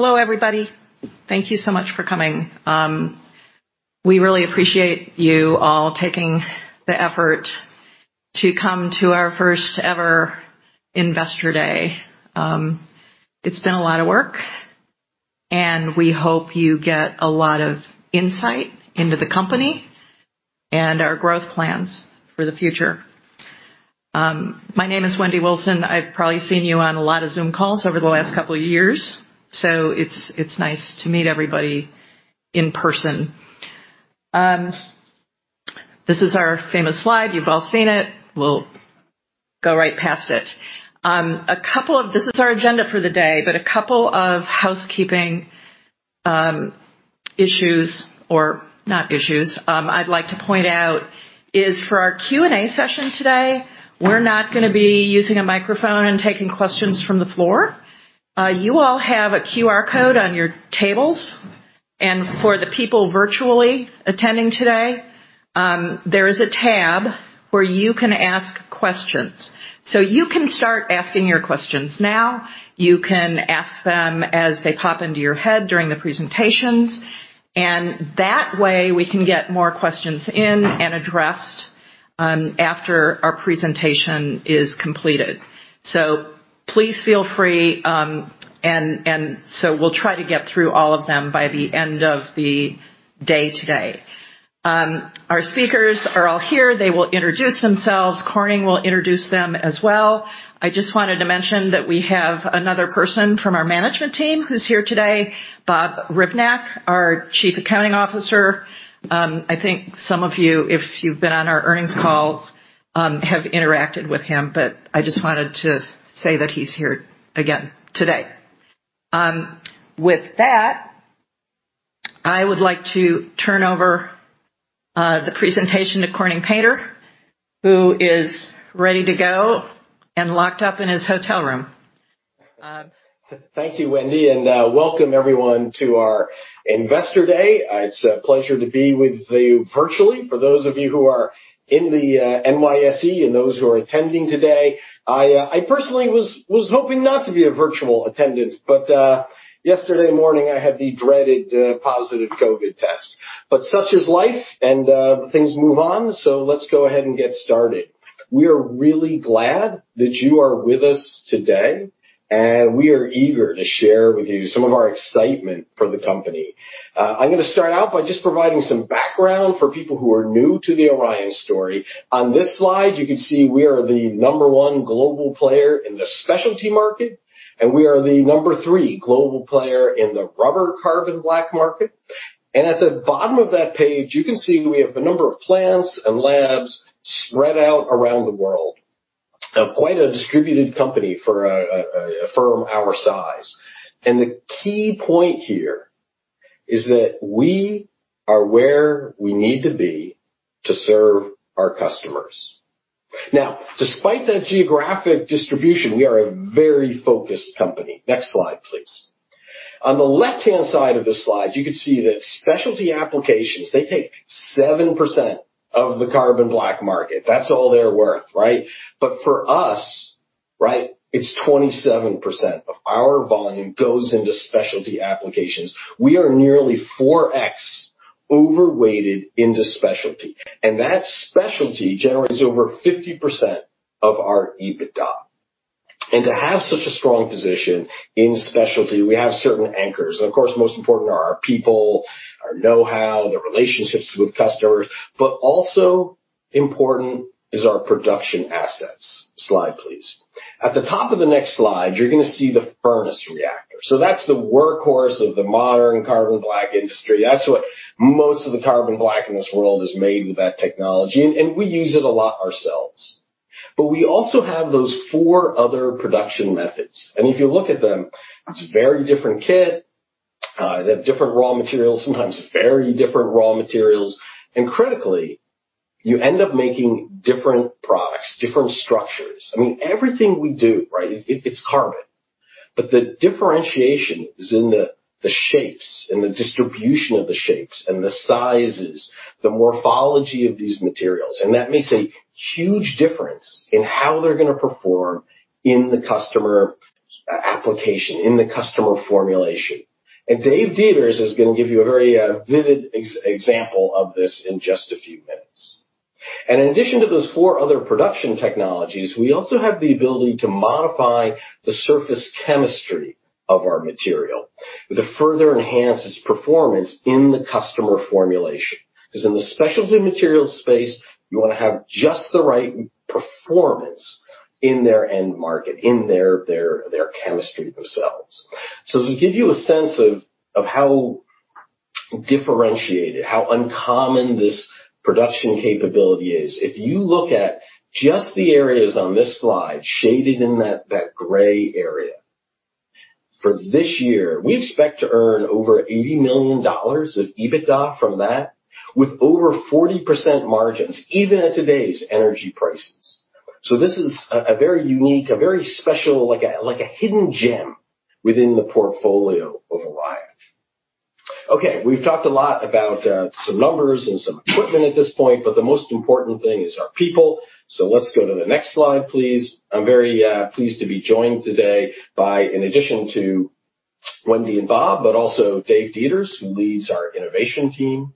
Hello, everybody. Thank you so much for coming. We really appreciate you all taking the effort to come to our first ever investor day. It's been a lot of work, and we hope you get a lot of insight into the company and our growth plans for the future. My name is Wendy Wilson. I've probably seen you on a lot of Zoom calls over the last couple of years, so it's nice to meet everybody in person. This is our famous slide. You've all seen it. We'll go right past it. This is our agenda for the day, but a couple of housekeeping issues or not issues I'd like to point out is for our Q&A session today, we're not gonna be using a microphone and taking questions from the floor. You all have a QR code on your tables. For the people virtually attending today, there is a tab where you can ask questions. You can start asking your questions now. You can ask them as they pop into your head during the presentations. That way we can get more questions in and addressed after our presentation is completed. Please feel free, and we'll try to get through all of them by the end of the day today. Our speakers are all here. They will introduce themselves. Corning will introduce them as well. I just wanted to mention that we have another person from our management team who's here today, Bob Hrivnak, our Chief Accounting Officer. I think some of you, if you've been on our earnings calls, have interacted with him, but I just wanted to say that he's here again today. With that, I would like to turn over the presentation to Corning Painter, who is ready to go and locked up in his hotel room. Thank you, Wendy, and welcome everyone to our Investor Day. It's a pleasure to be with you virtually. For those of you who are in the NYSE and those who are attending today. I personally was hoping not to be a virtual attendant, but yesterday morning I had the dreaded positive COVID test. Such is life and things move on. Let's go ahead and get started. We are really glad that you are with us today, and we are eager to share with you some of our excitement for the company. I'm gonna start out by just providing some background for people who are new to the Orion story. On this slide, you can see we are the number one global player in the specialty market, and we are the number three global player in the rubber carbon black market. At the bottom of that page, you can see we have a number of plants and labs spread out around the world. Now, quite a distributed company for a firm our size. The key point here is that we are where we need to be to serve our customers. Now, despite that geographic distribution, we are a very focused company. Next slide, please. On the left-hand side of the slide, you can see that specialty applications, they take 7% of the carbon black market. That's all they're worth, right? For us, right, it's 27% of our volume goes into specialty applications. We are nearly 4.0x overweighted into specialty, and that specialty generates over 50% of our EBITDA. To have such a strong position in specialty, we have certain anchors. Of course, most important are our people, our know-how, the relationships with customers, but also important is our production assets. Slide, please. At the top of the next slide, you're gonna see the furnace reactor. That's the workhorse of the modern carbon black industry. That's what most of the carbon black in this world is made with that technology, and we use it a lot ourselves. We also have those four other production methods. If you look at them, it's a very different kit. They have different raw materials, sometimes very different raw materials. Critically, you end up making different products, different structures. I mean, everything we do, right, it's carbon, but the differentiation is in the shapes and the distribution of the shapes and the sizes, the morphology of these materials. That makes a huge difference in how they're gonna perform in the customer application, in the customer formulation. Dave Deters is gonna give you a very vivid example of this in just a few minutes. In addition to those four other production technologies, we also have the ability to modify the surface chemistry of our material to further enhance its performance in the customer formulation. 'Cause in the specialty materials space, you wanna have just the right performance in their end market, in their chemistry themselves. To give you a sense of how differentiated, how uncommon this production capability is, if you look at just the areas on this slide shaded in that gray area. For this year, we expect to earn over $80 million of EBITDA from that with over 40% margins, even at today's energy prices. This is a very unique, very special, like a hidden gem within the portfolio of Orion. Okay, we've talked a lot about some numbers and some equipment at this point, but the most important thing is our people. Let's go to the next slide, please. I'm very pleased to be joined today by, in addition to Wendy and Bob, but also Dave Deters, who leads our innovation team.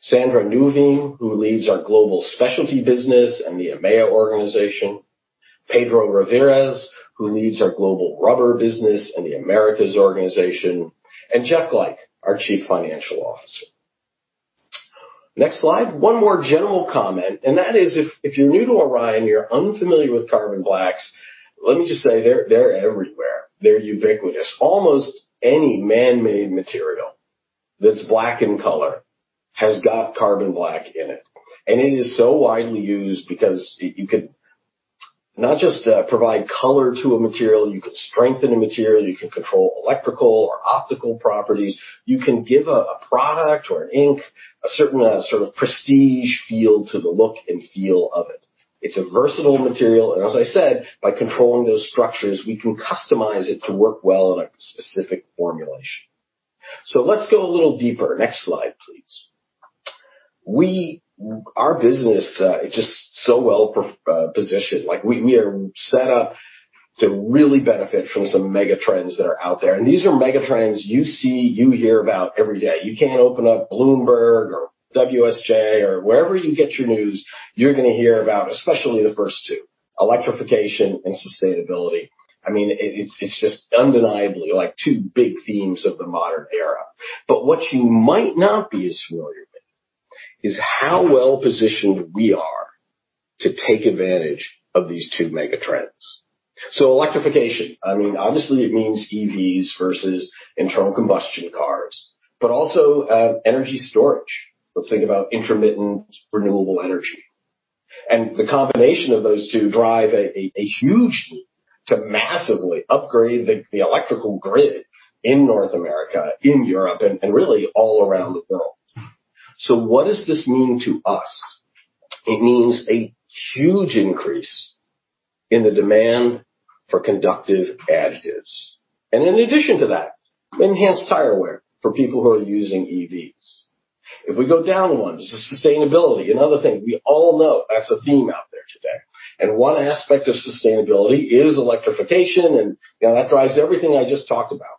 Sandra Niewiem, who leads our global specialty business and the EMEA organization. Pedro Riveros, who leads our global rubber business and the Americas organization, and Jeff Glajch, our Chief Financial Officer. Next slide. One more general comment, and that is if you're new to Orion, you're unfamiliar with carbon blacks, let me just say they're everywhere. They're ubiquitous. Almost any man-made material that's black in color has got carbon black in it. It is so widely used because you could not just provide color to a material, you could strengthen a material, you can control electrical or optical properties. You can give a product or an ink a certain sort of prestige feel to the look and feel of it. It's a versatile material, and as I said, by controlling those structures, we can customize it to work well in a specific formulation. Let's go a little deeper. Next slide, please. Our business is just so well positioned. Like we are set up to really benefit from some mega trends that are out there. These are mega trends you see, you hear about every day. You can't open up Bloomberg or WSJ or wherever you get your news, you're gonna hear about, especially the first two, electrification and sustainability. I mean, it's just undeniably like two big themes of the modern era. What you might not be as familiar with is how well-positioned we are to take advantage of these two mega trends. Electrification, I mean, obviously it means EVs versus internal combustion cars, but also, energy storage. Let's think about intermittent renewable energy. The combination of those two drives a huge need to massively upgrade the electrical grid in North America, in Europe and really all around the world. What does this mean to us? It means a huge increase in the demand for conductive additives. In addition to that, enhanced tire wear for people who are using EVs. If we go down one, this is sustainability. Another thing we all know that's a theme out there today. One aspect of sustainability is electrification, and that drives everything I just talked about.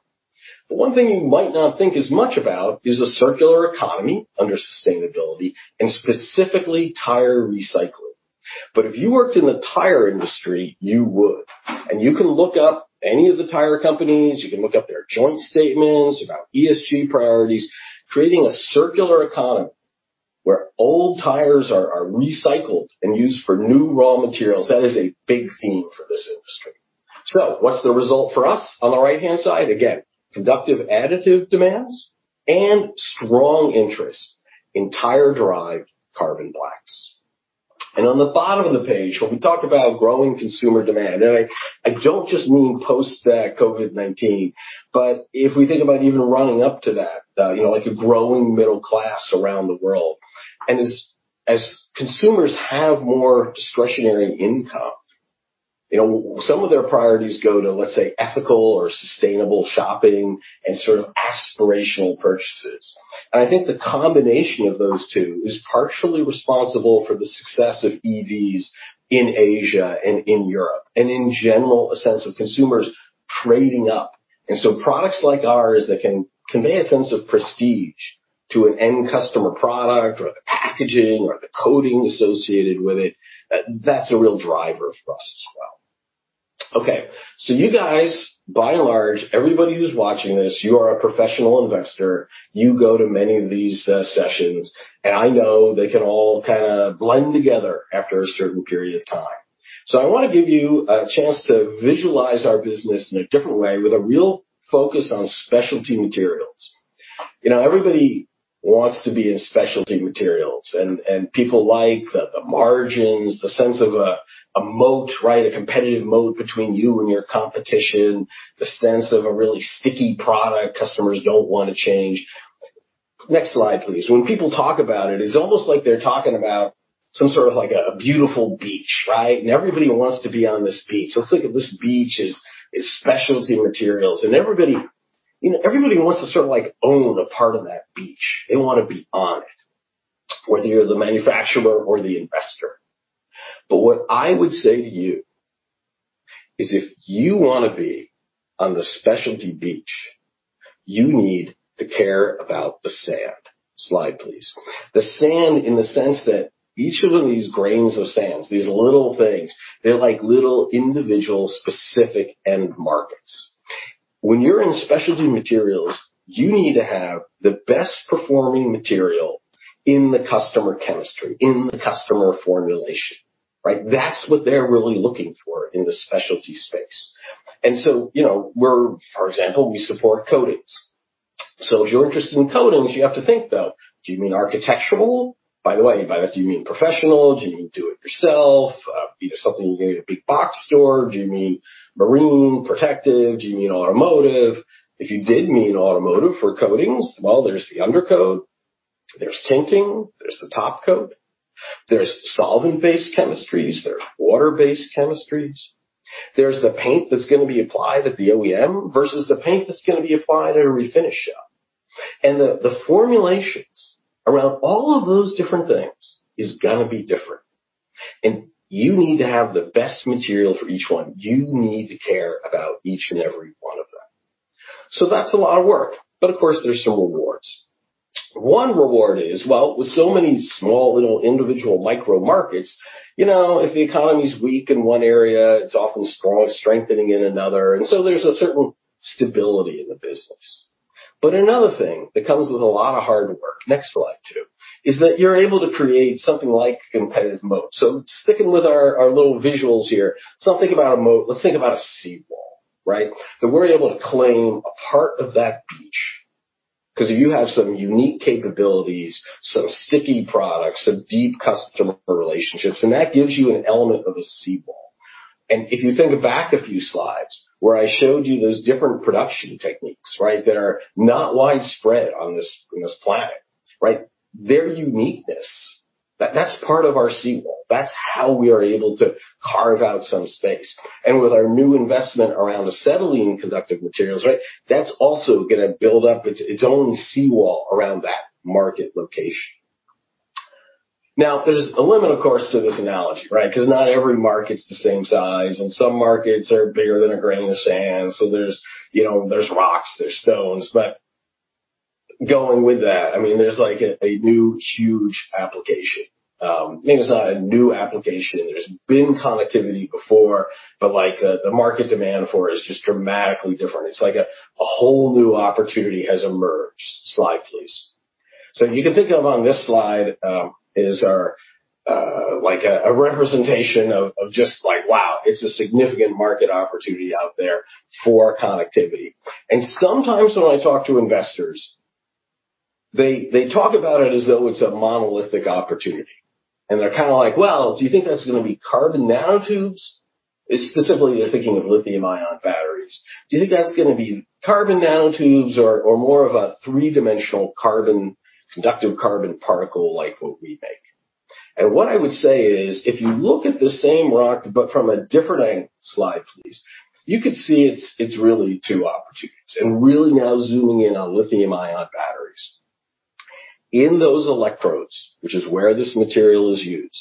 One thing you might not think as much about is a circular economy under sustainability and specifically tire recycling. If you worked in the tire industry, you would. You can look up any of the tire companies. You can look up their joint statements about ESG priorities, creating a circular economy where old tires are recycled and used for new raw materials. That is a big theme for this industry. What's the result for us? On the right-hand side, again, conductive additive demands and strong interest in tire-derived carbon blacks. On the bottom of the page, when we talk about growing consumer demand, and I don't just mean post-COVID-19, but if we think about even running up to that, you know, like a growing middle class around the world. As consumers have more discretionary income, you know, some of their priorities go to, let's say, ethical or sustainable shopping and sort of aspirational purchases. I think the combination of those two is partially responsible for the success of EVs in Asia and in Europe, and in general, a sense of consumers trading up. Products like ours that can convey a sense of prestige to an end customer product or the packaging or the coating associated with it, that's a real driver for us as well. Okay, you guys, by and large, everybody who's watching this, you are a professional investor. You go to many of these sessions, and I know they can all kinda blend together after a certain period of time. I wanna give you a chance to visualize our business in a different way with a real focus on specialty materials. You know, everybody wants to be in specialty materials, and people like the margins, the sense of a moat, right? A competitive moat between you and your competition, the sense of a really sticky product customers don't wanna change. Next slide, please. When people talk about it's almost like they're talking about some sort of like a beautiful beach, right? Everybody wants to be on this beach. Let's think of this beach as specialty materials. Everybody, you know, everybody wants to sort of like own a part of that beach. They wanna be on it, whether you're the manufacturer or the investor. What I would say to you is if you wanna be on the specialty beach, you need to care about the sand. Slide, please. The sand in the sense that each one of these grains of sands, these little things, they're like little individual specific end markets. When you're in specialty materials, you need to have the best performing material in the customer chemistry, in the customer formulation, right? That's what they're really looking for in the specialty space. You know, we're, for example, we support coatings. If you're interested in coatings, you have to think, though, do you mean architectural? By the way, by that do you mean professional? Do you mean do it yourself? You know something you get at a big box store? Do you mean marine protective? Do you mean automotive? If you did mean automotive for coatings, well, there's the undercoat, there's tinting, there's the top coat. There's solvent-based chemistries, there's water-based chemistries. There's the paint that's gonna be applied at the OEM versus the paint that's gonna be applied at a refinish shop. The formulations around all of those different things is gonna be different. You need to have the best material for each one. You need to care about each and every one of them. That's a lot of work, but of course, there's some rewards. One reward is, well, with so many small, little individual micro-markets, you know, if the economy is weak in one area, it's often strong strengthening in another. There's a certain stability in the business. Another thing that comes with a lot of hard work, next slide, too, is that you're able to create something like competitive moat. Sticking with our little visuals here. Think about a moat. Let's think about a seawall, right? That we're able to claim a part of that beach 'cause you have some unique capabilities, some sticky products, some deep customer relationships, and that gives you an element of a seawall. If you think back a few slides where I showed you those different production techniques, right? That are not widespread on this planet, right? Their uniqueness. That's part of our seawall. That's how we are able to carve out some space. With our new investment around acetylene conductive materials, right? That's also gonna build up its own seawall around that market location. Now, there's a limit, of course, to this analogy, right? 'Cause not every market's the same size, and some markets are bigger than a grain of sand. There's, you know, there's rocks, there's stones. Going with that, I mean, there's like a new, huge application. Maybe it's not a new application. There's been connectivity before, but like the market demand for it is just dramatically different. It's like a whole new opportunity has emerged. Slide, please. You can think of, on this slide, is our like a representation of just like, wow, it's a significant market opportunity out there for connectivity. Sometimes when I talk to investors, they talk about it as though it's a monolithic opportunity. They're kinda like, "Well, do you think that's gonna be carbon nanotubes?" It's specifically they're thinking of lithium-ion batteries. Do you think that's gonna be carbon nanotubes or more of a three-dimensional carbon conductive carbon particle like what we make? What I would say is, if you look at the same rock, but from a different. Slide, please. You could see it's really two opportunities. Really now zooming in on lithium-ion batteries. In those electrodes, which is where this material is used,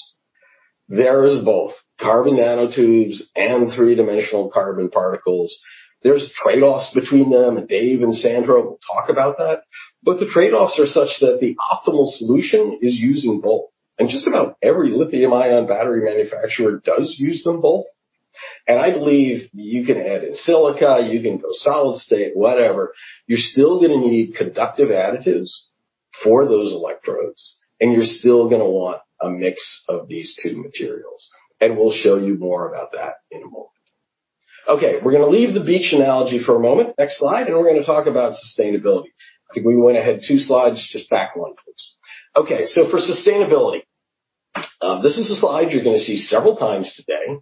there is both carbon nanotubes and three-dimensional carbon particles. There's trade-offs between them, and Dave and Sandra will talk about that, but the trade-offs are such that the optimal solution is using both. Just about every lithium-ion battery manufacturer does use them both. I believe you can add in silica, you can go solid state, whatever. You're still gonna need conductive additives for those electrodes, and you're still gonna want a mix of these two materials. We'll show you more about that in a moment. Okay, we're gonna leave the beach analogy for a moment. Next slide, and we're gonna talk about sustainability. I think we went ahead two slides. Just back one, please. Okay. For sustainability, this is a slide you're gonna see several times today,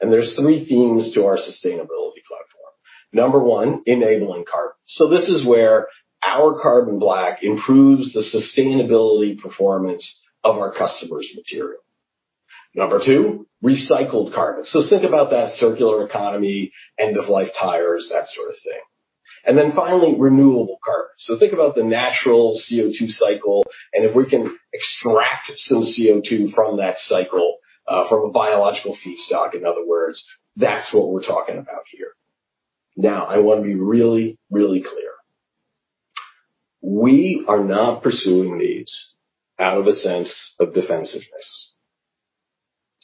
and there's three themes to our sustainability platform. Number one, enabling carbon. This is where our carbon black improves the sustainability performance of our customer's material. Number two, recycled carbon. Think about that circular economy, end-of-life tires, that sort of thing. Finally, renewable carbon. Think about the natural CO2 cycle, and if we can extract some CO2 from that cycle, from a biological feedstock, in other words, that's what we're talking about here. Now, I wanna be really, really clear. We are not pursuing these out of a sense of defensiveness.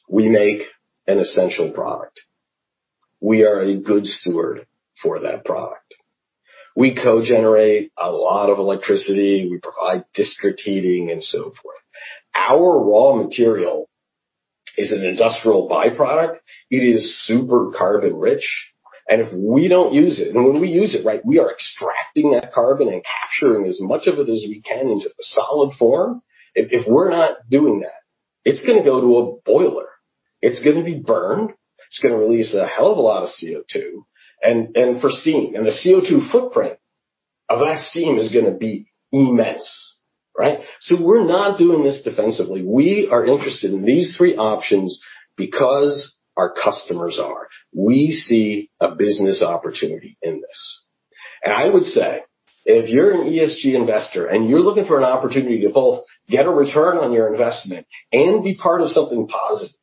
We make an essential product. We are a good steward for that product. We co-generate a lot of electricity, we provide district heating and so forth. Our raw material is an industrial byproduct. It is super carbon rich, and if we don't use it. When we use it, right? We are extracting that carbon and capturing as much of it as we can into a solid form. If we're not doing that, it's gonna go to a boiler. It's gonna be burned, it's gonna release a hell of a lot of CO2 and for steam, and the CO2 footprint of that steam is gonna be immense, right? We're not doing this defensively. We are interested in these three options because our customers are. We see a business opportunity in this. I would say, if you're an ESG investor, and you're looking for an opportunity to both get a return on your investment and be part of something positive,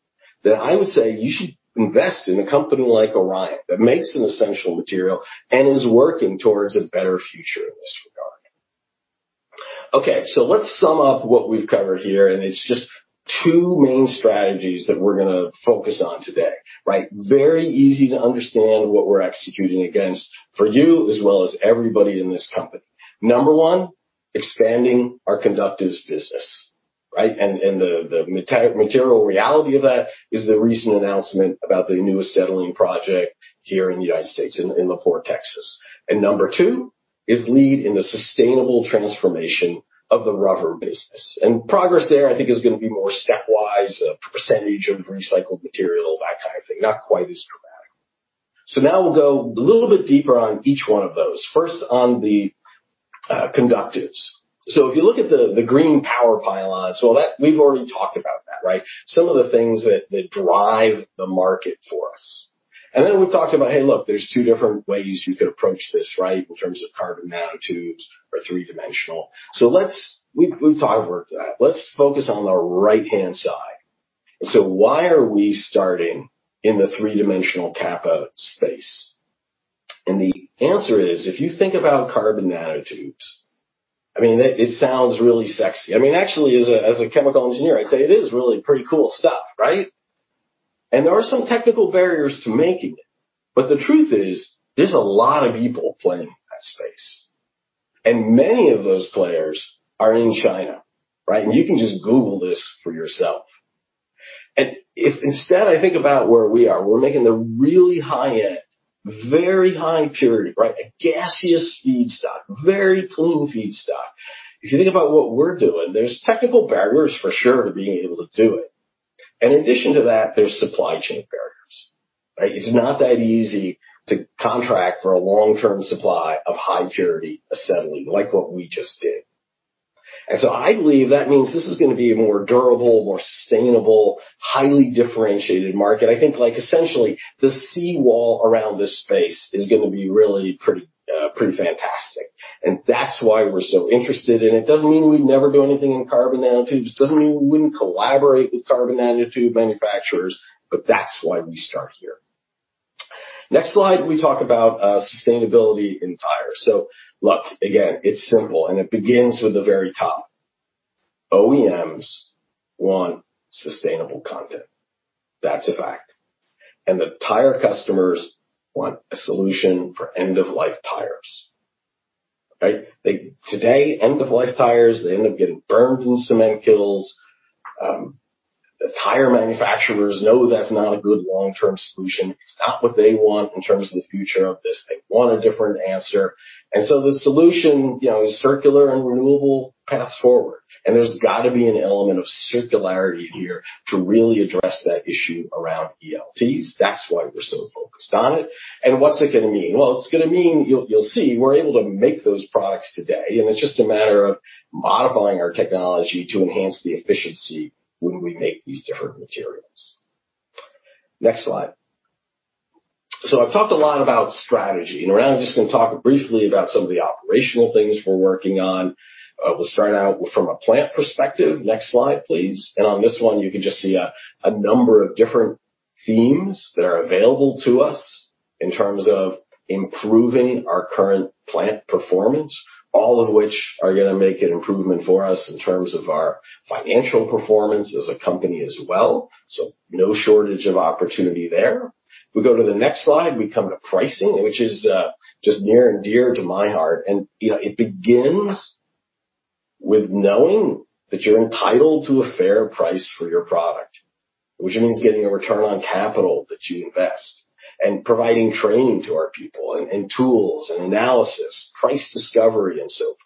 then I would say you should invest in a company like Orion that makes an essential material and is working towards a better future in this regard. Okay, let's sum up what we've covered here, and it's just two main strategies that we're gonna focus on today, right? Very easy to understand what we're executing against for you as well as everybody in this company. Number one, expanding our conductives business, right? The material reality of that is the recent announcement about the new acetylene project here in the United States in La Porte, Texas. Number two is leadership in the sustainable transformation of the rubber business. Progress there, I think, is gonna be more stepwise, a percentage of recycled material, that kind of thing. Not quite as dramatic. Now we'll go a little bit deeper on each one of those. First on the conductives. If you look at the green power play on that we've already talked about that, right? Some of the things that drive the market for us. Then we've talked about, hey, look, there's two different ways you could approach this, right? In terms of carbon nanotubes or three-dimensional. We've talked over that. Let's focus on the right-hand side. Why are we starting in the three-dimensional Kappa space? The answer is, if you think about carbon nanotubes, I mean, it sounds really sexy. I mean, actually, as a chemical engineer, I'd say it is really pretty cool stuff, right? There are some technical barriers to making it. The truth is, there's a lot of people playing in that space. Many of those players are in China, right? You can just Google this for yourself. If instead I think about where we are, we're making the really high-end, very high purity, right, a gaseous feedstock, very clean feedstock. If you think about what we're doing, there's technical barriers for sure to being able to do it. In addition to that, there's supply chain barriers, right? It's not that easy to contract for a long-term supply of high purity acetylene like what we just did. I believe that means this is gonna be a more durable, more sustainable, highly differentiated market. I think like essentially, the sea wall around this space is gonna be really pretty fantastic. That's why we're so interested in it. Doesn't mean we'd never do anything in carbon nanotubes. Doesn't mean we wouldn't collaborate with carbon nanotube manufacturers, but that's why we start here. Next slide, we talk about sustainability in tires. Look, again, it's simple, and it begins with the very top. OEMs want sustainable content. That's a fact. The tire customers want a solution for end-of-life tires, right? Today, end-of-life tires, they end up getting burned in cement kilns. The tire manufacturers know that's not a good long-term solution. It's not what they want in terms of the future of this. They want a different answer. The solution, you know, is circular and renewable paths forward. There's gotta be an element of circularity here to really address that issue around ELTs. That's why we're so focused on it. What's it gonna mean? Well, it's gonna mean you'll see we're able to make those products today, and it's just a matter of modifying our technology to enhance the efficiency when we make these different materials. Next slide. I've talked a lot about strategy, and now I'm just gonna talk briefly about some of the operational things we're working on. We'll start out from a plant perspective. Next slide, please. On this one, you can just see a number of different themes that are available to us in terms of improving our current plant performance, all of which are gonna make an improvement for us in terms of our financial performance as a company as well. No shortage of opportunity there. We go to the next slide, we come to pricing, which is just near and dear to my heart. You know, it begins with knowing that you're entitled to a fair price for your product, which means getting a return on capital that you invest and providing training to our people and tools and analysis, price discovery, and so forth.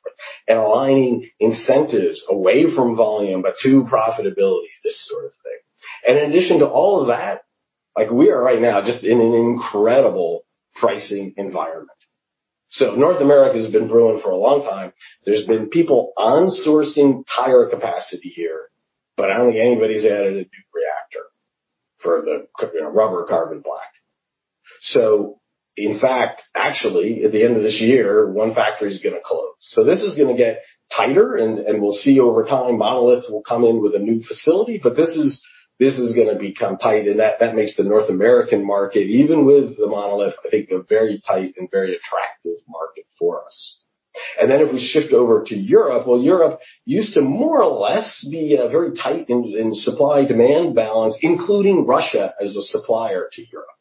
In addition to all of that, like we are right now just in an incredible pricing environment. North America's been brewing for a long time. There's been people onshoring tire capacity here, but I don't think anybody's added a new reactor for the rubber carbon black. In fact, actually, at the end of this year, one factory is gonna close. This is gonna get tighter, and we'll see over time, Monolith will come in with a new facility. This is gonna become tight, and that makes the North American market, even with the Monolith, I think a very tight and very attractive market for us. If we shift over to Europe, well, Europe used to more or less be very tight in supply-demand balance, including Russia as a supplier to Europe.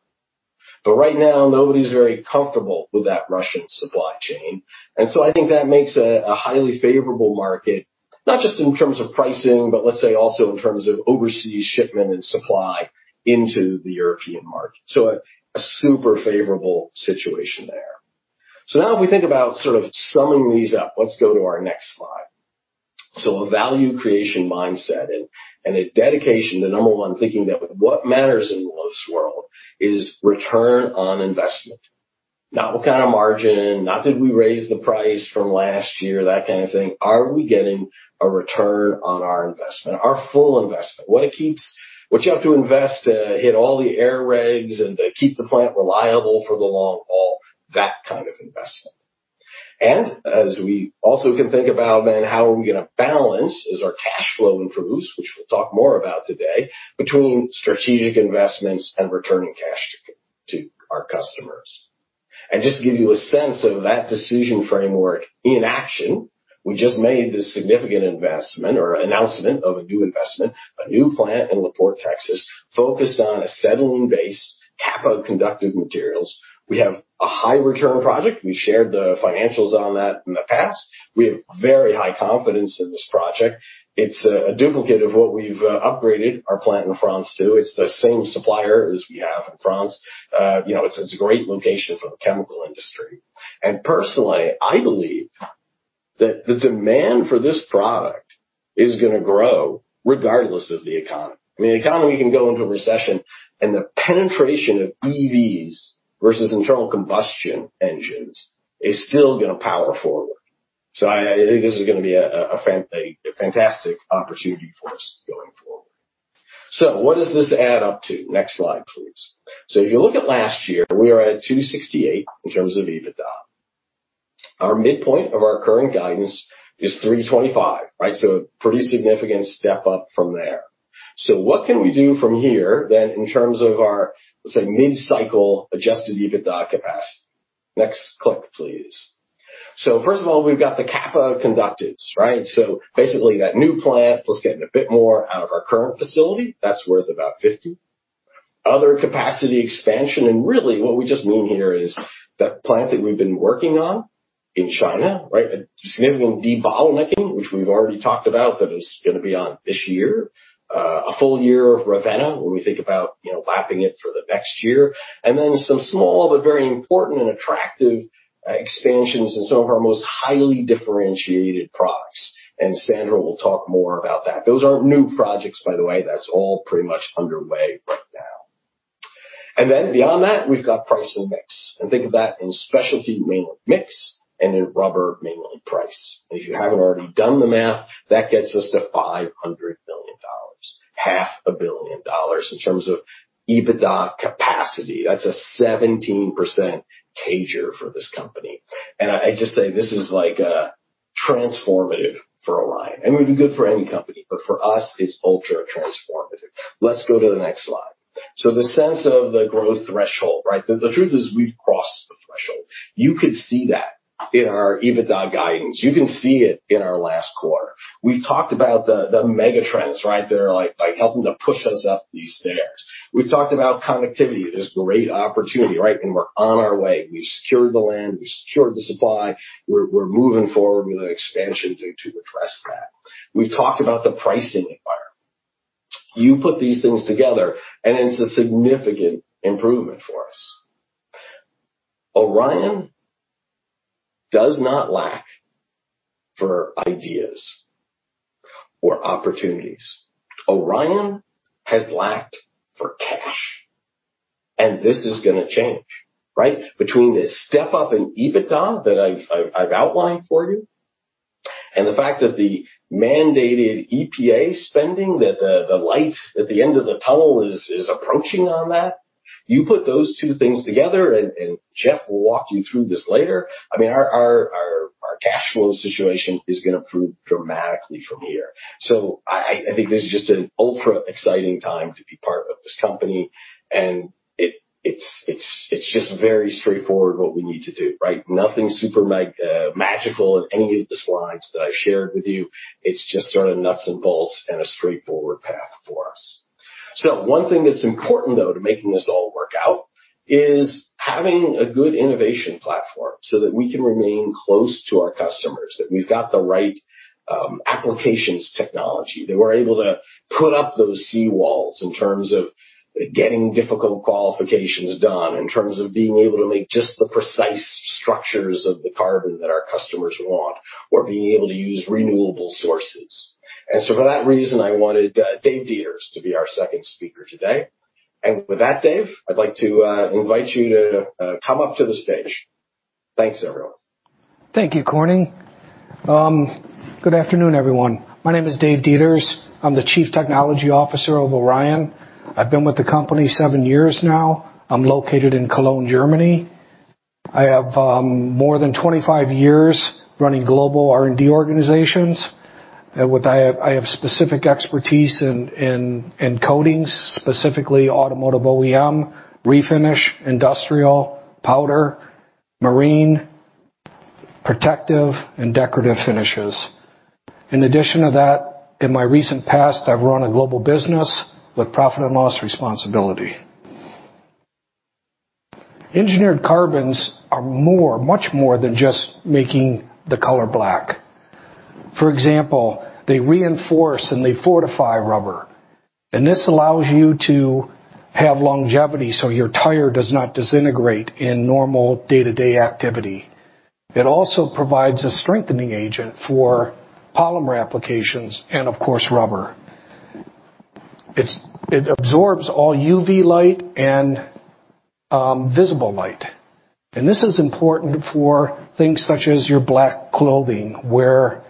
Right now, nobody's very comfortable with that Russian supply chain. I think that makes a highly favorable market, not just in terms of pricing, but let's say also in terms of overseas shipment and supply into the European market. A super favorable situation there. Now if we think about sort of summing these up, let's go to our next slide. A value creation mindset and a dedication to number one, thinking that what matters in this world is return on investment. Not what kind of margin, not did we raise the price from last year, that kind of thing. Are we getting a return on our investment, our full investment? What you have to invest to hit all the air regs and to keep the plant reliable for the long haul, that kind of investment. As we also can think about then how are we gonna balance as our cash flow improves, which we'll talk more about today, between strategic investments and returning cash to our customers. Just to give you a sense of that decision framework in action, we just made this significant investment or announcement of a new investment, a new plant in La Porte, Texas, focused on acetylene based Kappa conductive materials. We have a high return project. We shared the financials on that in the past. We have very high confidence in this project. It's a duplicate of what we've upgraded our plant in France to. It's the same supplier as we have in France. You know, it's a great location for the chemical industry. Personally, I believe that the demand for this product is gonna grow regardless of the economy. I mean, the economy can go into a recession, and the penetration of EVs versus internal combustion engines is still gonna power forward. I think this is gonna be a fantastic opportunity for us going forward. What does this add up to? Next slide, please. If you look at last year, we are at $268 million in terms of EBITDA. Our midpoint of our current guidance is $325 million, right? Pretty significant step up from there. What can we do from here then in terms of our, let's say, mid-cycle Adjusted EBITDA capacity? Next click, please. First of all, we've got the Kappa conductives, right? Basically that new plant, plus getting a bit more out of our current facility, that's worth about $50 million. Other capacity expansion, really what we just mean here is that plant that we've been working on in China, right? A significant debottlenecking, which we've already talked about, that is gonna be on this year. A full year of Ravenna, where we think about, you know, lapping it for the next year. Some small but very important and attractive expansions in some of our most highly differentiated products. Sandra will talk more about that. Those aren't new projects, by the way. That's all pretty much underway right now. Beyond that, we've got price and mix. Think of that in specialty mainland mix and in rubber mainland price. If you haven't already done the math, that gets us to $500 million, $500 million in terms of EBITDA capacity. That's a 17% CAGR for this company. I just think this is like transformative for Orion. I mean, it'd be good for any company, but for us, it's ultra transformative. Let's go to the next slide. The sense of the growth threshold, right? The truth is we've crossed the threshold. You could see that in our EBITDA guidance. You can see it in our last quarter. We've talked about the mega trends, right? They're like helping to push us up these stairs. We've talked about connectivity, this great opportunity, right? We're on our way. We've secured the land. We've secured the supply. We're moving forward with an expansion to address that. We've talked about the pricing environment. You put these things together, and it's a significant improvement for us. Orion does not lack for ideas or opportunities. Orion has lacked for cash, and this is gonna change, right? Between the step up in EBITDA that I've outlined for you and the fact that the mandated EPA spending, that the light at the end of the tunnel is approaching on that. You put those two things together and Jeff will walk you through this later. I mean, our cash flow situation is gonna improve dramatically from here. I think this is just an ultra-exciting time to be part of this company, and it's just very straightforward what we need to do, right? Nothing super magical in any of the slides that I've shared with you. It's just sort of nuts and bolts and a straightforward path for us. One thing that's important though to making this all work out is having a good innovation platform so that we can remain close to our customers, that we've got the right applications technology. That we're able to put up those sea walls in terms of getting difficult qualifications done, in terms of being able to make just the precise structures of the carbon that our customers want or being able to use renewable sources. For that reason, I wanted Dave Deters to be our second speaker today. With that, Dave, I'd like to invite you to come up to the stage. Thanks, everyone. Thank you, Corning. Good afternoon, everyone. My name is Dave Deters. I'm the Chief Technology Officer of Orion. I've been with the company seven years now. I'm located in Cologne, Germany. I have more than 25 years running global R&D organizations. I have specific expertise in coatings, specifically automotive OEM, refinish, industrial, powder, marine, protective, and decorative finishes. In addition to that, in my recent past, I've run a global business with profit and loss responsibility. Engineered carbons are more, much more than just making the color black. For example, they reinforce and they fortify rubber, and this allows you to have longevity, so your tire does not disintegrate in normal day-to-day activity. It also provides a strengthening agent for polymer applications and of course, rubber. It absorbs all UV light and visible light. This is important for things such as your black clothing where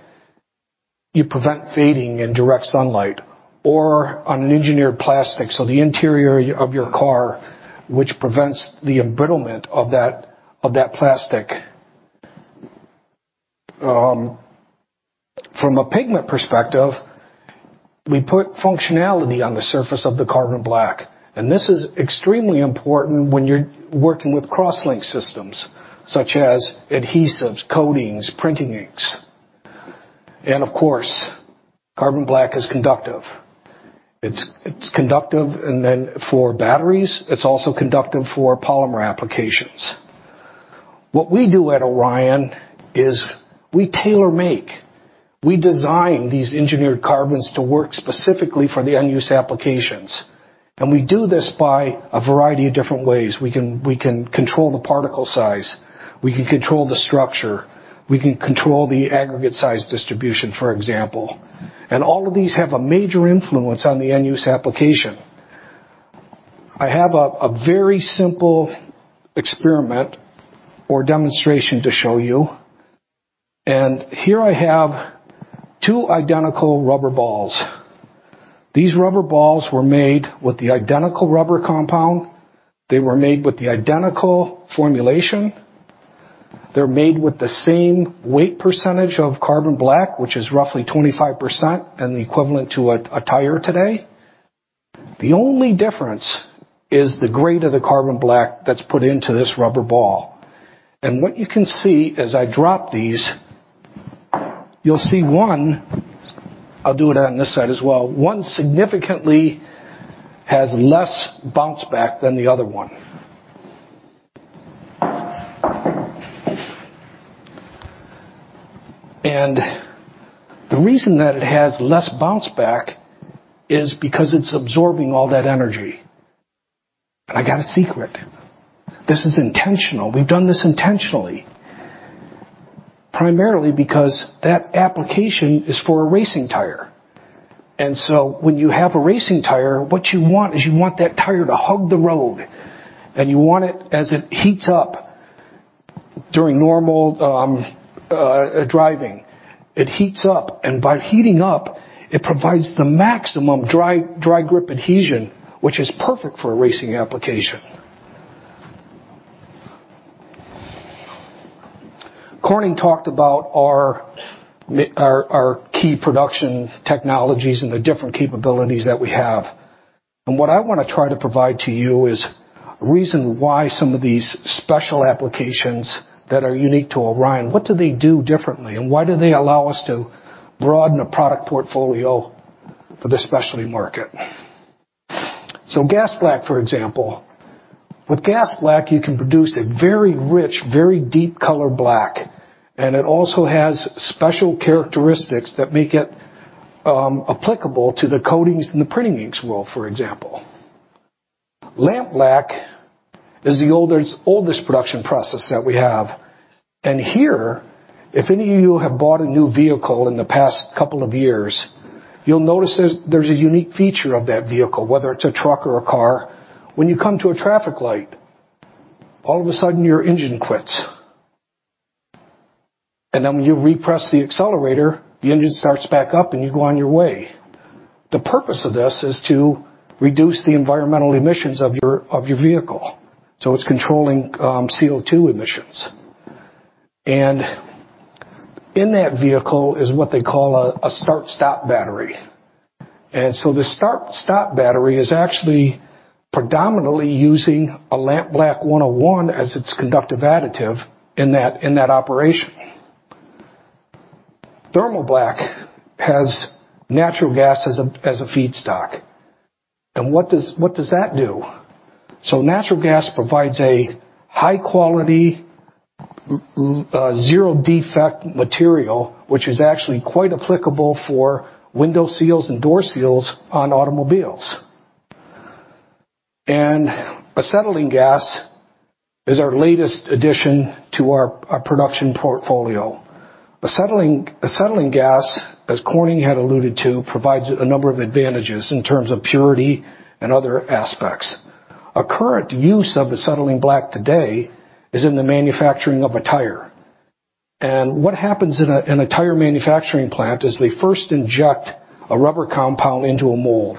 you prevent fading in direct sunlight or on an engineered plastic, so the interior of your car, which prevents the embrittlement of that plastic. From a pigment perspective, we put functionality on the surface of the carbon black, and this is extremely important when you're working with crosslink systems such as adhesives, coatings, printing inks. Of course, carbon black is conductive. It's conductive and then for batteries, it's also conductive for polymer applications. What we do at Orion is we tailor make. We design these engineered carbons to work specifically for the end use applications, and we do this by a variety of different ways. We can control the particle size, we can control the structure, we can control the aggregate size distribution, for example. All of these have a major influence on the end use application. I have a very simple experiment or demonstration to show you. Here I have two identical rubber balls. These rubber balls were made with the identical rubber compound. They were made with the identical formulation. They're made with the same weight percentage of carbon black, which is roughly 25% and the equivalent to a tire today. The only difference is the grade of the carbon black that's put into this rubber ball. What you can see as I drop these, you'll see one. I'll do it on this side as well. One significantly has less bounce back than the other one. The reason that it has less bounce back is because it's absorbing all that energy. I got a secret. This is intentional. We've done this intentionally, primarily because that application is for a racing tire. When you have a racing tire, what you want is you want that tire to hug the road, and you want it as it heats up during normal driving. It heats up, and by heating up, it provides the maximum dry grip adhesion, which is perfect for a racing application. Corning talked about our key production technologies and the different capabilities that we have. What I wanna try to provide to you is reason why some of these special applications that are unique to Orion, what do they do differently, and why do they allow us to broaden the product portfolio for the specialty market? Gas Black, for example. With Gas Black, you can produce a very rich, very deep color black, and it also has special characteristics that make it applicable to the coatings and the printing inks world, for example. Lamp Black is the oldest production process that we have. Here, if any of you have bought a new vehicle in the past couple of years, you'll notice there's a unique feature of that vehicle, whether it's a truck or a car. When you come to a traffic light, all of a sudden your engine quits. Then when you re-press the accelerator, the engine starts back up, and you go on your way. The purpose of this is to reduce the environmental emissions of your vehicle, so it's controlling CO2 emissions. In that vehicle is what they call a start-stop battery. The start-stop battery is actually predominantly using a Lamp Black 101 as its conductive additive in that operation. Thermal Black has natural gas as a feedstock. What does that do? Natural gas provides a high-quality, zero-defect material which is actually quite applicable for window seals and door seals on automobiles. Acetylene gas is our latest addition to our production portfolio. Acetylene gas, as Corning had alluded to, provides a number of advantages in terms of purity and other aspects. A current use of Acetylene Black today is in the manufacturing of a tire. What happens in a tire manufacturing plant is they first inject a rubber compound into a mold,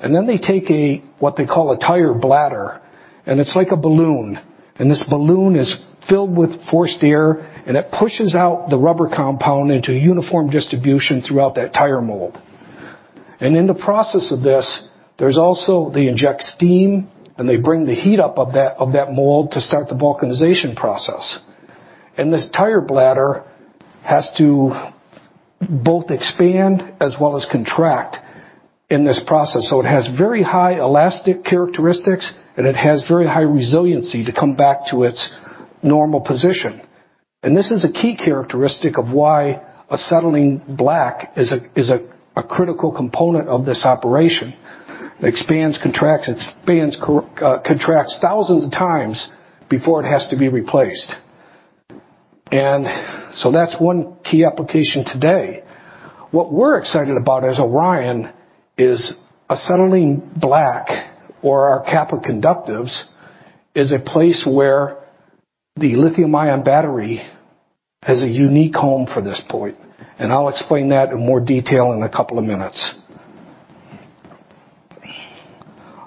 and then they take what they call a tire bladder, and it's like a balloon, and this balloon is filled with forced air, and it pushes out the rubber compound into a uniform distribution throughout that tire mold. In the process of this, there's also, they inject steam, and they bring the heat up of that mold to start the vulcanization process. This tire bladder has to both expand as well as contract in this process, so it has very high elastic characteristics, and it has very high resiliency to come back to its normal position. This is a key characteristic of why Acetylene Black is a critical component of this operation. It expands, contracts thousands of times before it has to be replaced. That's one key application today. What we're excited about as Orion is Acetylene Black or our Kappa conductives is a place where the lithium-ion battery has a unique home at this point, and I'll explain that in more detail in a couple of minutes.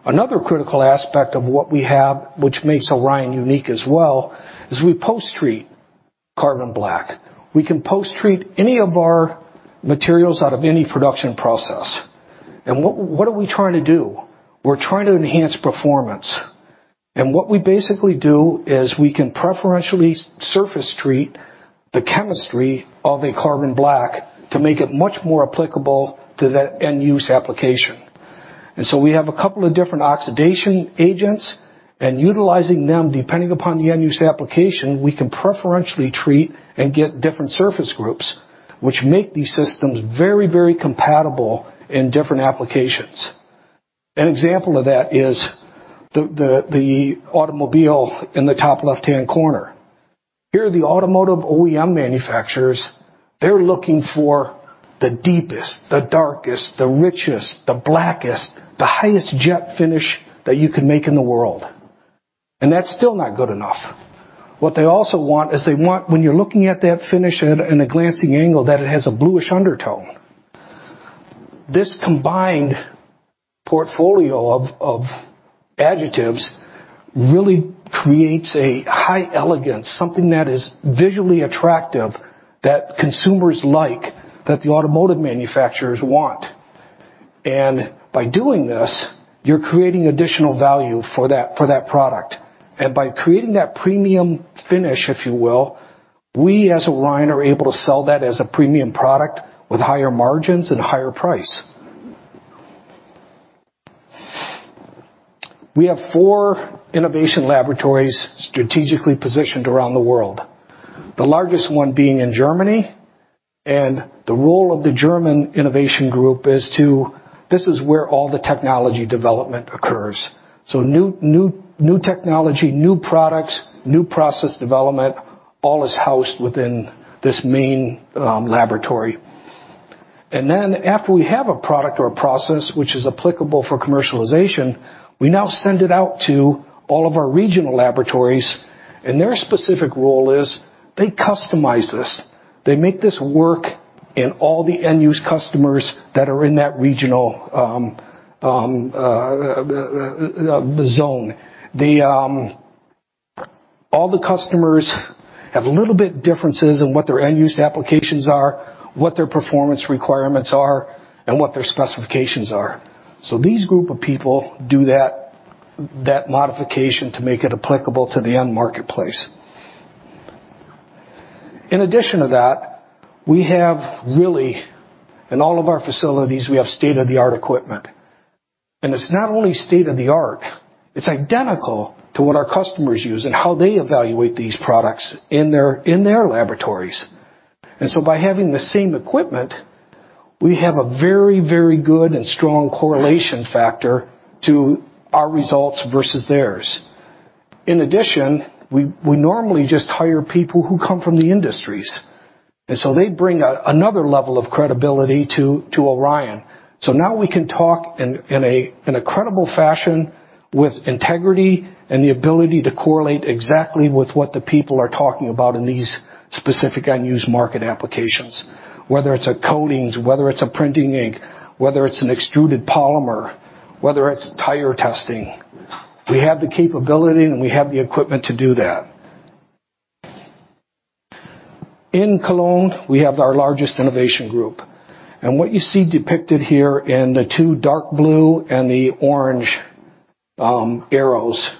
Another critical aspect of what we have which makes Orion unique as well is we post-treat carbon black. We can post-treat any of our materials out of any production process. What are we trying to do? We're trying to enhance performance. What we basically do is we can preferentially surface treat the chemistry of a carbon black to make it much more applicable to that end-use application. We have a couple of different oxidation agents, and utilizing them, depending upon the end use application, we can preferentially treat and get different surface groups, which make these systems very, very compatible in different applications. An example of that is the automobile in the top left-hand corner. Here are the automotive OEM manufacturers. They're looking for the deepest, the darkest, the richest, the blackest, the highest jet finish that you can make in the world. That's still not good enough. What they also want is they want, when you're looking at that finish at, in a glancing angle, that it has a bluish undertone. This combined portfolio of additives really creates a high elegance, something that is visually attractive, that consumers like, that the automotive manufacturers want. By doing this, you're creating additional value for that product. By creating that premium finish, if you will, we, as Orion, are able to sell that as a premium product with higher margins and higher price. We have four innovation laboratories strategically positioned around the world, the largest one being in Germany, and the role of the German innovation group is. This is where all the technology development occurs. New technology, new products, new process development, all is housed within this main laboratory. Then after we have a product or a process which is applicable for commercialization, we now send it out to all of our regional laboratories, and their specific role is they customize this. They make this work in all the end-use customers that are in that regional, the zone. All the customers have a little bit differences in what their end-use applications are, what their performance requirements are, and what their specifications are. These group of people do that modification to make it applicable to the end marketplace. In addition to that, we have really, in all of our facilities, we have state-of-the-art equipment. It's not only state-of-the-art, it's identical to what our customers use and how they evaluate these products in their laboratories. By having the same equipment, we have a very good and strong correlation factor to our results versus theirs. In addition, we normally just hire people who come from the industries, and so they bring another level of credibility to Orion. Now we can talk in a credible fashion with integrity and the ability to correlate exactly with what the people are talking about in these specific end-use market applications, whether it's a coatings, whether it's a printing ink, whether it's an extruded polymer, whether it's tire testing. We have the capability and we have the equipment to do that. In Cologne, we have our largest innovation group. What you see depicted here in the two dark blue and the orange arrows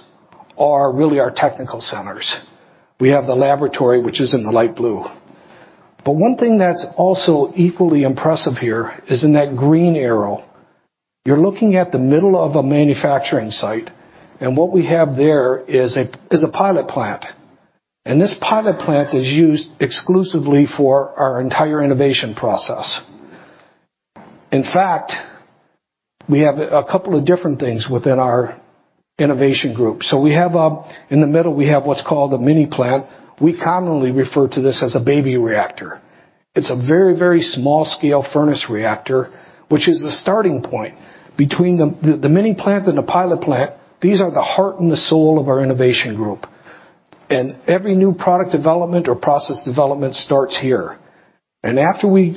are really our technical centers. We have the laboratory, which is in the light blue. One thing that's also equally impressive here is in that green arrow. You're looking at the middle of a manufacturing site, and what we have there is a pilot plant. This pilot plant is used exclusively for our entire innovation process. In fact, we have a couple of different things within our innovation group. In the middle, we have what's called a mini plant. We commonly refer to this as a baby reactor. It's a very, very small-scale furnace reactor, which is the starting point. Between the mini plant and the pilot plant, these are the heart and the soul of our innovation group. Every new product development or process development starts here. After we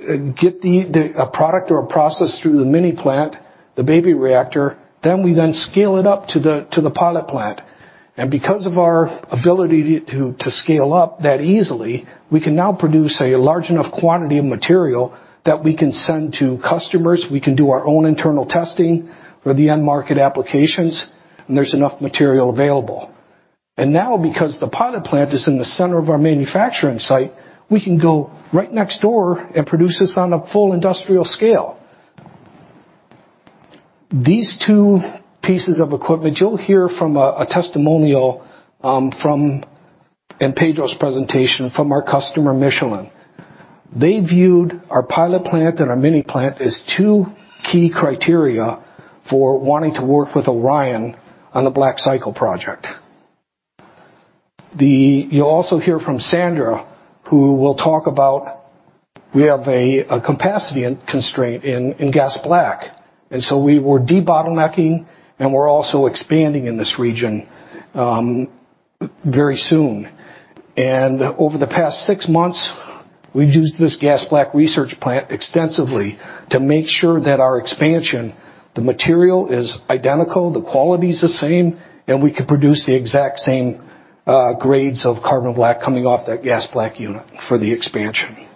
get a product or a process through the mini plant, the baby reactor, then we scale it up to the pilot plant. Because of our ability to scale up that easily, we can now produce a large enough quantity of material that we can send to customers. We can do our own internal testing for the end market applications, and there's enough material available. Now, because the pilot plant is in the center of our manufacturing site, we can go right next door and produce this on a full industrial scale. These two pieces of equipment, you'll hear from a testimonial in Pedro's presentation, from our customer, Michelin. They viewed our pilot plant and our mini plant as two key criteria for wanting to work with Orion on the BlackCycle project. You'll also hear from Sandra, who will talk about we have a capacity constraint in Gas Black. We were debottlenecking, and we're also expanding in this region very soon. Over the past six months, we've used this Gas Black research plant extensively to make sure that our expansion, the material is identical, the quality's the same, and we can produce the exact same grades of carbon black coming off that Gas Black unit for the expansion.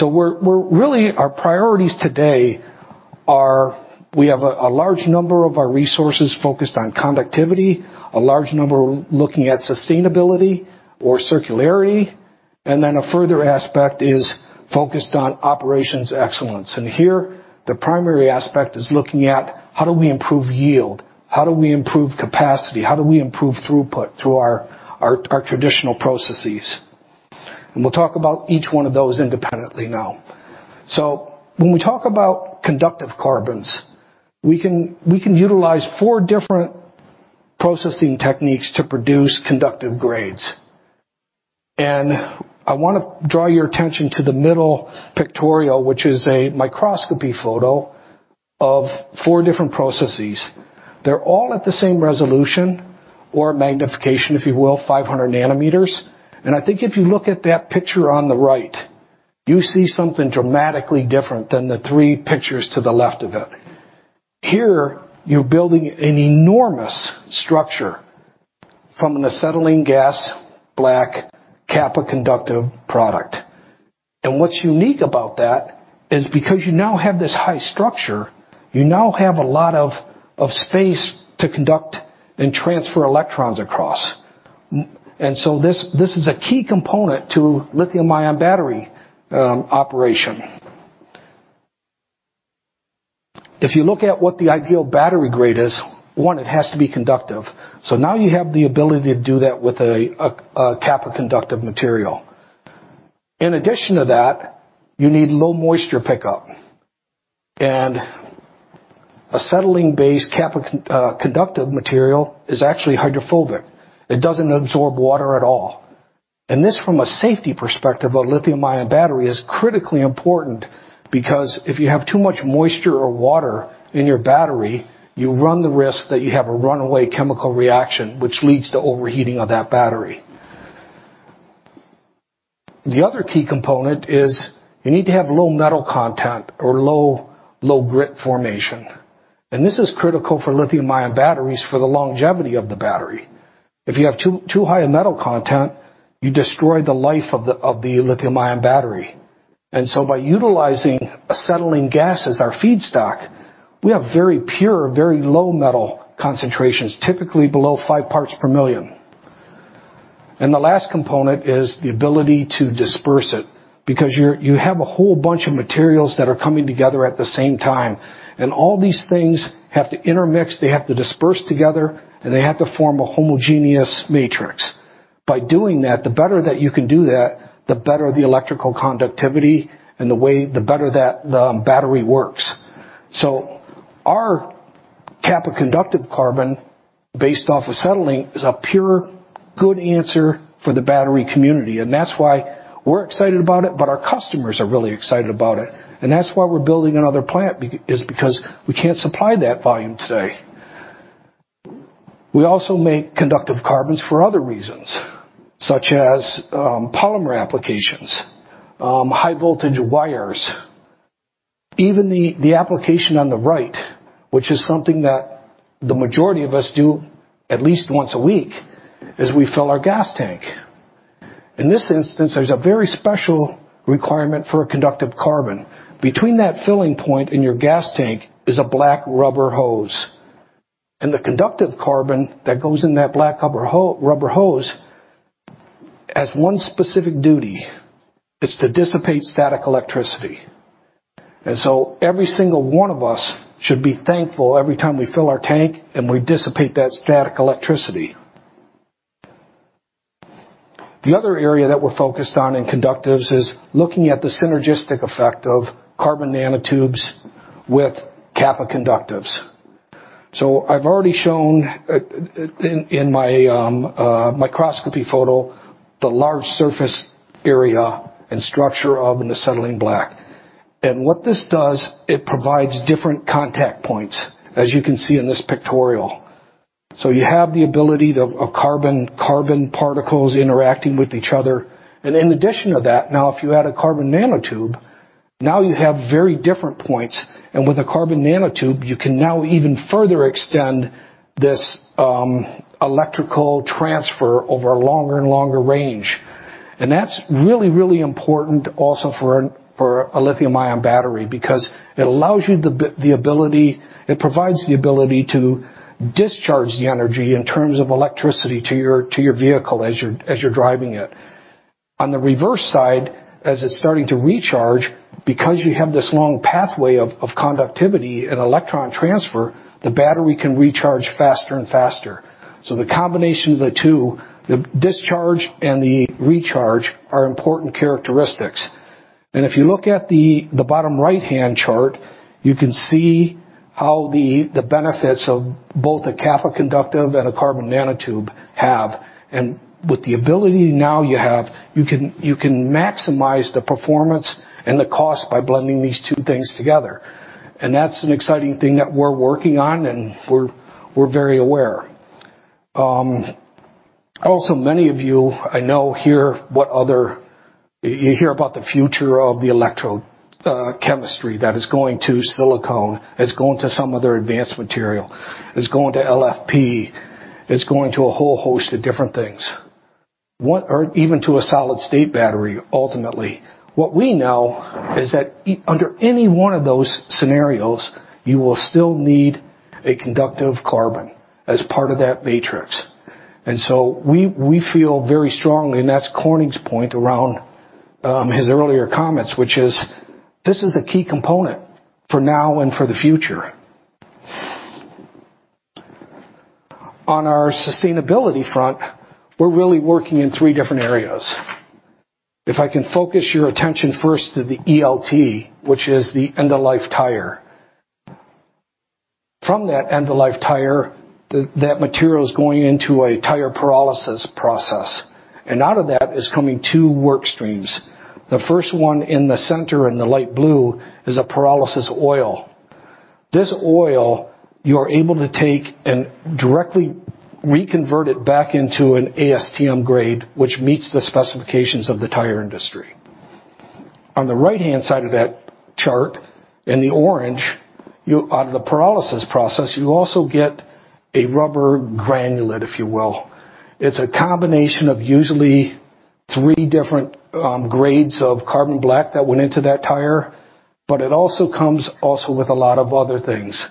Our priorities today are we have a large number of our resources focused on conductivity, a large number looking at sustainability or circularity, and then a further aspect is focused on operations excellence. Here, the primary aspect is looking at how do we improve yield? How do we improve capacity? How do we improve throughput through our traditional processes? We'll talk about each one of those independently now. When we talk about conductive carbons, we can utilize four different processing techniques to produce conductive grades. I wanna draw your attention to the middle pictorial, which is a microscopy photo of four different processes. They're all at the same resolution or magnification, if you will, 500 nm. I think if you look at that picture on the right, you see something dramatically different than the three pictures to the left of it. Here, you're building an enormous structure from an Acetylene Black Kappa conductive product. What's unique about that is because you now have this high structure, you now have a lot of space to conduct and transfer electrons across. This is a key component to lithium-ion battery operation. If you look at what the ideal battery grade is, one, it has to be conductive. So now you have the ability to do that with a Kappa conductive material. In addition to that, you need low moisture pickup. Acetylene-based Kappa conductive material is actually hydrophobic. It doesn't absorb water at all. This, from a safety perspective of lithium-ion battery, is critically important because if you have too much moisture or water in your battery, you run the risk that you have a runaway chemical reaction which leads to overheating of that battery. The other key component is you need to have low metal content or low grit formation. This is critical for lithium-ion batteries for the longevity of the battery. If you have too high a metal content, you destroy the life of the lithium-ion battery. By utilizing acetylene gas as our feedstock, we have very pure, very low metal concentrations, typically below five parts per million. The last component is the ability to disperse it, because you have a whole bunch of materials that are coming together at the same time, and all these things have to intermix, they have to disperse together, and they have to form a homogeneous matrix. By doing that, the better that you can do that, the better the electrical conductivity and the way the better that the battery works. Our Kappa conductive carbon based off acetylene is a very good answer for the battery community. That's why we're excited about it, but our customers are really excited about it. That's why we're building another plant is because we can't supply that volume today. We also make conductive carbons for other reasons, such as, polymer applications, high voltage wires, even the application on the right, which is something that the majority of us do at least once a week is we fill our gas tank. In this instance, there's a very special requirement for a conductive carbon. Between that filling point in your gas tank is a black rubber hose. The conductive carbon that goes in that black rubber hose has one specific duty is to dissipate static electricity. Every single one of us should be thankful every time we fill our tank and we dissipate that static electricity. The other area that we're focused on in conductives is looking at the synergistic effect of carbon nanotubes with Kappa conductives. I've already shown in my microscopy photo the large surface area and structure of an acetylene black. What this does, it provides different contact points, as you can see in this pictorial. You have the ability of carbon particles interacting with each other. In addition to that, now if you add a carbon nanotube, now you have very different points. With a carbon nanotube, you can now even further extend this electrical transfer over a longer and longer range. That's really, really important also for a lithium-ion battery because it allows you the ability to discharge the energy in terms of electricity to your vehicle as you're driving it. On the reverse side, as it's starting to recharge, because you have this long pathway of conductivity and electron transfer, the battery can recharge faster and faster. The combination of the two, the discharge and the recharge, are important characteristics. If you look at the bottom right-hand chart, you can see how the benefits of both a Kappa conductive and a carbon nanotube have. With the ability now you have, you can maximize the performance and the cost by blending these two things together. That's an exciting thing that we're working on, and we're very aware. Also many of you I know hear about the future of the electrochemistry that is going to silicon, is going to some other advanced material. Is going to LFP. It's going to a whole host of different things, or even to a solid-state battery, ultimately. What we know is that under any one of those scenarios, you will still need a conductive carbon as part of that matrix. And so we feel very strongly, and that's Corning's point around, his earlier comments, which is, this is a key component for now and for the future. On our sustainability front, we're really working in three different areas. If I can focus your attention first to the ELT, which is the end-of-life tire. From that end-of-life tire, that material is going into a tire pyrolysis process. Out of that is coming two work streams. The first one in the center in the light blue is a pyrolysis oil. This oil, you're able to take and directly reconvert it back into an ASTM grade, which meets the specifications of the tire industry. On the right-hand side of that chart, in the orange, out of the pyrolysis process, you also get a rubber granulate, if you will. It's a combination of usually three different grades of carbon black that went into that tire, but it also comes with a lot of other things.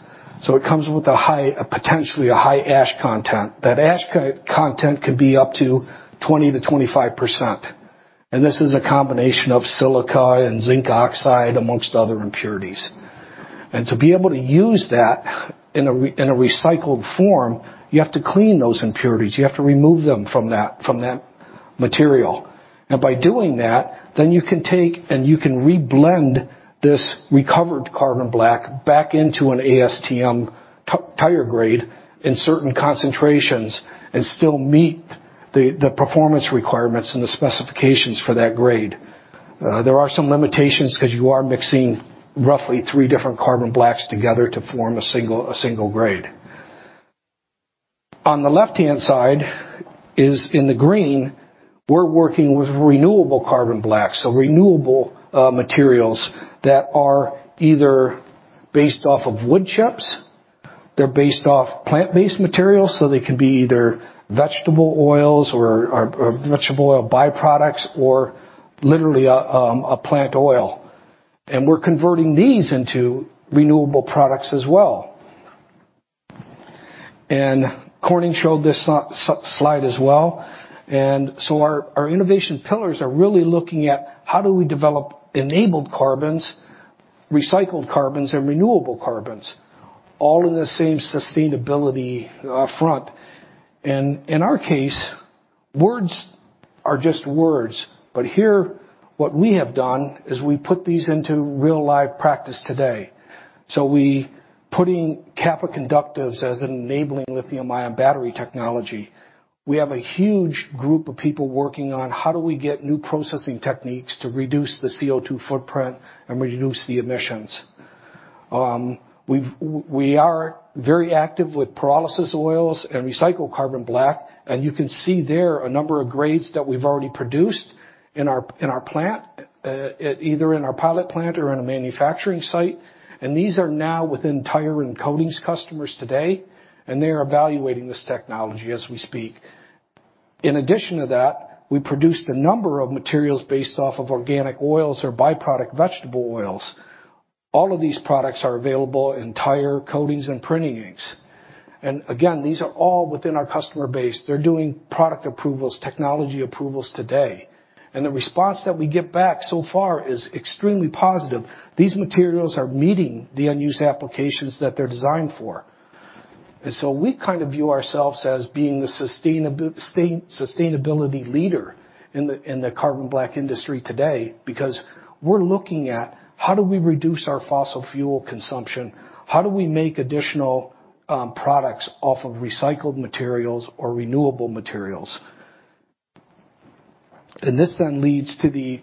It comes with a high ash content. That ash content could be up to 20%-25%. This is a combination of silica and zinc oxide, among other impurities. To be able to use that in a recycled form, you have to clean those impurities. You have to remove them from that material. By doing that, then you can take, and you can reblend this recovered carbon black back into an ASTM tire grade in certain concentrations and still meet the performance requirements and the specifications for that grade. There are some limitations because you are mixing roughly three different carbon blacks together to form a single grade. On the left-hand side, in the green, we're working with renewable carbon blacks. Renewable materials that are either based off of wood chips, they're based off plant-based materials, so they could be either vegetable oils or vegetable oil by-products or literally a plant oil. We're converting these into renewable products as well. Corning showed this slide as well. Our innovation pillars are really looking at how do we develop enabled carbons, recycled carbons, and renewable carbons, all in the same sustainability front. In our case, words are just words. Here, what we have done is we put these into real live practice today. We putting Kappa conductives as enabling lithium ion battery technology. We have a huge group of people working on how do we get new processing techniques to reduce the CO2 footprint and reduce the emissions. We are very active with pyrolysis oils and recycled carbon black. You can see there a number of grades that we've already produced in our plant, either in our pilot plant or in a manufacturing site. These are now within tire and coatings customers today, and they are evaluating this technology as we speak. In addition to that, we produced a number of materials based off of organic oils or by-product vegetable oils. All of these products are available in tire coatings and printing inks. Again, these are all within our customer base. They're doing product approvals, technology approvals today. The response that we get back so far is extremely positive. These materials are meeting the unused applications that they're designed for. We kind of view ourselves as being the sustainability leader in the carbon black industry today because we're looking at how do we reduce our fossil fuel consumption? How do we make additional products off of recycled materials or renewable materials? This leads to the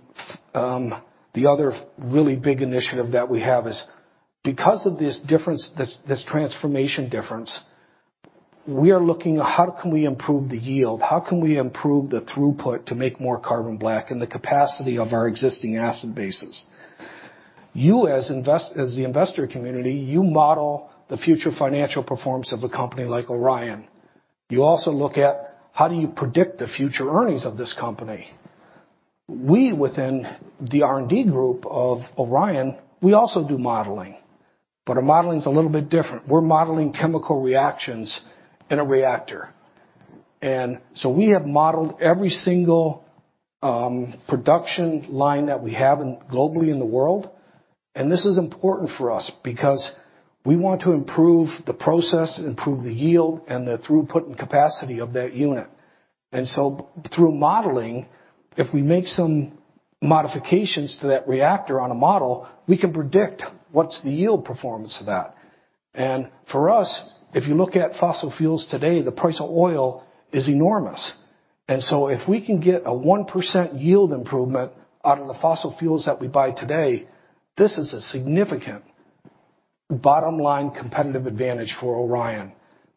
other really big initiative that we have, because of this difference, this transformation difference. We are looking at how can we improve the yield? How can we improve the throughput to make more carbon black in the capacity of our existing asset bases? You as the investor community, you model the future financial performance of a company like Orion. You also look at how do you predict the future earnings of this company. We, within the R&D group of Orion, we also do modeling. Our modeling is a little bit different. We're modeling chemical reactions in a reactor. We have modeled every single production line that we have globally in the world. This is important for us because we want to improve the process, improve the yield, and the throughput and capacity of that unit. Through modeling, if we make some modifications to that reactor on a model, we can predict what's the yield performance of that. For us, if you look at fossil fuels today, the price of oil is enormous. If we can get a 1% yield improvement out of the fossil fuels that we buy today, this is a significant bottom line competitive advantage for Orion.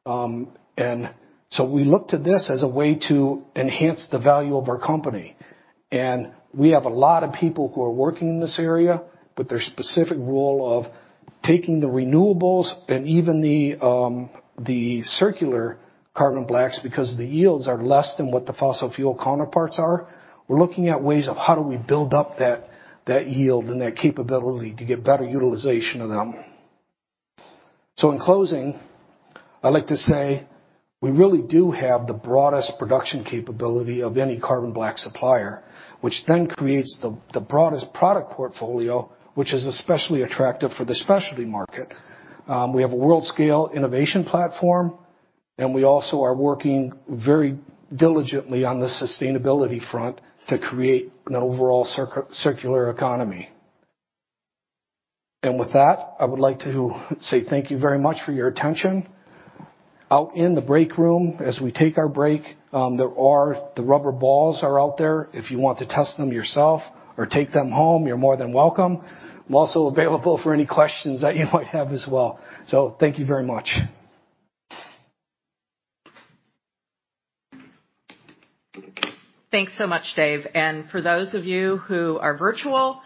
We look to this as a way to enhance the value of our company. We have a lot of people who are working in this area, but their specific role of taking the renewables and even the circular carbon blacks because the yields are less than what the fossil fuel counterparts are. We're looking at ways of how do we build up that yield and their capability to get better utilization of them. In closing, I'd like to say we really do have the broadest production capability of any carbon black supplier, which then creates the broadest product portfolio, which is especially attractive for the specialty market. We have a world-scale innovation platform, and we also are working very diligently on the sustainability front to create an overall circular economy. With that, I would like to say thank you very much for your attention. Out in the break room as we take our break, there are the rubber balls out there. If you want to test them yourself or take them home, you're more than welcome. I'm also available for any questions that you might have as well. Thank you very much. Thanks so much, Dave. For those of you who are virtual,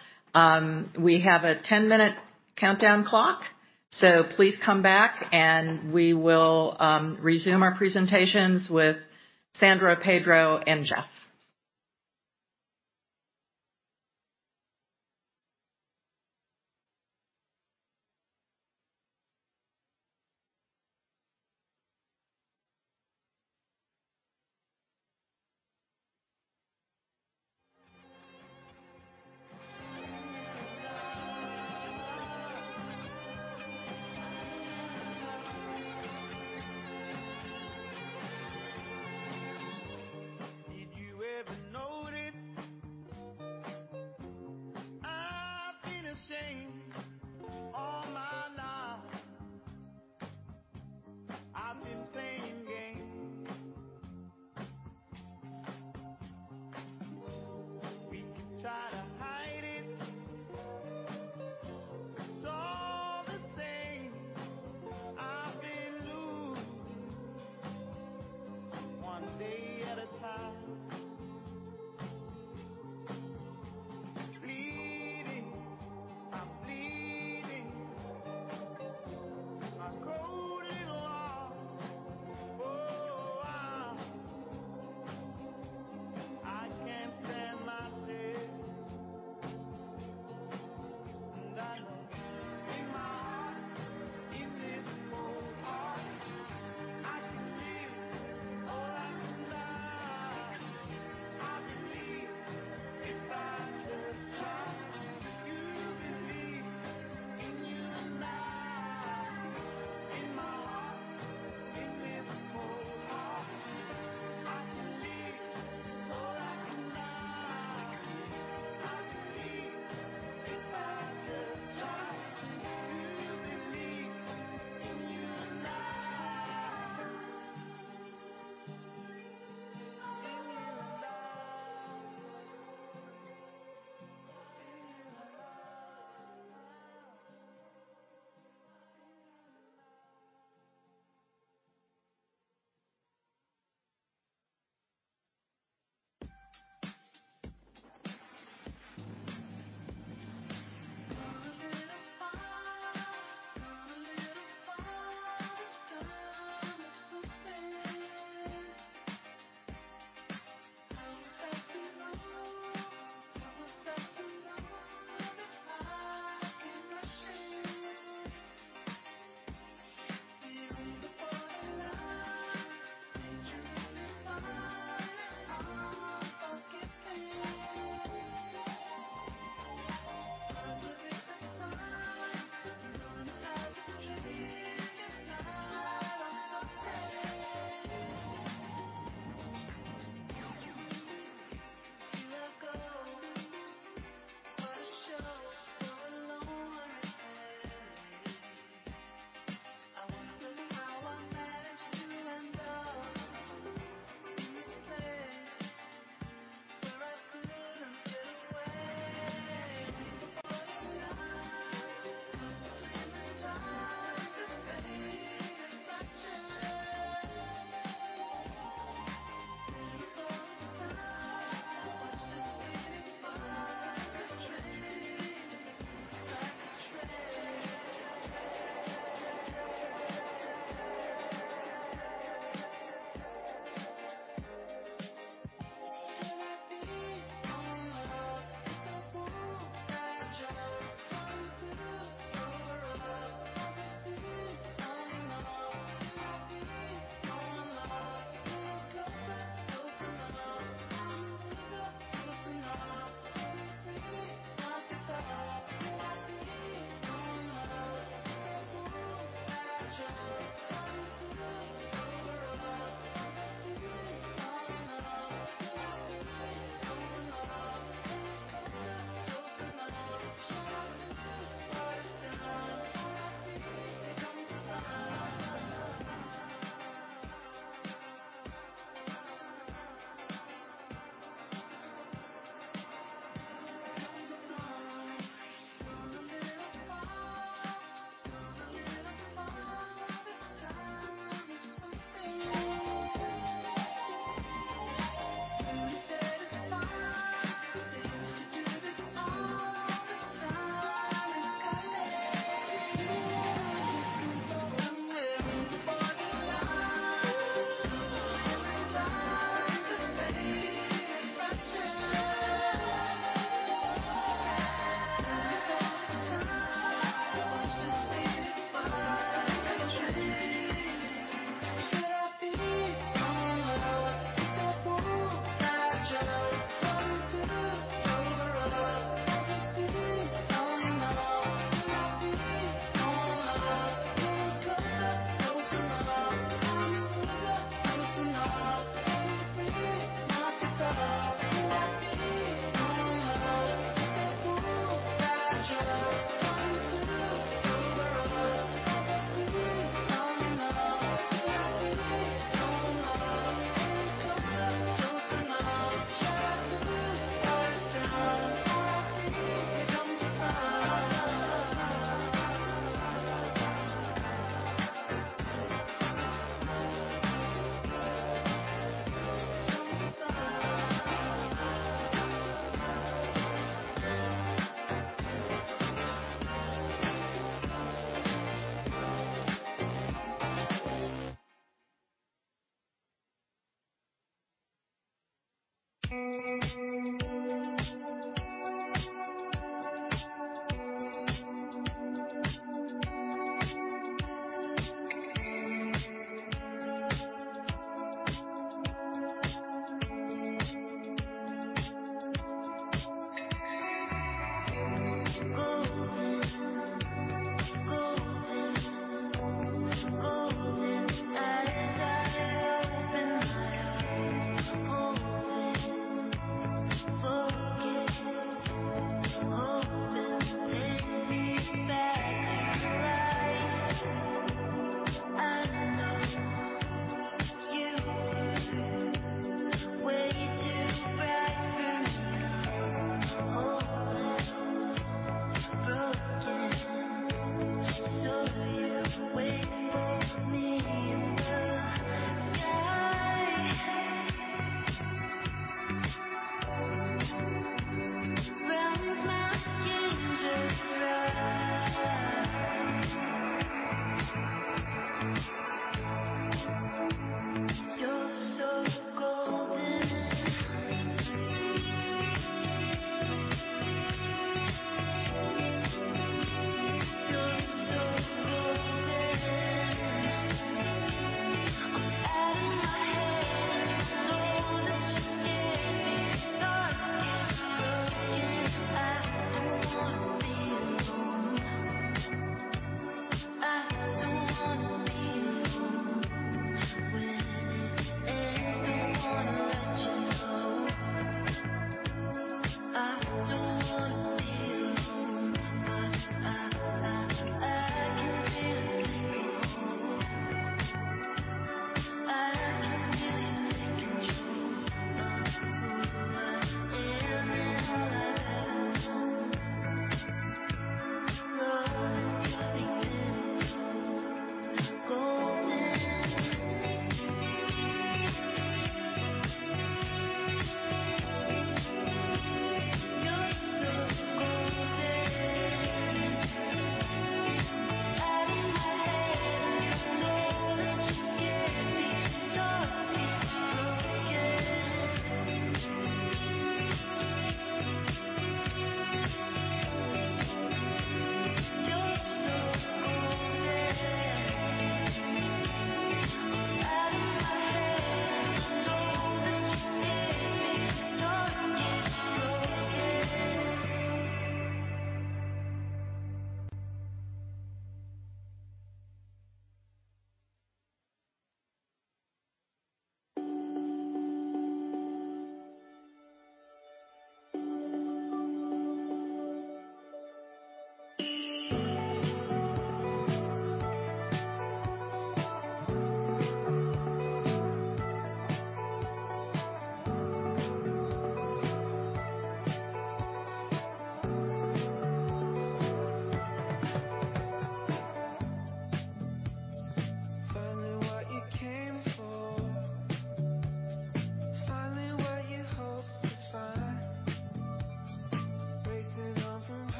we have a 10-minute countdown clock, so please come back, and we will resume our presentations with Sandra, Pedro, and Jeff.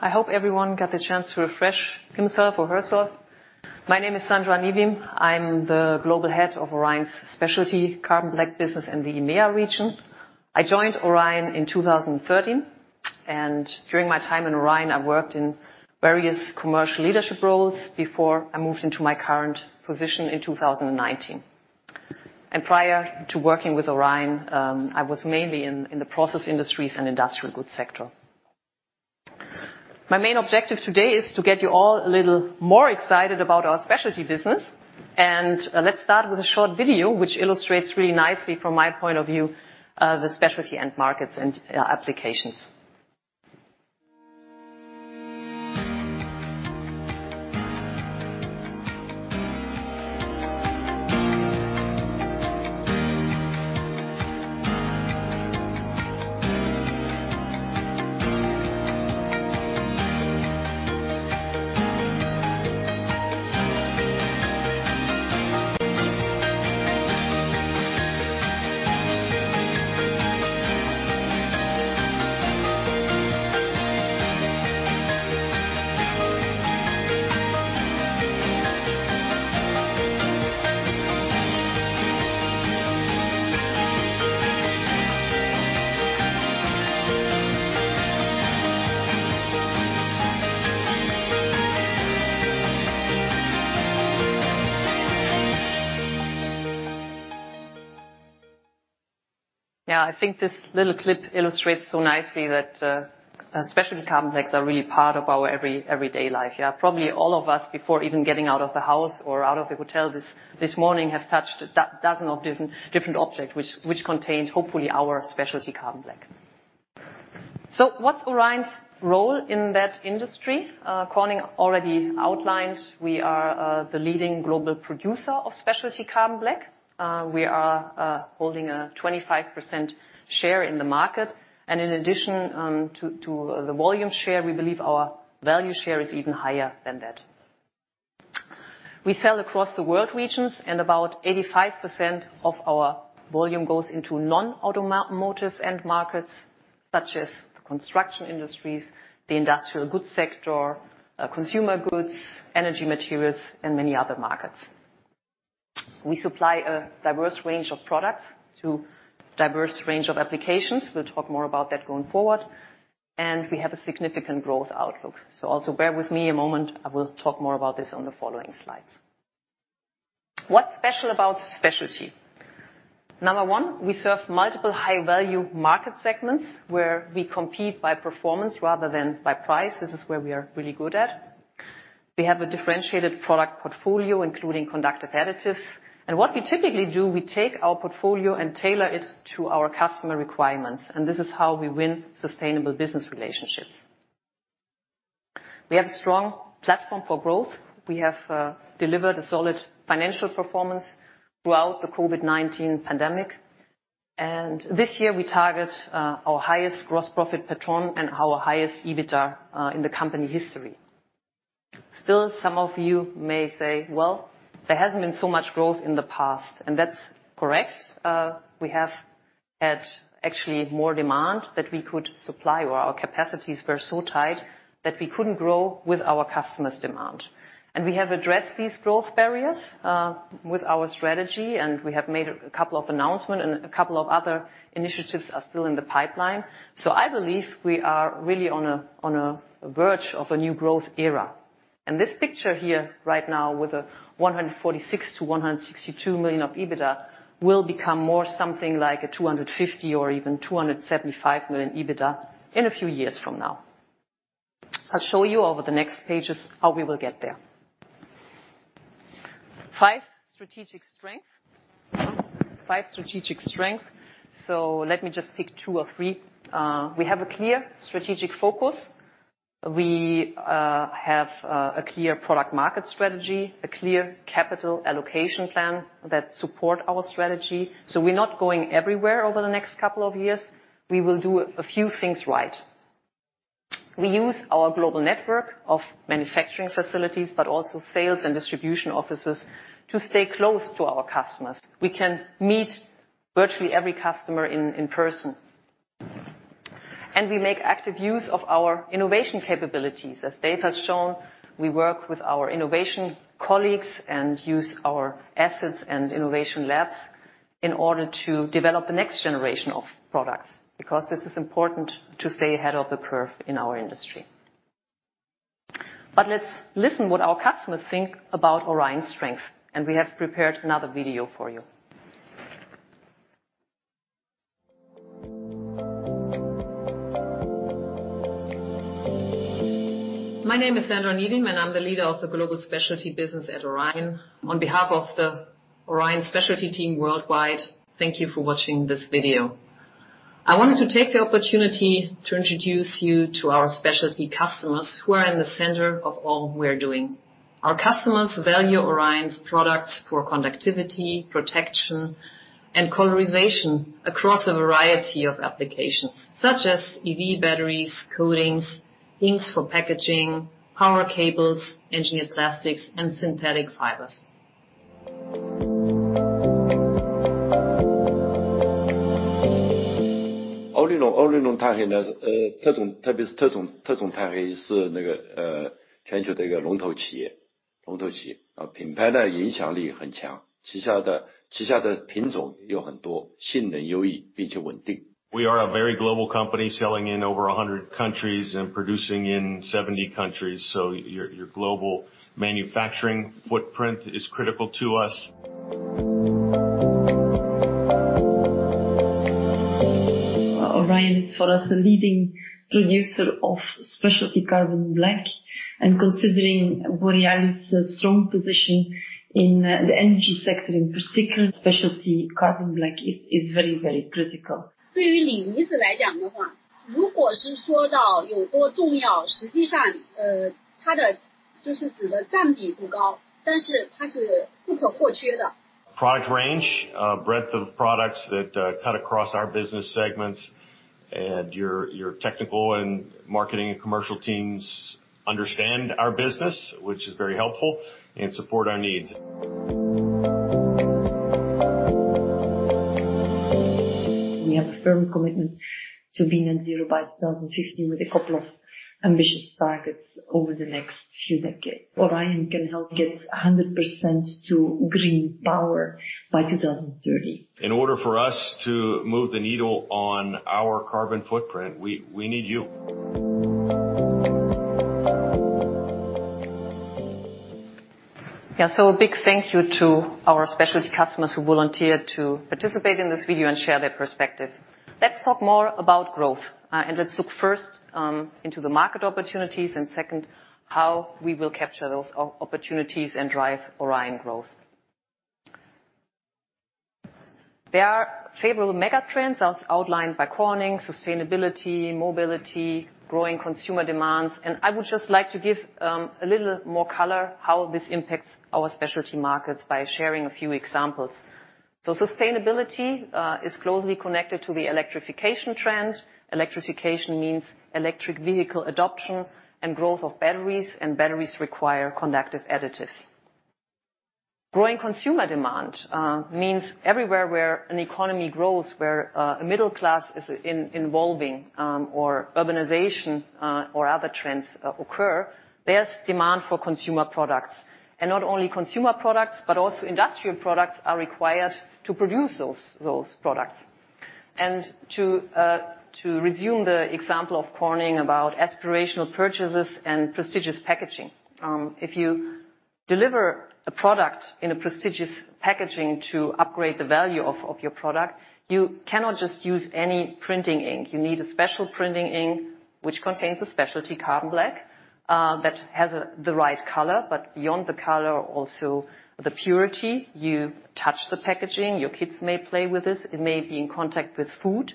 I hope everyone got the chance to refresh himself or herself. My name is Sandra Niewiem. I'm the Global Head of Orion's Specialty Carbon Black business in the EMEA region. I joined Orion in 2013, and during my time in Orion, I worked in various commercial leadership roles before I moved into my current position in 2019. Prior to working with Orion, I was mainly in the process industries and industrial goods sector. My main objective today is to get you all a little more excited about our specialty business, and let's start with a short video which illustrates really nicely from my point of view, the specialty end markets and applications. Yeah, I think this little clip illustrates so nicely that, specialty carbon blacks are really part of our everyday life. Yeah, probably all of us, before even getting out of the house or out of the hotel this morning have touched a dozen of different objects which contained, hopefully, our specialty carbon black. So what's Orion's role in that industry? Corning already outlined we are the leading global producer of specialty carbon black. We are holding a 25% share in the market. In addition to the volume share, we believe our value share is even higher than that. We sell across the world regions, and about 85% of our volume goes into non-automotive end markets such as the construction industries, the industrial goods sector, consumer goods, energy materials, and many other markets. We supply a diverse range of products to diverse range of applications. We'll talk more about that going forward, and we have a significant growth outlook. Also bear with me a moment, I will talk more about this on the following slides. What's special about specialty? Number one, we serve multiple high-value market segments where we compete by performance rather than by price. This is where we are really good at. We have a differentiated product portfolio, including conductive additives. What we typically do, we take our portfolio and tailor it to our customer requirements, and this is how we win sustainable business relationships. We have a strong platform for growth. We have delivered a solid financial performance throughout the COVID-19 pandemic. This year we target our highest gross profit per ton and our highest EBITDA in the company history. Still, some of you may say, "Well, there hasn't been so much growth in the past," and that's correct. We have had actually more demand that we could supply, or our capacities were so tight that we couldn't grow with our customers' demand. We have addressed these growth barriers with our strategy, and we have made a couple of announcement and a couple of other initiatives are still in the pipeline. I believe we are really on a verge of a new growth era. This picture here right now with a $146 million-$162 million of EBITDA will become more something like a $250 million or even $275 million EBITDA in a few years from now. I'll show you over the next pages how we will get there. Five strategic strength. Let me just pick two or three. We have a clear strategic focus. We have a clear product market strategy, a clear capital allocation plan that support our strategy, so we're not going everywhere over the next couple of years. We will do a few things right. We use our global network of manufacturing facilities, but also sales and distribution offices to stay close to our customers. We can meet virtually every customer in person. We make active use of our innovation capabilities. As Dave has shown, we work with our innovation colleagues and use our assets and innovation labs in order to develop the next generation of products, because this is important to stay ahead of the curve in our industry. Let's listen what our customers think about Orion's strength, and we have prepared another video for you. My name is Sandra Niewiem, and I'm the leader of the global specialty business at Orion. On behalf of the Orion specialty team worldwide, thank you for watching this video. I wanted to take the opportunity to introduce you to our specialty customers who are in the center of all we're doing. Our customers value Orion's products for conductivity, protection, and colorization across a variety of applications, such as EV batteries, coatings, inks for packaging, power cables, engineered plastics, and synthetic fibers. We are a very global company selling in over 100 countries and producing in 70 countries, so your global manufacturing footprint is critical to us. Orion is for us a leading producer of specialty carbon black. Considering Borealis' strong position in the energy sector, in particular, specialty carbon black is very critical. Product range, breadth of products that cut across our business segments and your technical and marketing commercial teams understand our business, which is very helpful, and support our needs. We have a firm commitment to being at zero by 2050, with a couple of ambitious targets over the next two decades. Orion can help get 100% to green power by 2030. In order for us to move the needle on our carbon footprint, we need you. Yeah. A big thank you to our specialty customers who volunteered to participate in this video and share their perspective. Let's talk more about growth. Let's look first into the market opportunities, and second, how we will capture those opportunities and drive Orion growth. There are favorable mega trends, as outlined by Corning, sustainability, mobility, growing consumer demands. I would just like to give a little more color how this impacts our specialty markets by sharing a few examples. Sustainability is closely connected to the electrification trend. Electrification means electric vehicle adoption and growth of batteries, and batteries require conductive additives. Growing consumer demand means everywhere where an economy grows, where a middle class is evolving, or urbanization, or other trends occur, there's demand for consumer products. Not only consumer products, but also industrial products are required to produce those products. To resume the example of Corning about aspirational purchases and prestigious packaging. If you deliver a product in a prestigious packaging to upgrade the value of your product, you cannot just use any printing ink. You need a special printing ink which contains a specialty carbon black that has the right color. But beyond the color, also the purity. You touch the packaging, your kids may play with this, it may be in contact with food.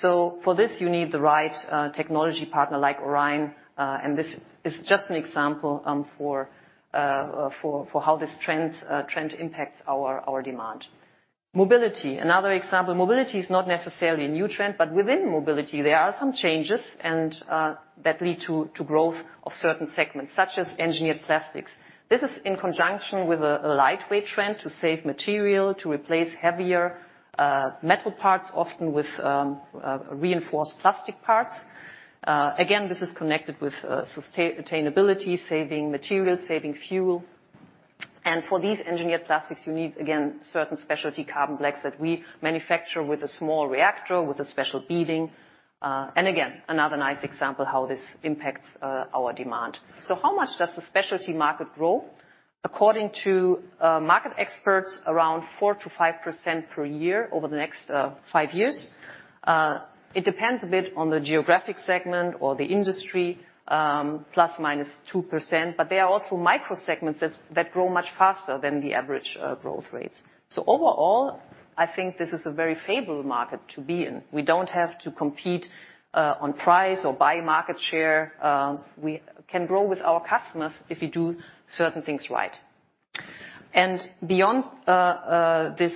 For this, you need the right technology partner like Orion. This is just an example for how this trend impacts our demand. Mobility. Another example. Mobility is not necessarily a new trend, but within mobility there are some changes and that lead to growth of certain segments, such as engineered plastics. This is in conjunction with a lightweight trend to save material, to replace heavier metal parts, often with reinforced plastic parts. Again, this is connected with sustainability, saving material, saving fuel. For these engineered plastics, you need certain specialty carbon blacks that we manufacture with a small reactor, with a special beading. Again, another nice example how this impacts our demand. How much does the specialty market grow? According to market experts, around 4%-5% per year over the next five years. It depends a bit on the geographic segment or the industry, ±2%. There are also micro segments that grow much faster than the average growth rates. Overall, I think this is a very favorable market to be in. We don't have to compete on price or buy market share. We can grow with our customers if we do certain things right. Beyond this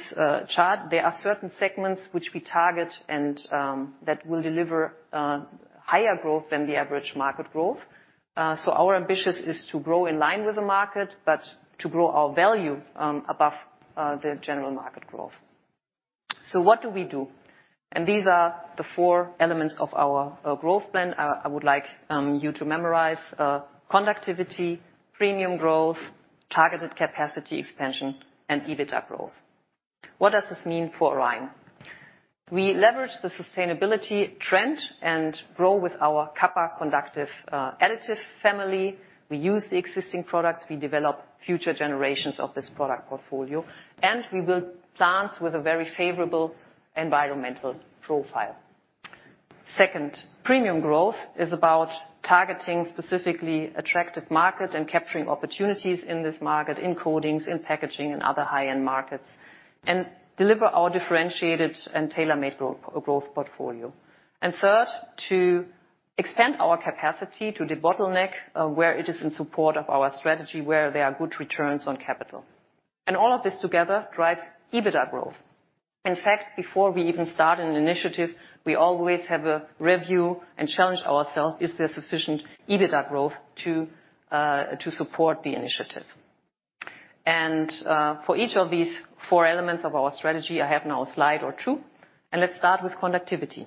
chart, there are certain segments which we target and that will deliver higher growth than the average market growth. Our ambition is to grow in line with the market, but to grow our value above the general market growth. What do we do? These are the four elements of our growth plan I would like you to memorize. Conductivity, premium growth, targeted capacity expansion, and EBITDA growth. What does this mean for Orion? We leverage the sustainability trend and grow with our Kappa conductive additive family. We use the existing products. We develop future generations of this product portfolio, and we will plan with a very favorable environmental profile. Second, premium growth is about targeting specific attractive markets and capturing opportunities in this market, in coatings, in packaging and other high-end markets. Deliver our differentiated and tailor-made growth portfolio. Third, to expand our capacity to debottleneck where it is in support of our strategy, where there are good returns on capital. All of this together drives EBITDA growth. In fact, before we even start an initiative, we always have a review and challenge ourselves, is there sufficient EBITDA growth to support the initiative? For each of these four elements of our strategy, I have now a slide or two, and let's start with conductivity.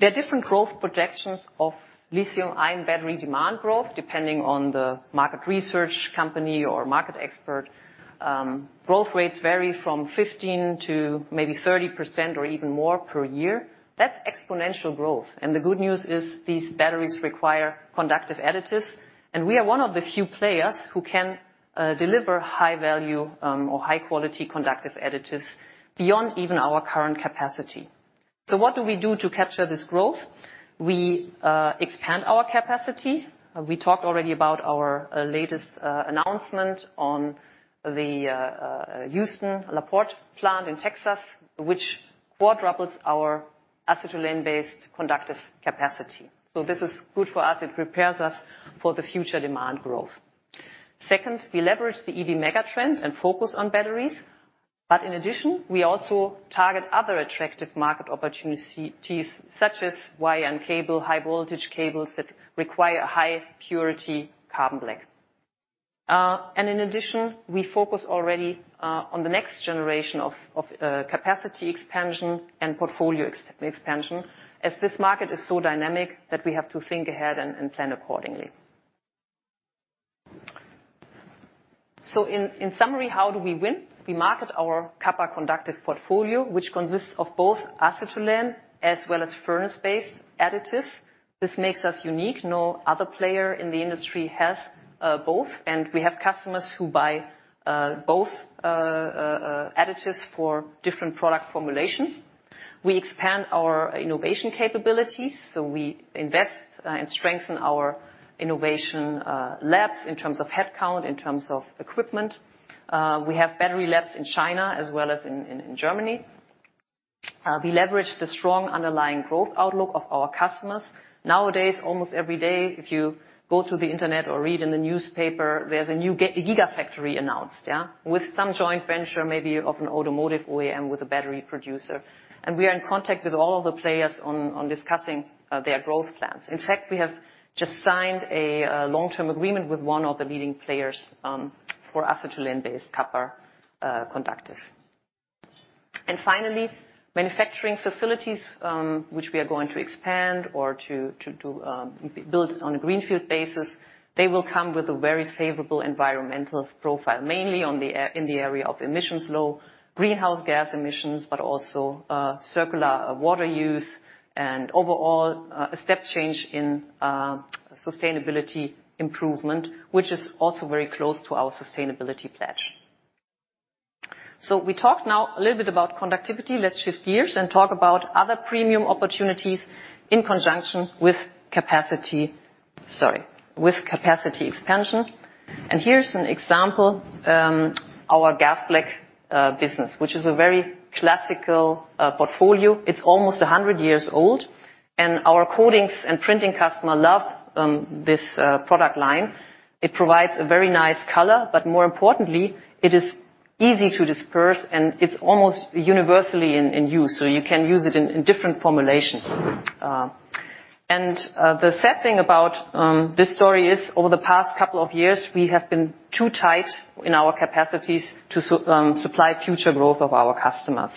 There are different growth projections of lithium-ion battery demand growth, depending on the market research company or market expert. Growth rates vary from 15% to maybe 30% or even more per year. That's exponential growth. The good news is these batteries require conductive additives, and we are one of the few players who can deliver high value or high quality conductive additives beyond even our current capacity. What do we do to capture this growth? We expand our capacity. We talked already about our latest announcement on the Houston La Porte plant in Texas, which quadruples our acetylene-based conductive capacity. This is good for us. It prepares us for the future demand growth. Second, we leverage the EV megatrend and focus on batteries. In addition, we also target other attractive market opportunities such as wire and cable, high voltage cables that require high purity carbon black. In addition, we focus already on the next generation of capacity expansion and portfolio expansion, as this market is so dynamic that we have to think ahead and plan accordingly. In summary, how do we win? We market our Kappa conductive portfolio, which consists of both acetylene as well as furnace-based additives. This makes us unique. No other player in the industry has both. We have customers who buy both additives for different product formulations. We expand our innovation capabilities, so we invest and strengthen our innovation labs in terms of headcount, in terms of equipment. We have battery labs in China as well as in Germany. We leverage the strong underlying growth outlook of our customers. Nowadays, almost every day, if you go through the internet or read in the newspaper, there's a new gigafactory announced, yeah? With some joint venture, maybe of an automotive OEM with a battery producer. We are in contact with all of the players on discussing their growth plans. In fact, we have just signed a long-term agreement with one of the leading players for acetylene-based Kappa, conductive. Finally, manufacturing facilities which we are going to expand or to build on a greenfield basis. They will come with a very favorable environmental profile, mainly in the area of emissions low, greenhouse gas emissions, but also, circular water use and overall, a step change in, sustainability improvement, which is also very close to our sustainability pledge. We talk now a little bit about conductivity. Let's shift gears and talk about other premium opportunities in conjunction with capacity expansion. Here's an example, our Gas Black business, which is a very classical portfolio. It's almost 100 years old, and our coatings and printing customer love this product line. It provides a very nice color, but more importantly, it is easy to disperse, and it's almost universally in use. You can use it in different formulations. The sad thing about this story is, over the past couple of years, we have been too tight in our capacities to supply future growth of our customers.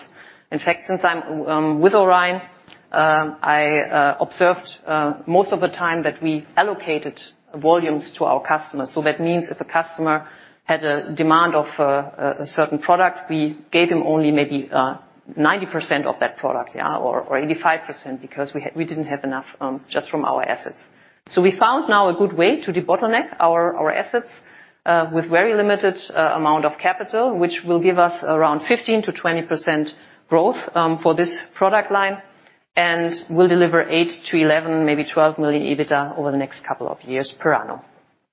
In fact, since I'm with Orion, I observed most of the time that we allocated volumes to our customers. That means if a customer had a demand of a certain product, we gave him only maybe 90% of that product, yeah, or 85% because we didn't have enough just from our assets. We found now a good way to debottleneck our assets with very limited amount of capital, which will give us around 15%-20% growth for this product line and will deliver $8 million-$11 million, maybe $12 million EBITDA over the next couple of years per annum.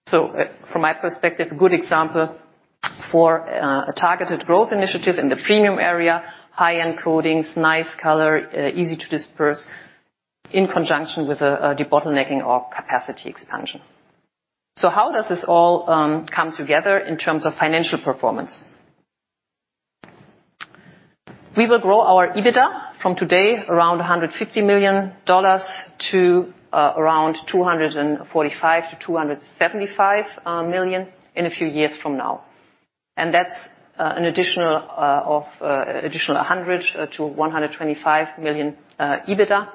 From my perspective, good example for a targeted growth initiative in the premium area, high-end coatings, nice color, easy to disperse in conjunction with a debottlenecking of capacity expansion. How does this all come together in terms of financial performance? We will grow our EBITDA from today around $150 million to around $245 million-$275 million in a few years from now. That's an additional $100 million-$125 million EBITDA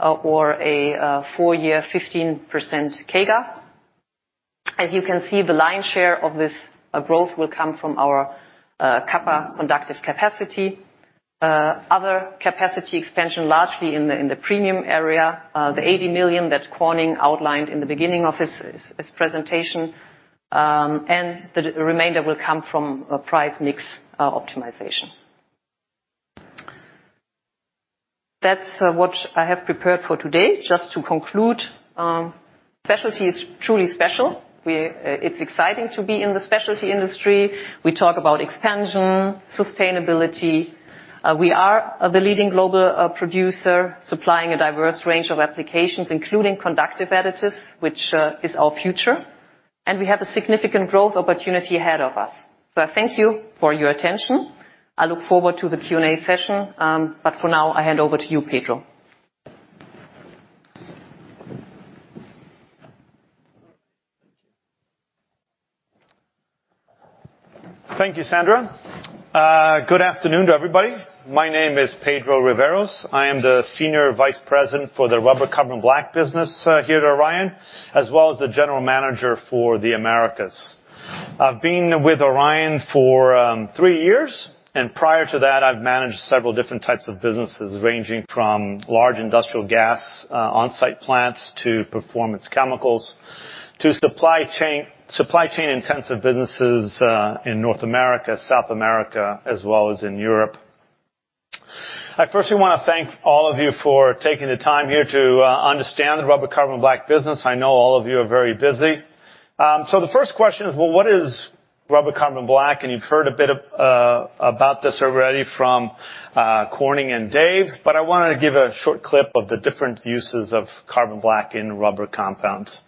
or a four-year 15% CAGR. As you can see, the lion's share of this growth will come from our Kappa conductive capacity. Other capacity expansion, largely in the premium area, the $80 million that Corning outlined in the beginning of his presentation, and the remainder will come from a price mix optimization. That's what I have prepared for today. Just to conclude, specialty is truly special. It's exciting to be in the specialty industry. We talk about expansion, sustainability. We are the leading global producer supplying a diverse range of applications, including conductive additives, which is our future, and we have a significant growth opportunity ahead of us. Thank you for your attention. I look forward to the Q&A session. For now, I hand over to you, Pedro. Thank you. Thank you, Sandra. Good afternoon to everybody. My name is Pedro Riveros. I am the Senior Vice President for the Rubber Carbon Black business here at Orion, as well as the general manager for the Americas. I've been with Orion for three years, and prior to that, I've managed several different types of businesses, ranging from large industrial gas on-site plants to performance chemicals to supply chain-intensive businesses in North America, South America, as well as in Europe. I firstly wanna thank all of you for taking the time here to understand the rubber carbon black business. I know all of you are very busy. The first question is, what is rubber carbon black? You've heard a bit about this already from Corning and Dave, but I wanna give a short clip of the different uses of carbon black in rubber compounds.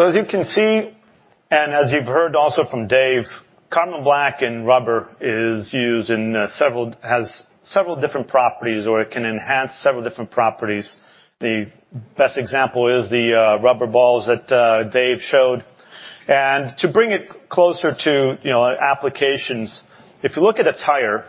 As you can see, and as you've heard also from Dave, carbon black in rubber is used in has several different properties, or it can enhance several different properties. The best example is the rubber balls that Dave showed. To bring it closer to, you know, applications, if you look at a tire,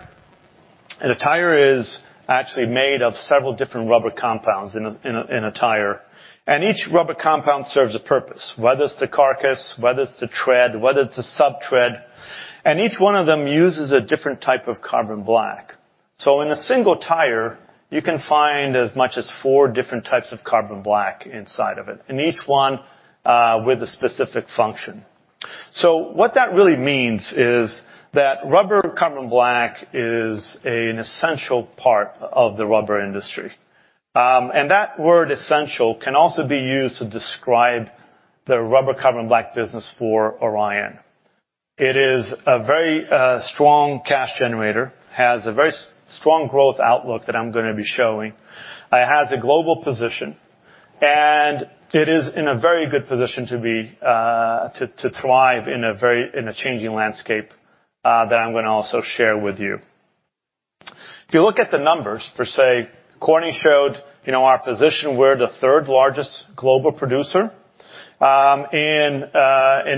and a tire is actually made of several different rubber compounds in a tire, and each rubber compound serves a purpose, whether it's the carcass, whether it's the tread, whether it's a sub-tread, and each one of them uses a different type of carbon black. In a single tire, you can find as much as four different types of carbon black inside of it. Each one, with a specific function. What that really means is that rubber carbon black is an essential part of the rubber industry. That word essential can also be used to describe the rubber carbon black business for Orion. It is a very strong cash generator, has a very strong growth outlook that I'm gonna be showing. It has a global position, and it is in a very good position to thrive in a changing landscape that I'm gonna also share with you. If you look at the numbers per se, Corning showed, you know, our position. We're the third largest global producer in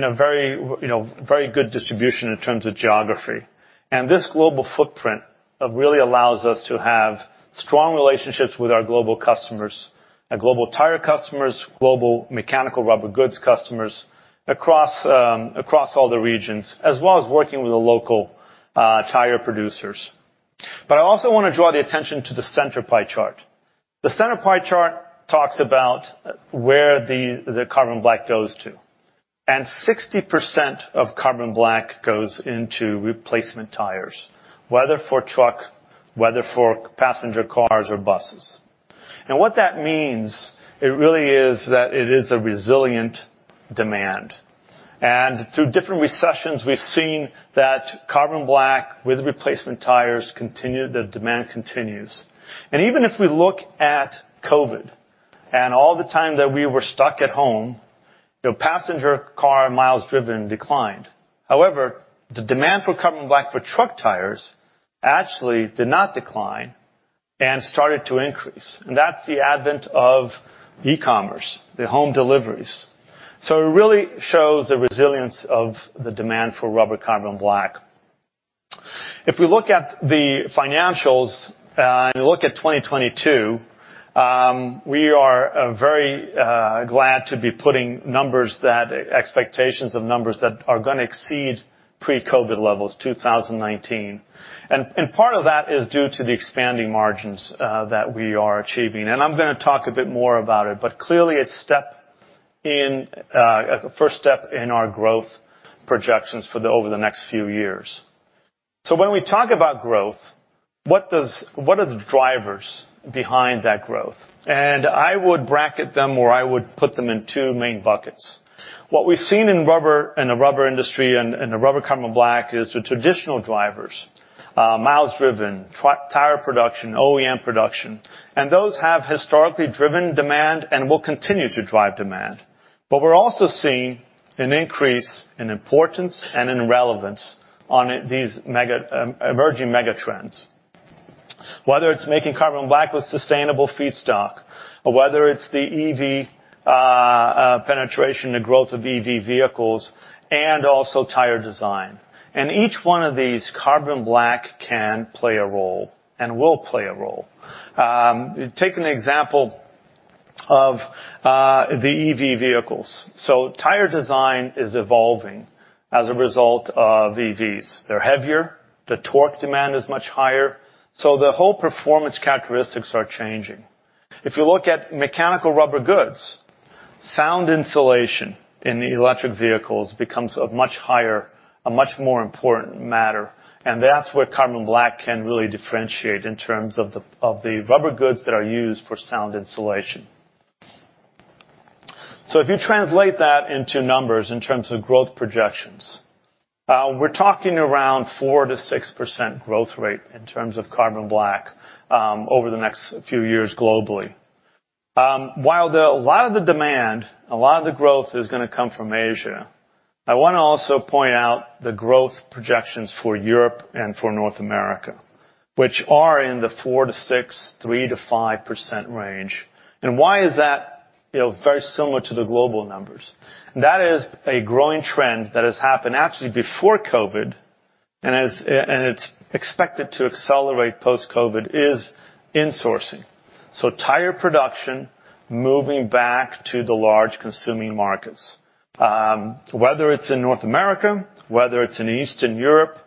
a very, you know, very good distribution in terms of geography. This global footprint really allows us to have strong relationships with our global customers, our global tire customers, global mechanical rubber goods customers across all the regions, as well as working with the local tire producers. I also wanna draw the attention to the center pie chart. The center pie chart talks about where the carbon black goes to. 60% of carbon black goes into replacement tires, whether for truck, whether for passenger cars or buses. Now what that means, it really is that it is a resilient demand. Through different recessions, we've seen that carbon black with replacement tires the demand continues. Even if we look at COVID, and all the time that we were stuck at home, you know, passenger car miles driven declined. However, the demand for carbon black for truck tires actually did not decline and started to increase. That's the advent of e-commerce, the home deliveries. It really shows the resilience of the demand for rubber carbon black. If we look at the financials, and look at 2022, we are very glad to be putting numbers that expectations of numbers that are gonna exceed pre-COVID levels, 2019. Part of that is due to the expanding margins that we are achieving. I'm gonna talk a bit more about it, but clearly a first step in our growth projections for over the next few years. When we talk about growth, what are the drivers behind that growth? I would bracket them or I would put them in two main buckets. What we've seen in rubber in the rubber industry and the rubber carbon black is the traditional drivers, miles driven, tire production, OEM production. Those have historically driven demand and will continue to drive demand. We're also seeing an increase in importance and in relevance on these emerging mega trends. Whether it's making carbon black with sustainable feedstock or whether it's the EV penetration, the growth of EV vehicles, and also tire design. In each one of these, carbon black can play a role and will play a role. Take an example of the EV vehicles. Tire design is evolving as a result of EVs. They're heavier, the torque demand is much higher, so the whole performance characteristics are changing. If you look at mechanical rubber goods, sound insulation in the electric vehicles becomes a much higher, a much more important matter, and that's where carbon black can really differentiate in terms of the, of the rubber goods that are used for sound insulation. If you translate that into numbers in terms of growth projections, we're talking around 4%-6% growth rate in terms of carbon black, over the next few years globally. While a lot of the demand, a lot of the growth is gonna come from Asia, I wanna also point out the growth projections for Europe and for North America, which are in the 4%-6%, 3%-5% range. Why is that, you know, very similar to the global numbers? That is a growing trend that has happened actually before COVID, and it's expected to accelerate post-COVID, is insourcing. Tire production moving back to the large consuming markets. Whether it's in North America, whether it's in Eastern Europe,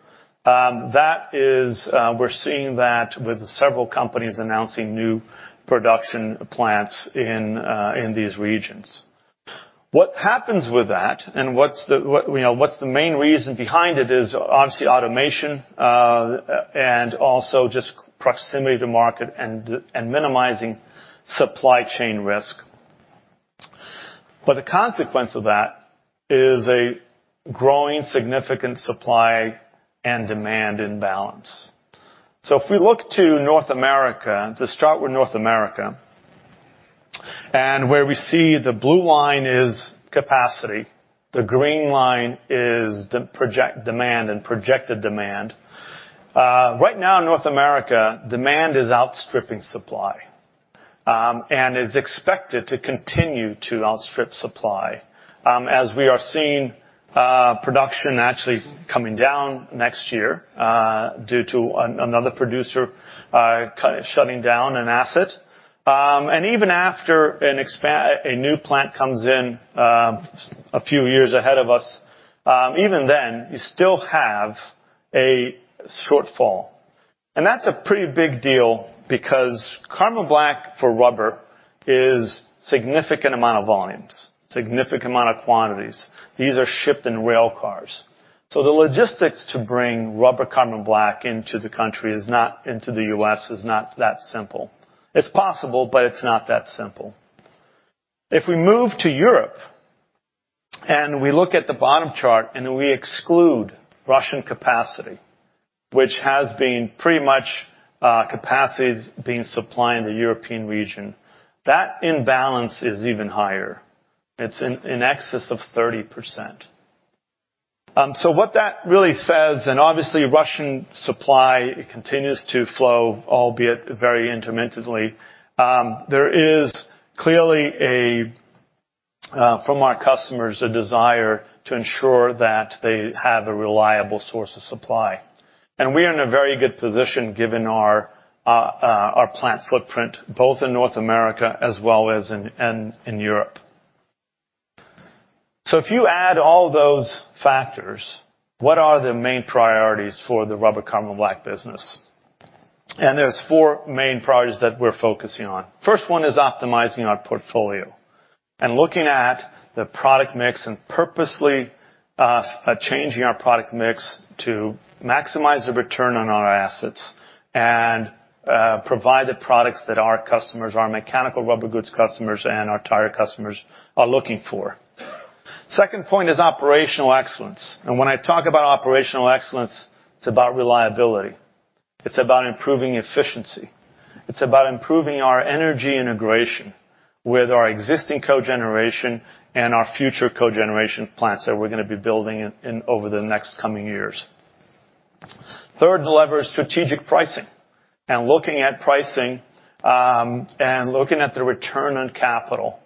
that is, we're seeing that with several companies announcing new production plants in these regions. What happens with that and what's the, what, you know, what's the main reason behind it is obviously automation, and also just proximity to market and minimizing supply chain risk. But the consequence of that is a growing significant supply and demand imbalance. If we look to North America, to start with North America, and where we see the blue line is capacity, the green line is projected demand and projected demand. Right now in North America, demand is outstripping supply, and is expected to continue to outstrip supply, as we are seeing, production actually coming down next year, due to another producer shutting down an asset. Even after a new plant comes in, a few years ahead of us, even then, you still have a shortfall. That's a pretty big deal because carbon black for rubber is significant amount of volumes, significant amount of quantities. These are shipped in rail cars. The logistics to bring rubber carbon black into the country, into the U.S., is not that simple. It's possible, but it's not that simple. If we move to Europe, and we look at the bottom chart, and we exclude Russian capacity, which has been pretty much capacities being supplied in the European region, that imbalance is even higher. It's in excess of 30%. What that really says, and obviously Russian supply continues to flow, albeit very intermittently, there is clearly a from our customers, a desire to ensure that they have a reliable source of supply. We are in a very good position given our plant footprint, both in North America as well as in Europe. If you add all those factors, what are the main priorities for the rubber carbon black business? There's four main priorities that we're focusing on. First one is optimizing our portfolio and looking at the product mix and purposely changing our product mix to maximize the return on our assets and provide the products that our customers, our mechanical rubber goods customers and our tire customers are looking for. Second point is operational excellence. When I talk about operational excellence, it's about reliability. It's about improving efficiency. It's about improving our energy integration with our existing cogeneration and our future cogeneration plants that we're gonna be building in over the next coming years. Third lever is strategic pricing, and looking at pricing and looking at the return on capital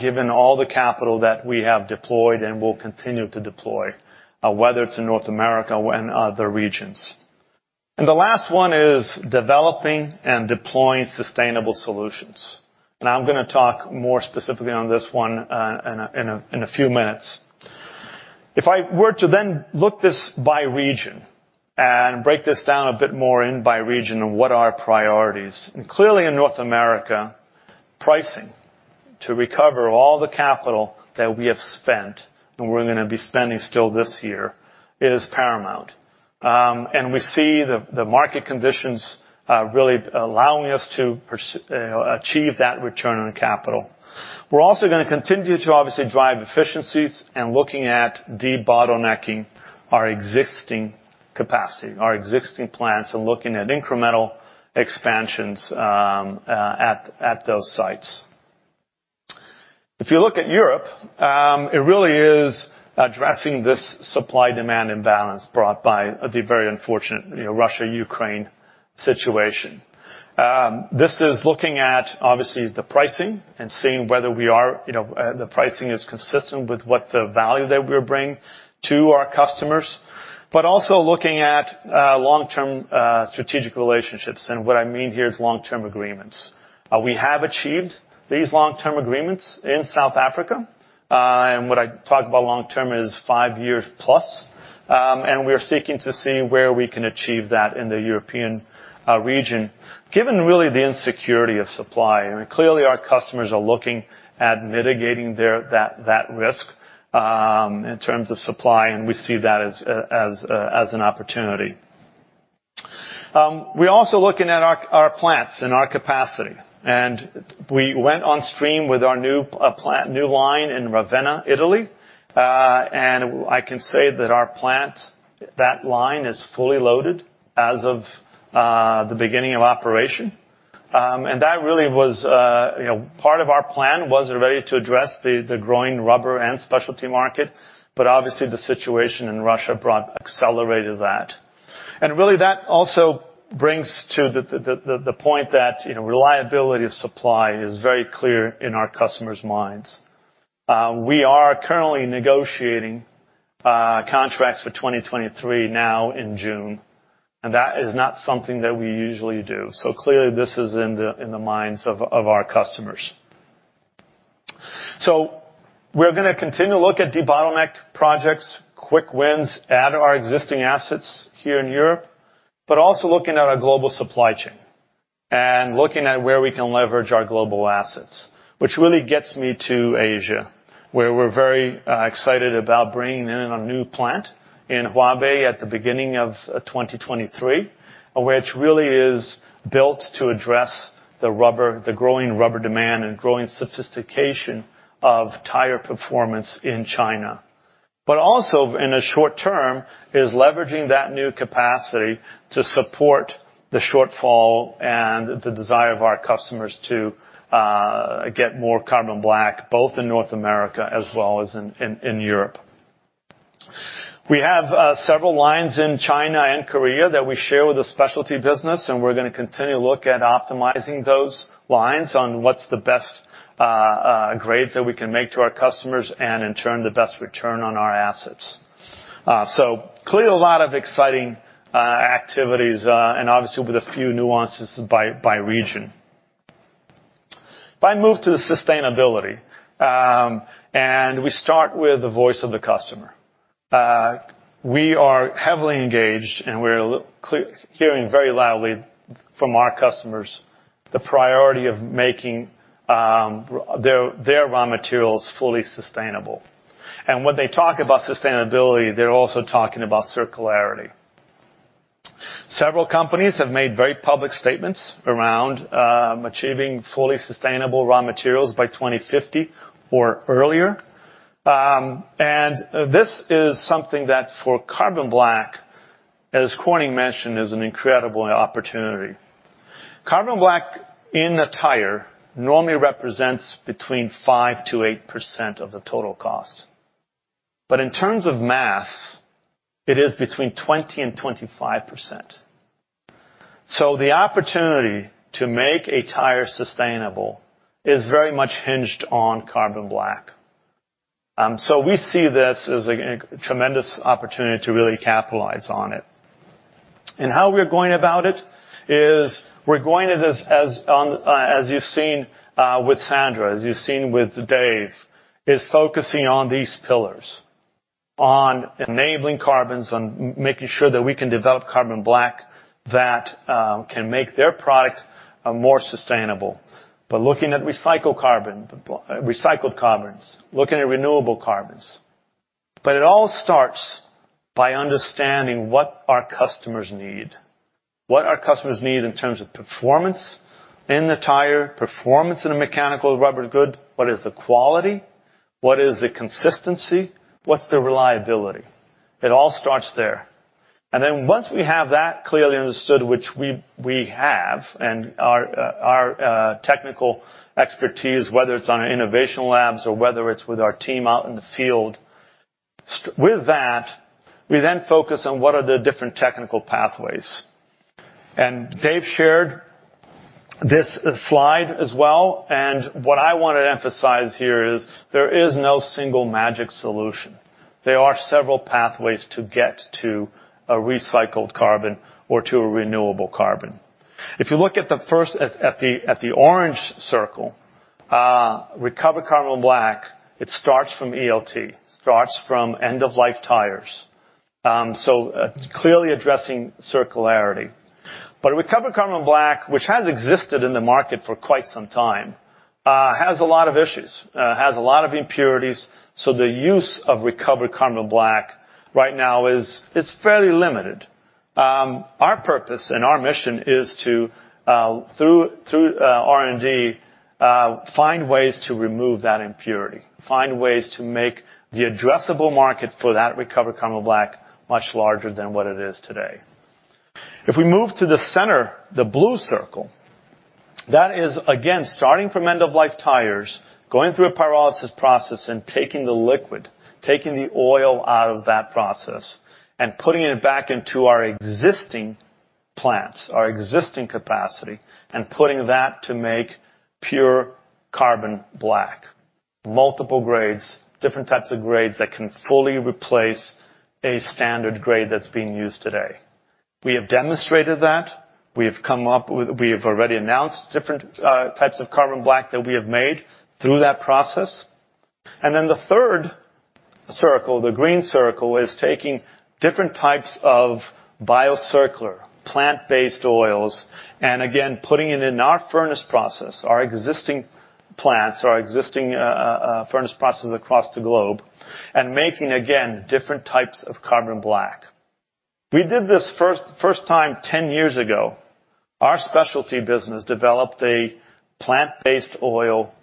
given all the capital that we have deployed and will continue to deploy whether it's in North America and other regions. The last one is developing and deploying sustainable solutions. I'm gonna talk more specifically on this one in a few minutes. If I were to then look this by region and break this down a bit more in by region and what are our priorities. Clearly in North America, pricing to recover all the capital that we have spent, and we're gonna be spending still this year, is paramount. We see the market conditions really allowing us to achieve that return on capital. We're also gonna continue to obviously drive efficiencies and looking at debottlenecking our existing capacity, our existing plants, and looking at incremental expansions at those sites. If you look at Europe, it really is addressing this supply-demand imbalance brought by the very unfortunate, you know, Russia-Ukraine situation. This is looking at obviously the pricing and seeing whether we are, you know, the pricing is consistent with what the value that we're bringing to our customers. Also looking at long-term strategic relationships, and what I mean here is long-term agreements. We have achieved these long-term agreements in South Africa. What I talk about long term is five years plus. We are seeking to see where we can achieve that in the European region, given really the insecurity of supply. I mean, clearly, our customers are looking at mitigating their that risk in terms of supply, and we see that as an opportunity. We're also looking at our plants and our capacity. We went on stream with our new plant, new line in Ravenna, Italy. I can say that our plant, that line is fully loaded as of the beginning of operation. That really was you know part of our plan was really to address the growing rubber and specialty market, but obviously the situation in Russia accelerated that. Really that also brings to the point that you know reliability of supply is very clear in our customers' minds. We are currently negotiating contracts for 2023 now in June, and that is not something that we usually do. Clearly this is in the minds of our customers. We're gonna continue to look at debottleneck projects, quick wins at our existing assets here in Europe, but also looking at our global supply chain and looking at where we can leverage our global assets. Which really gets me to Asia, where we're very excited about bringing in a new plant in Huaibei at the beginning of 2023, which really is built to address the growing rubber demand and growing sophistication of tire performance in China. Also in the short term is leveraging that new capacity to support the shortfall and the desire of our customers to get more carbon black, both in North America as well as in Europe. We have several lines in China and Korea that we share with the specialty business, and we're gonna continue to look at optimizing those lines on what's the best grades that we can make to our customers and in turn, the best return on our assets. Clearly a lot of exciting activities and obviously with a few nuances by region. If I move to sustainability, we start with the voice of the customer. We are heavily engaged, hearing very loudly from our customers the priority of making their raw materials fully sustainable. When they talk about sustainability, they're also talking about circularity. Several companies have made very public statements around achieving fully sustainable raw materials by 2050 or earlier. This is something that for carbon black, as Corning mentioned, is an incredible opportunity. Carbon black in a tire normally represents between 5%-8% of the total cost. In terms of mass, it is between 20%-25%. The opportunity to make a tire sustainable is very much hinged on carbon black. We see this as a tremendous opportunity to really capitalize on it. How we're going about it is we're going at this as you've seen with Sandra, as you've seen with Dave, focusing on these pillars. On enabling carbons, on making sure that we can develop carbon black that can make their product more sustainable, by looking at recycled carbon, recycled carbons, looking at renewable carbons. It all starts by understanding what our customers need. What our customers need in terms of performance in the tire, performance in a mechanical rubber good, what is the quality, what is the consistency, what's the reliability? It all starts there. Once we have that clearly understood, which we have, and our technical expertise, whether it's on our innovation labs or whether it's with our team out in the field, with that, we then focus on what are the different technical pathways. Dave shared this slide as well, and what I wanna emphasize here is there is no single magic solution. There are several pathways to get to a recycled carbon or to a renewable carbon. If you look at the orange circle, recovered carbon black, it starts from ELT, end-of-life tires. Clearly addressing circularity. Recovered carbon black, which has existed in the market for quite some time, has a lot of issues, has a lot of impurities, so the use of recovered carbon black right now is fairly limited. Our purpose and our mission is to, through R&D, find ways to remove that impurity, find ways to make the addressable market for that recovered carbon black much larger than what it is today. If we move to the center, the blue circle, that is again starting from end of life tires, going through a pyrolysis process and taking the liquid, taking the oil out of that process, and putting it back into our existing plants, our existing capacity, and putting that to make pure carbon black. Multiple grades, different types of grades that can fully replace a standard grade that's being used today. We have demonstrated that. We've already announced different types of carbon black that we have made through that process. The third circle, the green circle, is taking different types of bio circular, plant-based oils, and again, putting it in our furnace process, our existing plants or existing furnace processes across the globe and making, again, different types of carbon black. We did this first time 10 years ago. Our specialty business developed a plant-based oil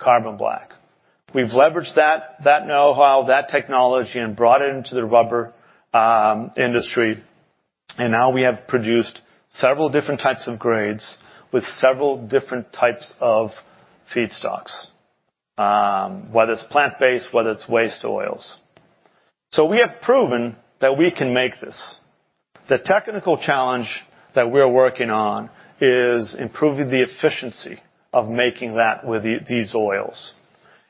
carbon black. We've leveraged that know-how, that technology, and brought it into the rubber industry. Now we have produced several different types of grades with several different types of feedstocks, whether it's plant-based, whether it's waste oils. We have proven that we can make this. The technical challenge that we're working on is improving the efficiency of making that with these oils.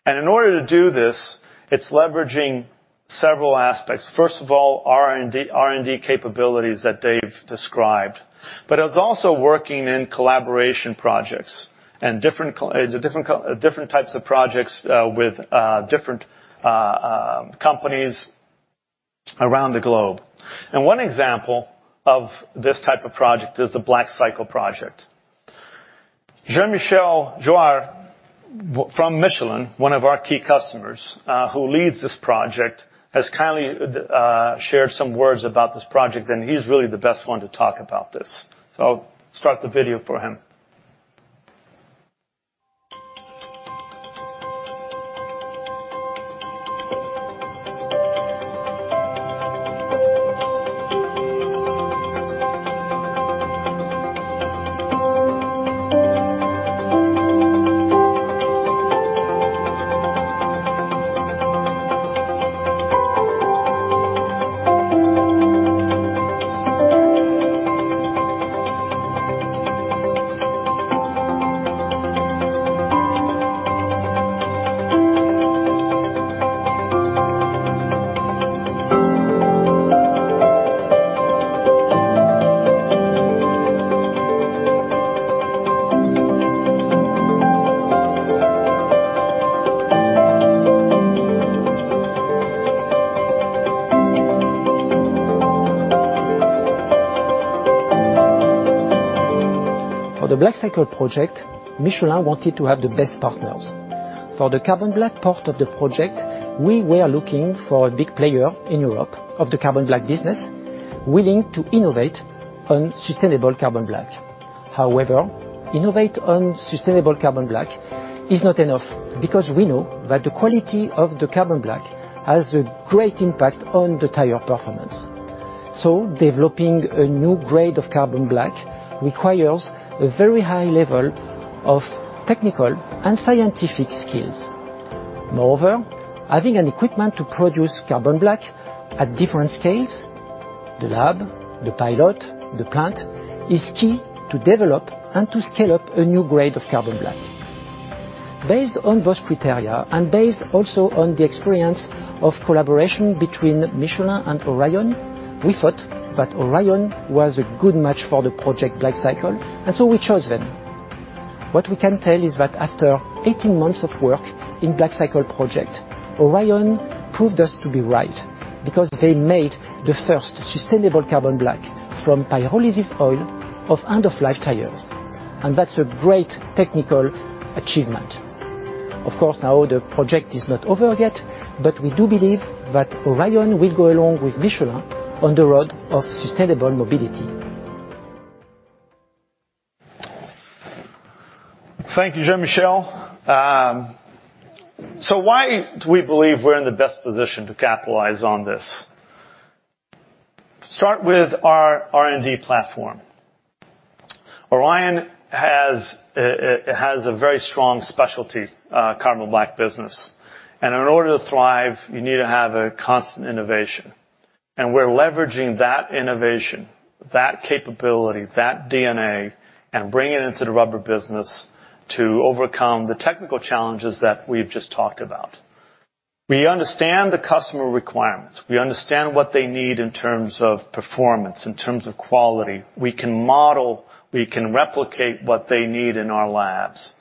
In order to do this, it's leveraging several aspects. First of all, R&D capabilities that Dave described. It's also working in collaboration projects and different types of projects with different companies around the globe. One example of this type of project is the BlackCycle project. Jean-Michel Douarre from Michelin, one of our key customers, who leads this project, has kindly shared some words about this project, and he's really the best one to talk about this. I'll start the video for him. For the BlackCycle project, Michelin wanted to have the best partners. For the carbon black part of the project, we were looking for a big player in Europe of the carbon black business, willing to innovate on sustainable carbon black. However, innovate on sustainable carbon black is not enough because we know that the quality of the carbon black has a great impact on the tire performance. Developing a new grade of carbon black requires a very high level of technical and scientific skills. Moreover, having an equipment to produce carbon black at different scales, the lab, the pilot, the plant, is key to develop and to scale up a new grade of carbon black. Based on those criteria, and based also on the experience of collaboration between Michelin and Orion, we thought that Orion was a good match for the BlackCycle project, and so we chose them. What we can tell is that after 18 months of work in BlackCycle project, Orion proved us to be right because they made the first sustainable carbon black from pyrolysis oil of end-of-life tires. That's a great technical achievement. Of course, now the project is not over yet, but we do believe that Orion will go along with Michelin on the road of sustainable mobility. Thank you, Jean-Michel. So why do we believe we're in the best position to capitalize on this? Start with our R&D platform. Orion has a very strong specialty carbon black business. In order to thrive, you need to have a constant innovation. We're leveraging that innovation, that capability, that DNA, and bringing it into the rubber business to overcome the technical challenges that we've just talked about. We understand the customer requirements. We understand what they need in terms of performance, in terms of quality. We can model, we can replicate what they need in our labs.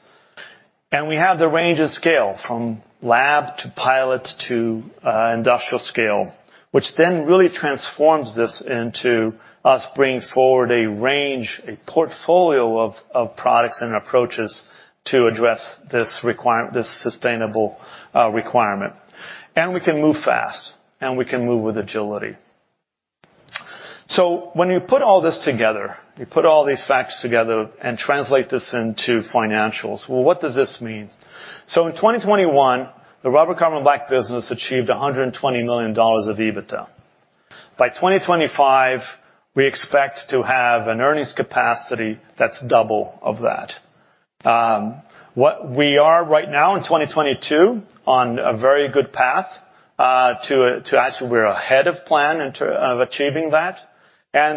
We have the range of scale from lab to pilot to industrial scale, which then really transforms this into us bringing forward a range, a portfolio of products and approaches to address this sustainable requirement. We can move fast, and we can move with agility. When you put all this together, you put all these facts together and translate this into financials. Well, what does this mean? In 2021, the rubber carbon black business achieved $120 million of EBITDA. By 2025, we expect to have an earnings capacity that's double of that. What we are right now in 2022 on a very good path to. Actually, we're ahead of plan in terms of achieving that.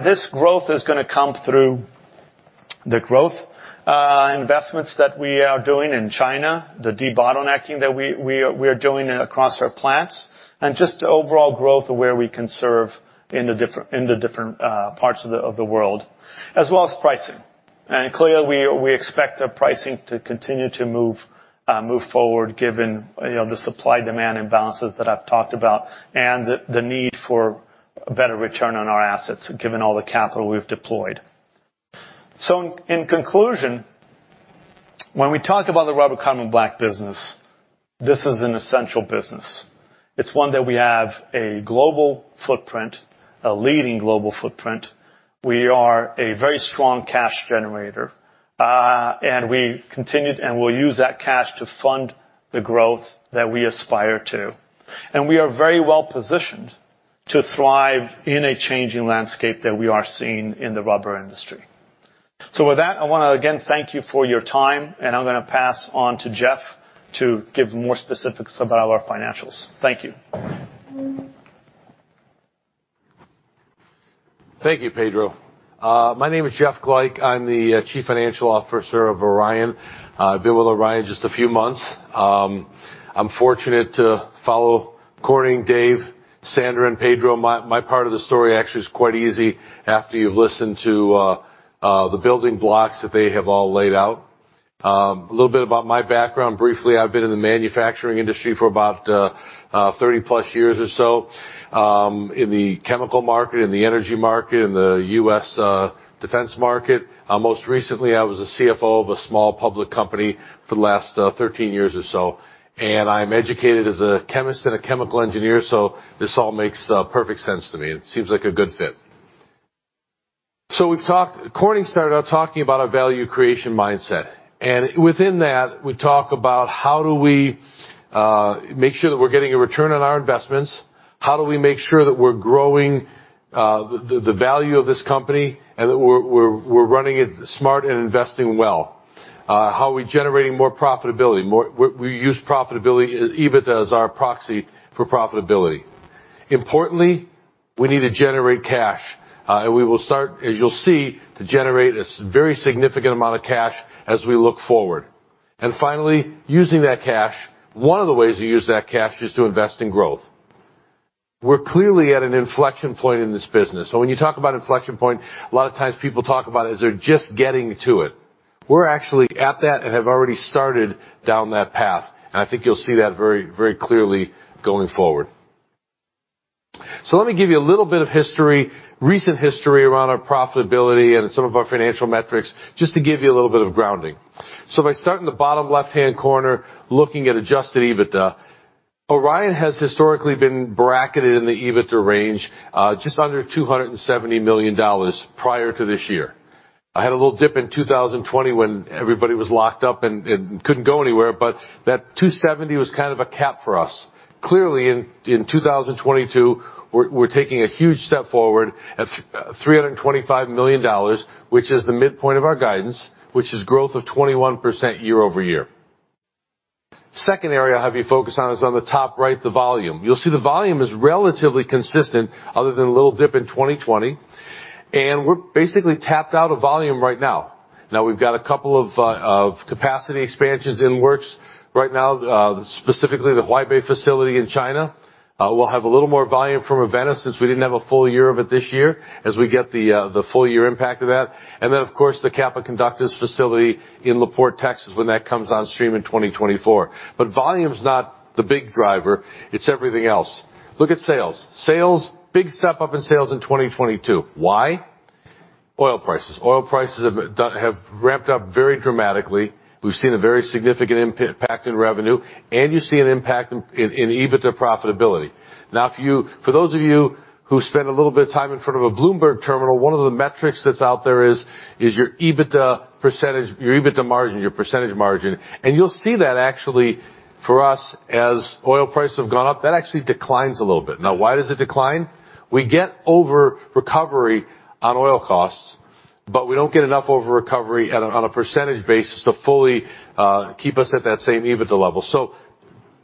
This growth is gonna come through the growth investments that we are doing in China, the debottlenecking that we are doing across our plants, and just the overall growth of where we can serve in the different parts of the world, as well as pricing. Clearly, we expect our pricing to continue to move forward given, you know, the supply-demand imbalances that I've talked about and the need for better return on our assets, given all the capital we've deployed. In conclusion, when we talk about the rubber carbon black business, this is an essential business. It's one that we have a global footprint, a leading global footprint. We are a very strong cash generator. We continued and we'll use that cash to fund the growth that we aspire to. We are very well positioned to thrive in a changing landscape that we are seeing in the rubber industry. With that, I wanna, again, thank you for your time, and I'm gonna pass on to Jeff to give more specifics about our financials. Thank you. Thank you, Pedro. My name is Jeff Glajch. I'm the Chief Financial Officer of Orion. I've been with Orion just a few months. I'm fortunate to follow Corning, Dave, Sandra, and Pedro. My part of the story actually is quite easy after you've listened to the building blocks that they have all laid out. A little bit about my background briefly. I've been in the manufacturing industry for about 30+ years or so, in the chemical market and the energy market, in the U.S. defense market. Most recently, I was a CFO of a small public company for the last 13 years or so, and I'm educated as a chemist and a chemical engineer, so this all makes perfect sense to me. It seems like a good fit. We've talked... Corning started out talking about our value creation mindset. Within that, we talk about how do we make sure that we're getting a return on our investments? How do we make sure that we're growing the value of this company and that we're running it smart and investing well? How are we generating more profitability? We use EBITDA as our proxy for profitability. Importantly, we need to generate cash. We will start, as you'll see, to generate this very significant amount of cash as we look forward. Finally, using that cash, one of the ways we use that cash is to invest in growth. We're clearly at an inflection point in this business. When you talk about inflection point, a lot of times people talk about it as they're just getting to it. We're actually at that and have already started down that path, and I think you'll see that very, very clearly going forward. Let me give you a little bit of history, recent history around our profitability and some of our financial metrics, just to give you a little bit of grounding. If I start in the bottom left-hand corner, looking at Adjusted EBITDA, Orion has historically been bracketed in the EBITDA range, just under $270 million prior to this year. I had a little dip in 2020 when everybody was locked up and couldn't go anywhere, but that $270 million was kind of a cap for us. Clearly, in 2022, we're taking a huge step forward at $325 million, which is the midpoint of our guidance, which is growth of 21% year-over-year. Second area I'll have you focus on is on the top right, the volume. You'll see the volume is relatively consistent other than a little dip in 2020. We're basically tapped out of volume right now. Now, we've got a couple of capacity expansions in works right now, specifically the Huaibei facility in China. We'll have a little more volume from Ravenna since we didn't have a full year of it this year as we get the full year impact of that. Then, of course, the Kappa conductives facility in La Porte, Texas, when that comes on stream in 2024. Volume is not the big driver, it's everything else. Look at sales. Sales, big step up in sales in 2022. Why? Oil prices. Oil prices have ramped up very dramatically. We've seen a very significant impact in revenue, and you see an impact in EBITDA profitability. Now for you, for those of you who spend a little bit of time in front of a Bloomberg terminal, one of the metrics that's out there is your EBITDA percentage, your EBITDA margin, your percentage margin. You'll see that actually for us, as oil prices have gone up, that actually declines a little bit. Now, why does it decline? We get over recovery on oil costs, but we don't get enough over recovery on a percentage basis to fully keep us at that same EBITDA level.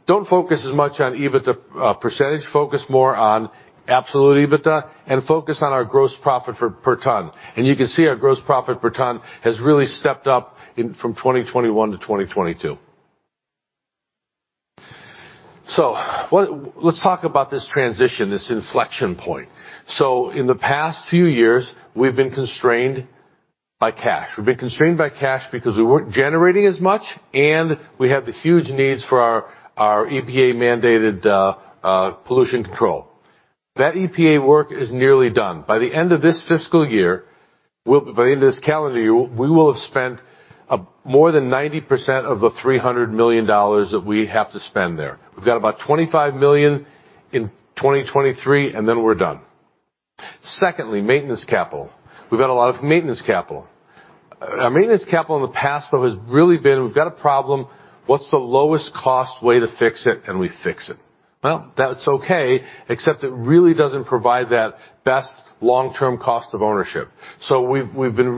Don't focus as much on EBITDA percentage. Focus more on absolute EBITDA and focus on our gross profit per ton. You can see our gross profit per ton has really stepped up from 2021 to 2022. Let's talk about this transition, this inflection point. In the past few years, we've been constrained by cash. We've been constrained by cash because we weren't generating as much, and we have the huge needs for our EPA-mandated pollution control. That EPA work is nearly done. By the end of this calendar year, we will have spent more than 90% of the $300 million that we have to spend there. We've got about $25 million in 2023, and then we're done. Secondly, maintenance capital. We've had a lot of maintenance capital. Our maintenance capital in the past, though, has really been, we've got a problem, what's the lowest cost way to fix it, and we fix it. Well, that's okay, except it really doesn't provide that best long-term cost of ownership. We've been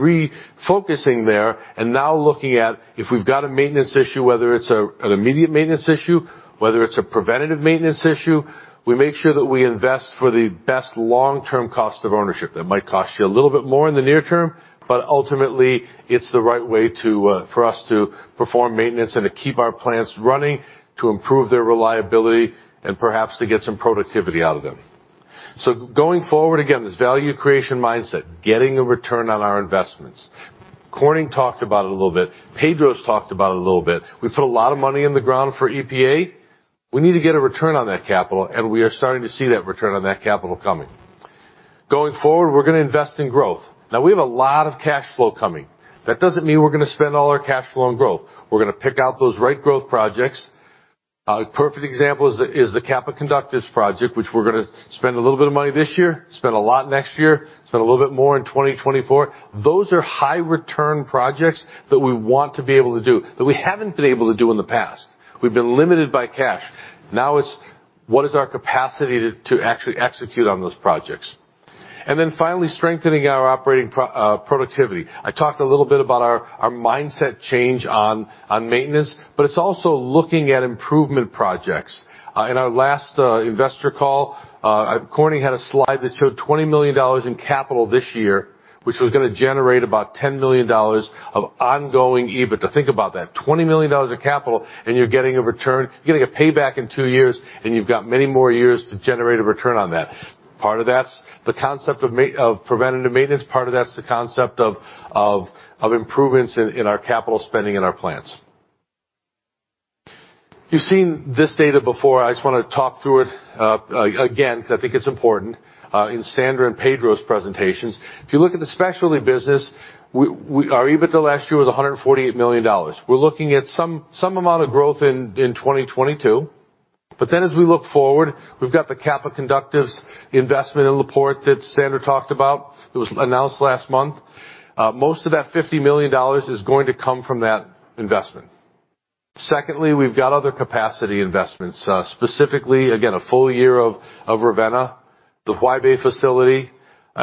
refocusing there and now looking at if we've got a maintenance issue, whether it's an immediate maintenance issue, whether it's a preventative maintenance issue, we make sure that we invest for the best long-term cost of ownership. That might cost you a little bit more in the near term, but ultimately, it's the right way to for us to perform maintenance and to keep our plants running, to improve their reliability and perhaps to get some productivity out of them. Going forward, again, this value creation mindset, getting a return on our investments. Corning talked about it a little bit, Pedro has talked about it a little bit. We put a lot of money in the ground for EPA. We need to get a return on that capital, and we are starting to see that return on that capital coming. Going forward, we're gonna invest in growth. Now we have a lot of cash flow coming. That doesn't mean we're gonna spend all our cash flow on growth. We're gonna pick out those right growth projects. A perfect example is the Kappa conductives project, which we're gonna spend a little bit of money this year, spend a lot next year, spend a little bit more in 2024. Those are high return projects that we want to be able to do that we haven't been able to do in the past. We've been limited by cash. Now it's what is our capacity to actually execute on those projects. Then finally strengthening our operating productivity. I talked a little bit about our mindset change on maintenance, but it's also looking at improvement projects. In our last investor call, Corning Painter had a slide that showed $20 million in capital this year, which was gonna generate about $10 million of ongoing EBIT. To think about that, $20 million of capital, and you're getting a return, getting a payback in two years, and you've got many more years to generate a return on that. Part of that's the concept of preventative maintenance, part of that's the concept of improvements in our capital spending in our plants. You've seen this data before. I just wanna talk through it again 'cause I think it's important in Sandra and Pedro's presentations. If you look at the specialty business, our EBITDA last year was $148 million. We're looking at some amount of growth in 2022. Then as we look forward, we've got the Kappa conductives investment in La Porte that Sandra talked about. It was announced last month. Most of that $50 million is going to come from that investment. Secondly, we've got other capacity investments, specifically, again, a full year of Ravenna. The Huaibei facility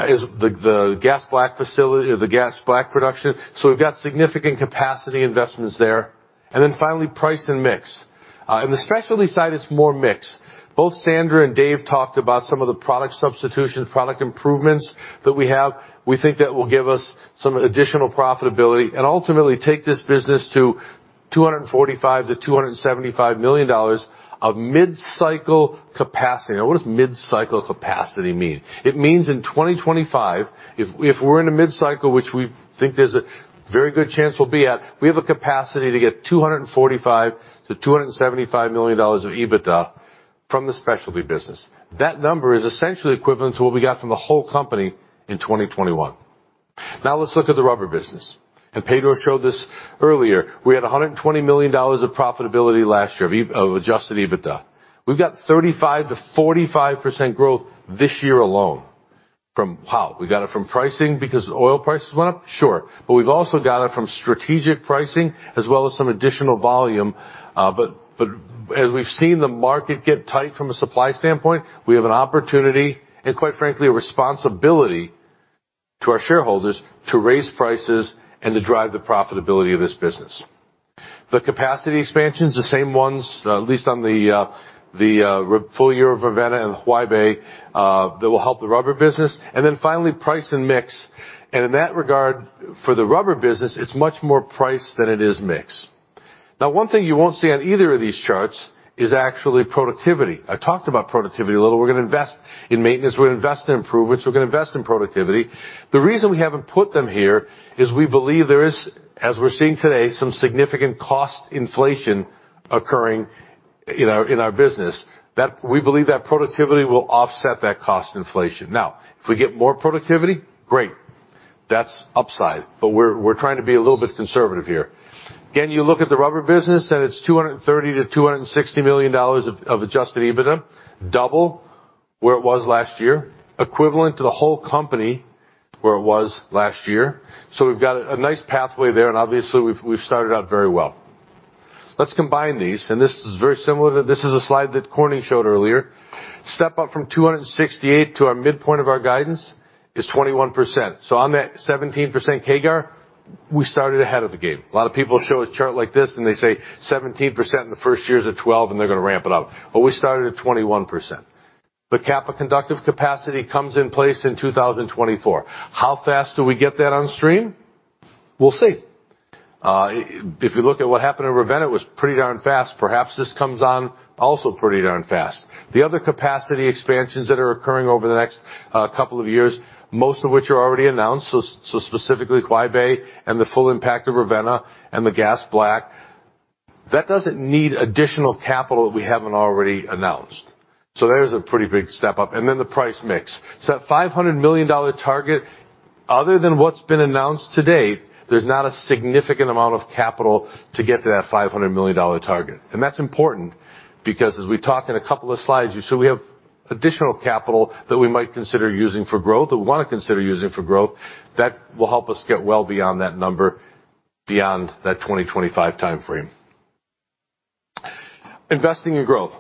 is the Gas Black facility or the Gas Black production. We've got significant capacity investments there. Then finally, price and mix. In the specialty side, it's more mix. Both Sandra and Dave talked about some of the product substitution, product improvements that we have. We think that will give us some additional profitability and ultimately take this business to $245 million-$275 million of mid-cycle capacity. Now what does mid-cycle capacity mean? It means in 2025, if we're in a mid-cycle, which we think there's a very good chance we'll be at, we have a capacity to get $245 million-$275 million of EBITDA from the specialty business. That number is essentially equivalent to what we got from the whole company in 2021. Now let's look at the rubber business. Pedro showed this earlier. We had $120 million of profitability last year of Adjusted EBITDA. We've got 35%-45% growth this year alone. How? We got it from pricing because oil prices went up, sure. We've also got it from strategic pricing as well as some additional volume. As we've seen the market get tight from a supply standpoint, we have an opportunity and quite frankly, a responsibility to our shareholders to raise prices and to drive the profitability of this business. The capacity expansions, the same ones, at least on the full year of Ravenna and Huaibei, that will help the rubber business. Then finally, price and mix. In that regard, for the rubber business, it's much more price than it is mix. Now, one thing you won't see on either of these charts is actually productivity. I talked about productivity a little. We're gonna invest in maintenance. We're gonna invest in improvements. We're gonna invest in productivity. The reason we haven't put them here is we believe there is, as we're seeing today, some significant cost inflation occurring in our business that we believe that productivity will offset that cost inflation. Now, if we get more productivity, great. That's upside. But we're trying to be a little bit conservative here. Again, you look at the rubber business, and it's $230 million-$260 million of Adjusted EBITDA, double where it was last year, equivalent to the whole company where it was last year. We've got a nice pathway there, and obviously we've started out very well. Let's combine these, and this is very similar to this. This is a slide that Corning showed earlier. Step up from $268 million to our midpoint of our guidance is 21%. On that 17% CAGR, we started ahead of the game. A lot of people show a chart like this, and they say 17% in the first year is at 12%, and they're gonna ramp it up. We started at 21%. The Kappa Conductive capacity comes in place in 2024. How fast do we get that on stream? We'll see. If you look at what happened in Ravenna, it was pretty darn fast. Perhaps this comes on also pretty darn fast. The other capacity expansions that are occurring over the next couple of years, most of which are already announced, so specifically Huaibei and the full impact of Ravenna and the Gas Black, that doesn't need additional capital that we haven't already announced. There's a pretty big step up. The price mix. That $500 million target, other than what's been announced to date, there's not a significant amount of capital to get to that $500 million target. That's important because as we talked in a couple of slides, you saw we have additional capital that we might consider using for growth, that we wanna consider using for growth, that will help us get well beyond that number, beyond that 2025 timeframe. Investing in growth.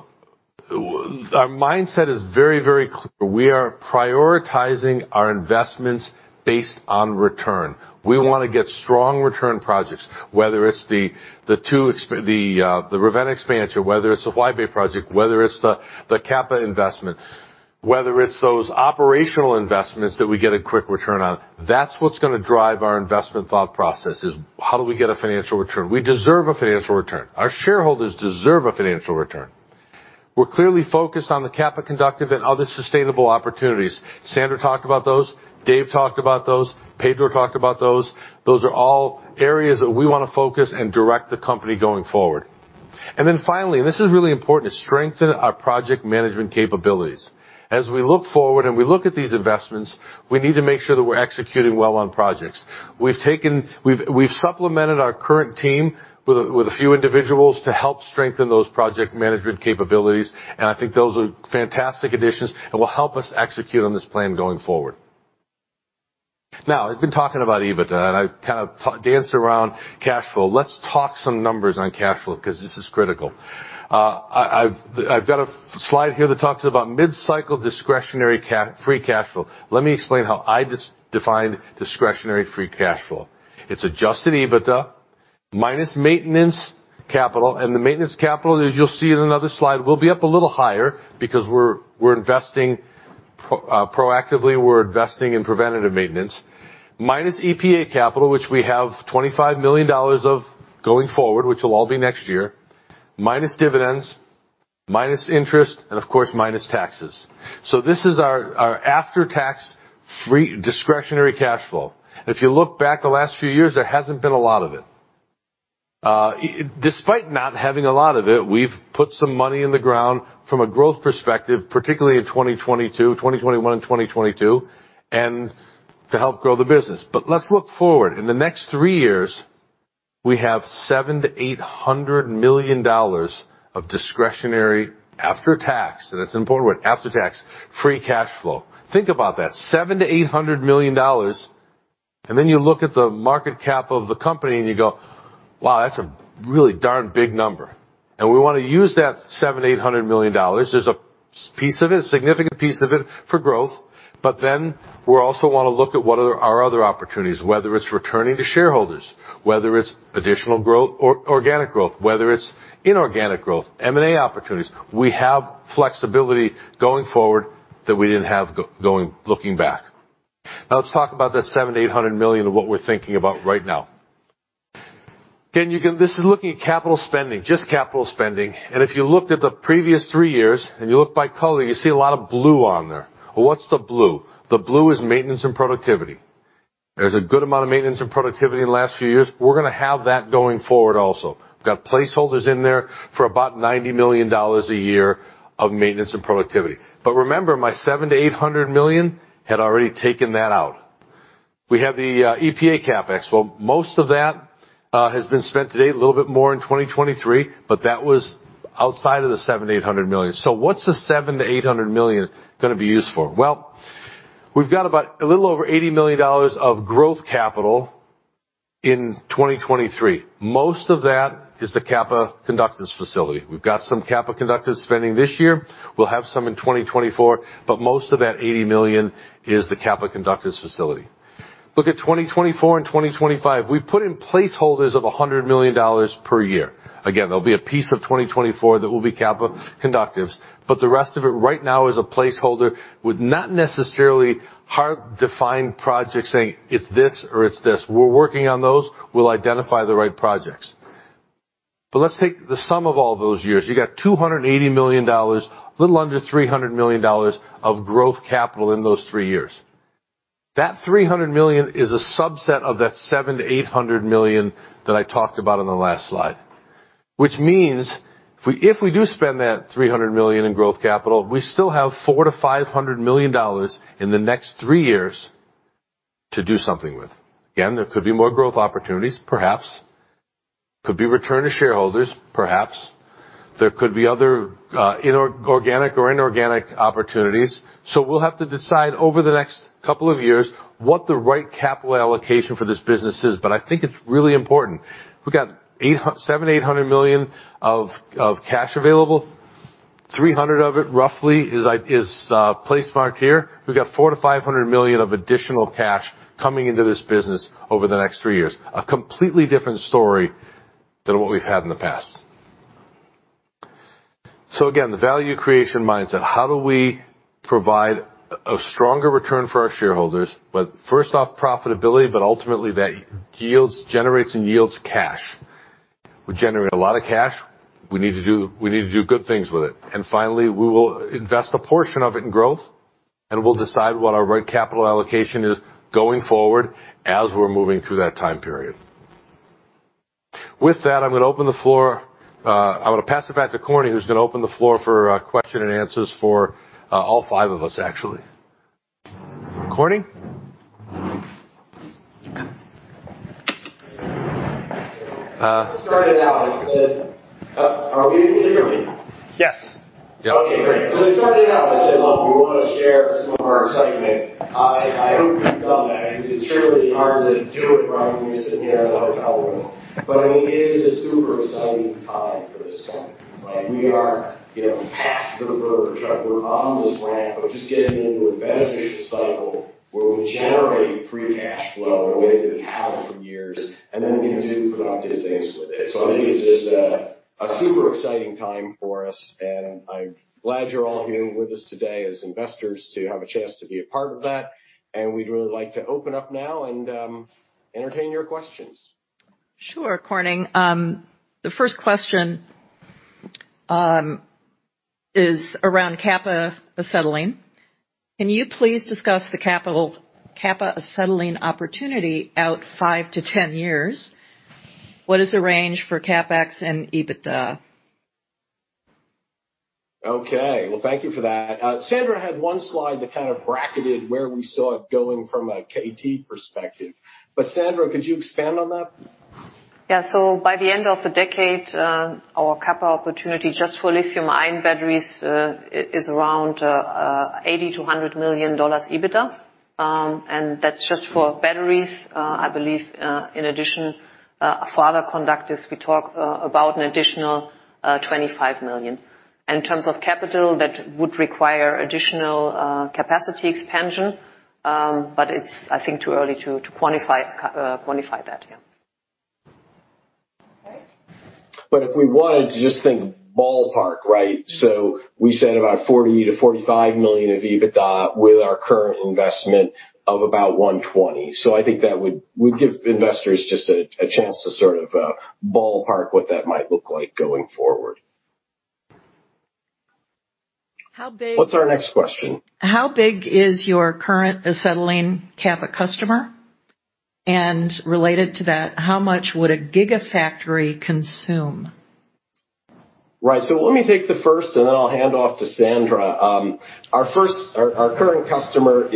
Our mindset is very, very clear. We are prioritizing our investments based on return. We wanna get strong return projects, whether it's the Ravenna expansion, whether it's the Huaibei project, whether it's the Kappa investment, whether it's those operational investments that we get a quick return on. That's what's gonna drive our investment thought process: how do we get a financial return? We deserve a financial return. Our shareholders deserve a financial return. We're clearly focused on the CapEx, conductive and other sustainable opportunities. Sandra talked about those, Dave talked about those, Pedro talked about those. Those are all areas that we wanna focus and direct the company going forward. Then finally, this is really important, to strengthen our project management capabilities. As we look forward and we look at these investments, we need to make sure that we're executing well on projects. We've supplemented our current team with a few individuals to help strengthen those project management capabilities, and I think those are fantastic additions and will help us execute on this plan going forward. Now, we've been talking about EBITDA, and I've kind of danced around cash flow. Let's talk some numbers on cash flow because this is critical. I've got a slide here that talks about mid-cycle discretionary free cash flow. Let me explain how I define discretionary free cash flow. It's Adjusted EBITDA minus maintenance capital, and the maintenance capital, as you'll see in another slide, will be up a little higher because we're investing proactively, we're investing in preventative maintenance. Minus EPA capital, which we have $25 million of going forward, which will all be next year. Minus dividends, minus interest, and of course, minus taxes. This is our after-tax free discretionary cash flow. If you look back the last few years, there hasn't been a lot of it. Despite not having a lot of it, we've put some money in the ground from a growth perspective, particularly in 2021 and 2022, and to help grow the business. Let's look forward. In the next three years, we have $700 million-$800 million of discretionary after tax, and it's important, after tax, free cash flow. Think about that, $700 million-$800 million, and then you look at the market cap of the company and you go, "Wow, that's a really darn big number." We wanna use that $700 million-$800 million. There's a piece of it, a significant piece of it for growth, but then we also wanna look at what our other opportunities, whether it's returning to shareholders, whether it's additional growth or organic growth, whether it's inorganic growth, M&A opportunities. We have flexibility going forward that we didn't have looking back. Now let's talk about that $700 million-$800 million and what we're thinking about right now. Again, this is looking at capital spending, just capital spending. If you looked at the previous three years, and you look by color, you see a lot of blue on there. What's the blue? The blue is maintenance and productivity. There's a good amount of maintenance and productivity in the last few years. We're gonna have that going forward also. We've got placeholders in there for about $90 million a year of maintenance and productivity. Remember, my $700 million-$800 million had already taken that out. We have the EPA CapEx. Well, most of that has been spent to date, a little bit more in 2023, but that was outside of the $700 million-$800 million. What's the $700 million-$800 million gonna be used for? Well, we've got about a little over $80 million of growth capital in 2023. Most of that is the Kappa conductives facility. We've got some Kappa conductives spending this year. We'll have some in 2024, but most of that $80 million is the Kappa conductives facility. Look at 2024 and 2025. We put in placeholders of $100 million per year. Again, there'll be a piece of 2024 that will be Kappa conductives, but the rest of it right now is a placeholder with not necessarily hard-defined projects saying, it's this or it's this. We're working on those. We'll identify the right projects. Let's take the sum of all those years. You got $280 million, a little under $300 million of growth capital in those three years. That $300 million is a subset of that $700 million-$800 million that I talked about on the last slide. Which means if we do spend that $300 million in growth capital, we still have $400 million-$500 million in the next three years to do something with. Again, there could be more growth opportunities, perhaps. Could be return to shareholders, perhaps. There could be other, organic or inorganic opportunities. We'll have to decide over the next couple of years what the right capital allocation for this business is, but I think it's really important. We've got $700 million-$800 million of cash available. $300 million of it, roughly, is earmarked here. We've got $400 million-$500 million of additional cash coming into this business over the next three years. A completely different story than what we've had in the past. Again, the value creation mindset, how do we provide a stronger return for our shareholders, but first off, profitability, but ultimately that yields, generates and yields cash. We generate a lot of cash. We need to do good things with it. Finally, we will invest a portion of it in growth, and we'll decide what our right capital allocation is going forward as we're moving through that time period. With that, I'm gonna open the floor. I'm gonna pass it back to Corning, who's gonna open the floor for question-and-answers for all five of us, actually. Corning? Are we? Can you hear me? Yes. Okay, great. Starting out, I said, well, we wanna share some of our excitement. I hope we've done that. It's really hard to do it right when you're sitting here in a hotel room. I mean, it is a super exciting time for this company, right? We are, you know, past the verge, right? We're on this ramp of just getting into a beneficial cycle where we generate free cash flow the way we didn't have it for years, and then we can do productive things with it. I think this is a super exciting time for us, and I'm glad you're all here with us today as investors to have a chance to be a part of that. We'd really like to open up now and entertain your questions. Sure, Corning. The first question is around Kappa acetylene. Can you please discuss the CapEx Kappa acetylene opportunity out five to 10 years? What is the range for CapEx and EBITDA? Okay. Well, thank you for that. Sandra had one slide that kind of bracketed where we saw it going from a KT perspective, but Sandra, could you expand on that? Yeah. By the end of the decade, our Kappa opportunity just for lithium-ion batteries is around $80 million-$100 million EBITDA. That's just for batteries. I believe in addition, for other conductors, we talk about an additional $25 million. In terms of capital, that would require additional capacity expansion, but it's, I think, too early to quantify that, yeah. Okay. If we wanted to just think ballpark, right? We said about $40 million-$45 million of EBITDA with our current investment of about $120 million. I think that would give investors just a chance to sort of ballpark what that might look like going forward. How big- What's our next question? How big is your current acetylene Kappa customer? Related to that, how much would a gigafactory consume? Right. Let me take the first, and then I'll hand off to Sandra. Our current customer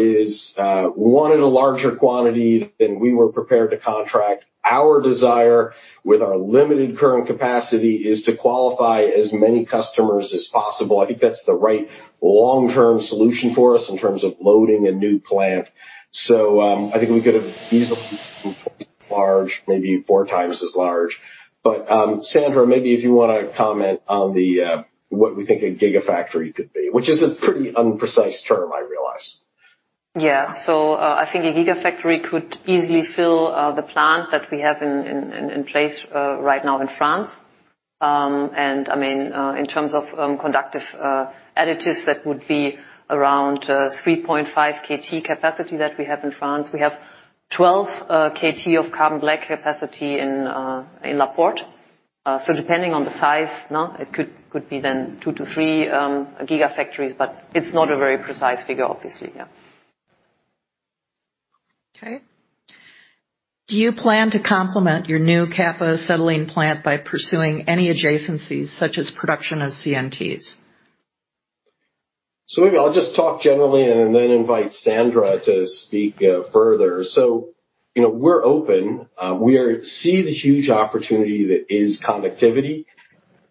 wanted a larger quantity than we were prepared to contract. Our desire with our limited current capacity is to qualify as many customers as possible. I think that's the right long-term solution for us in terms of loading a new plant. I think we could easily larger, maybe 4x as large. Sandra, maybe if you wanna comment on what we think a gigafactory could be, which is a pretty imprecise term, I realize. Yeah. I think a gigafactory could easily fill the plant that we have in place right now in France. I mean, in terms of conductive additives, that would be around 3.5 KT capacity that we have in France. We have 12 KT of carbon black capacity in La Porte. Depending on the size, it could be then two-three gigafactories, but it's not a very precise figure, obviously. Yeah. Okay. Do you plan to complement your new Kappa acetylene plant by pursuing any adjacencies, such as production of CNTs? Maybe I'll just talk generally and then invite Sandra to speak further. You know, we're open. We see the huge opportunity that is conductivity.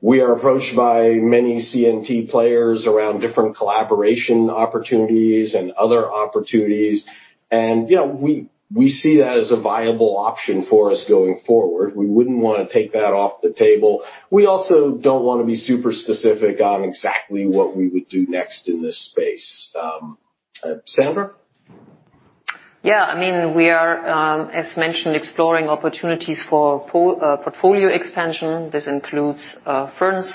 We are approached by many CNT players around different collaboration opportunities and other opportunities. You know, we see that as a viable option for us going forward. We wouldn't wanna take that off the table. We also don't wanna be super specific on exactly what we would do next in this space. Sandra? Yeah, I mean, we are, as mentioned, exploring opportunities for portfolio expansion. This includes furnace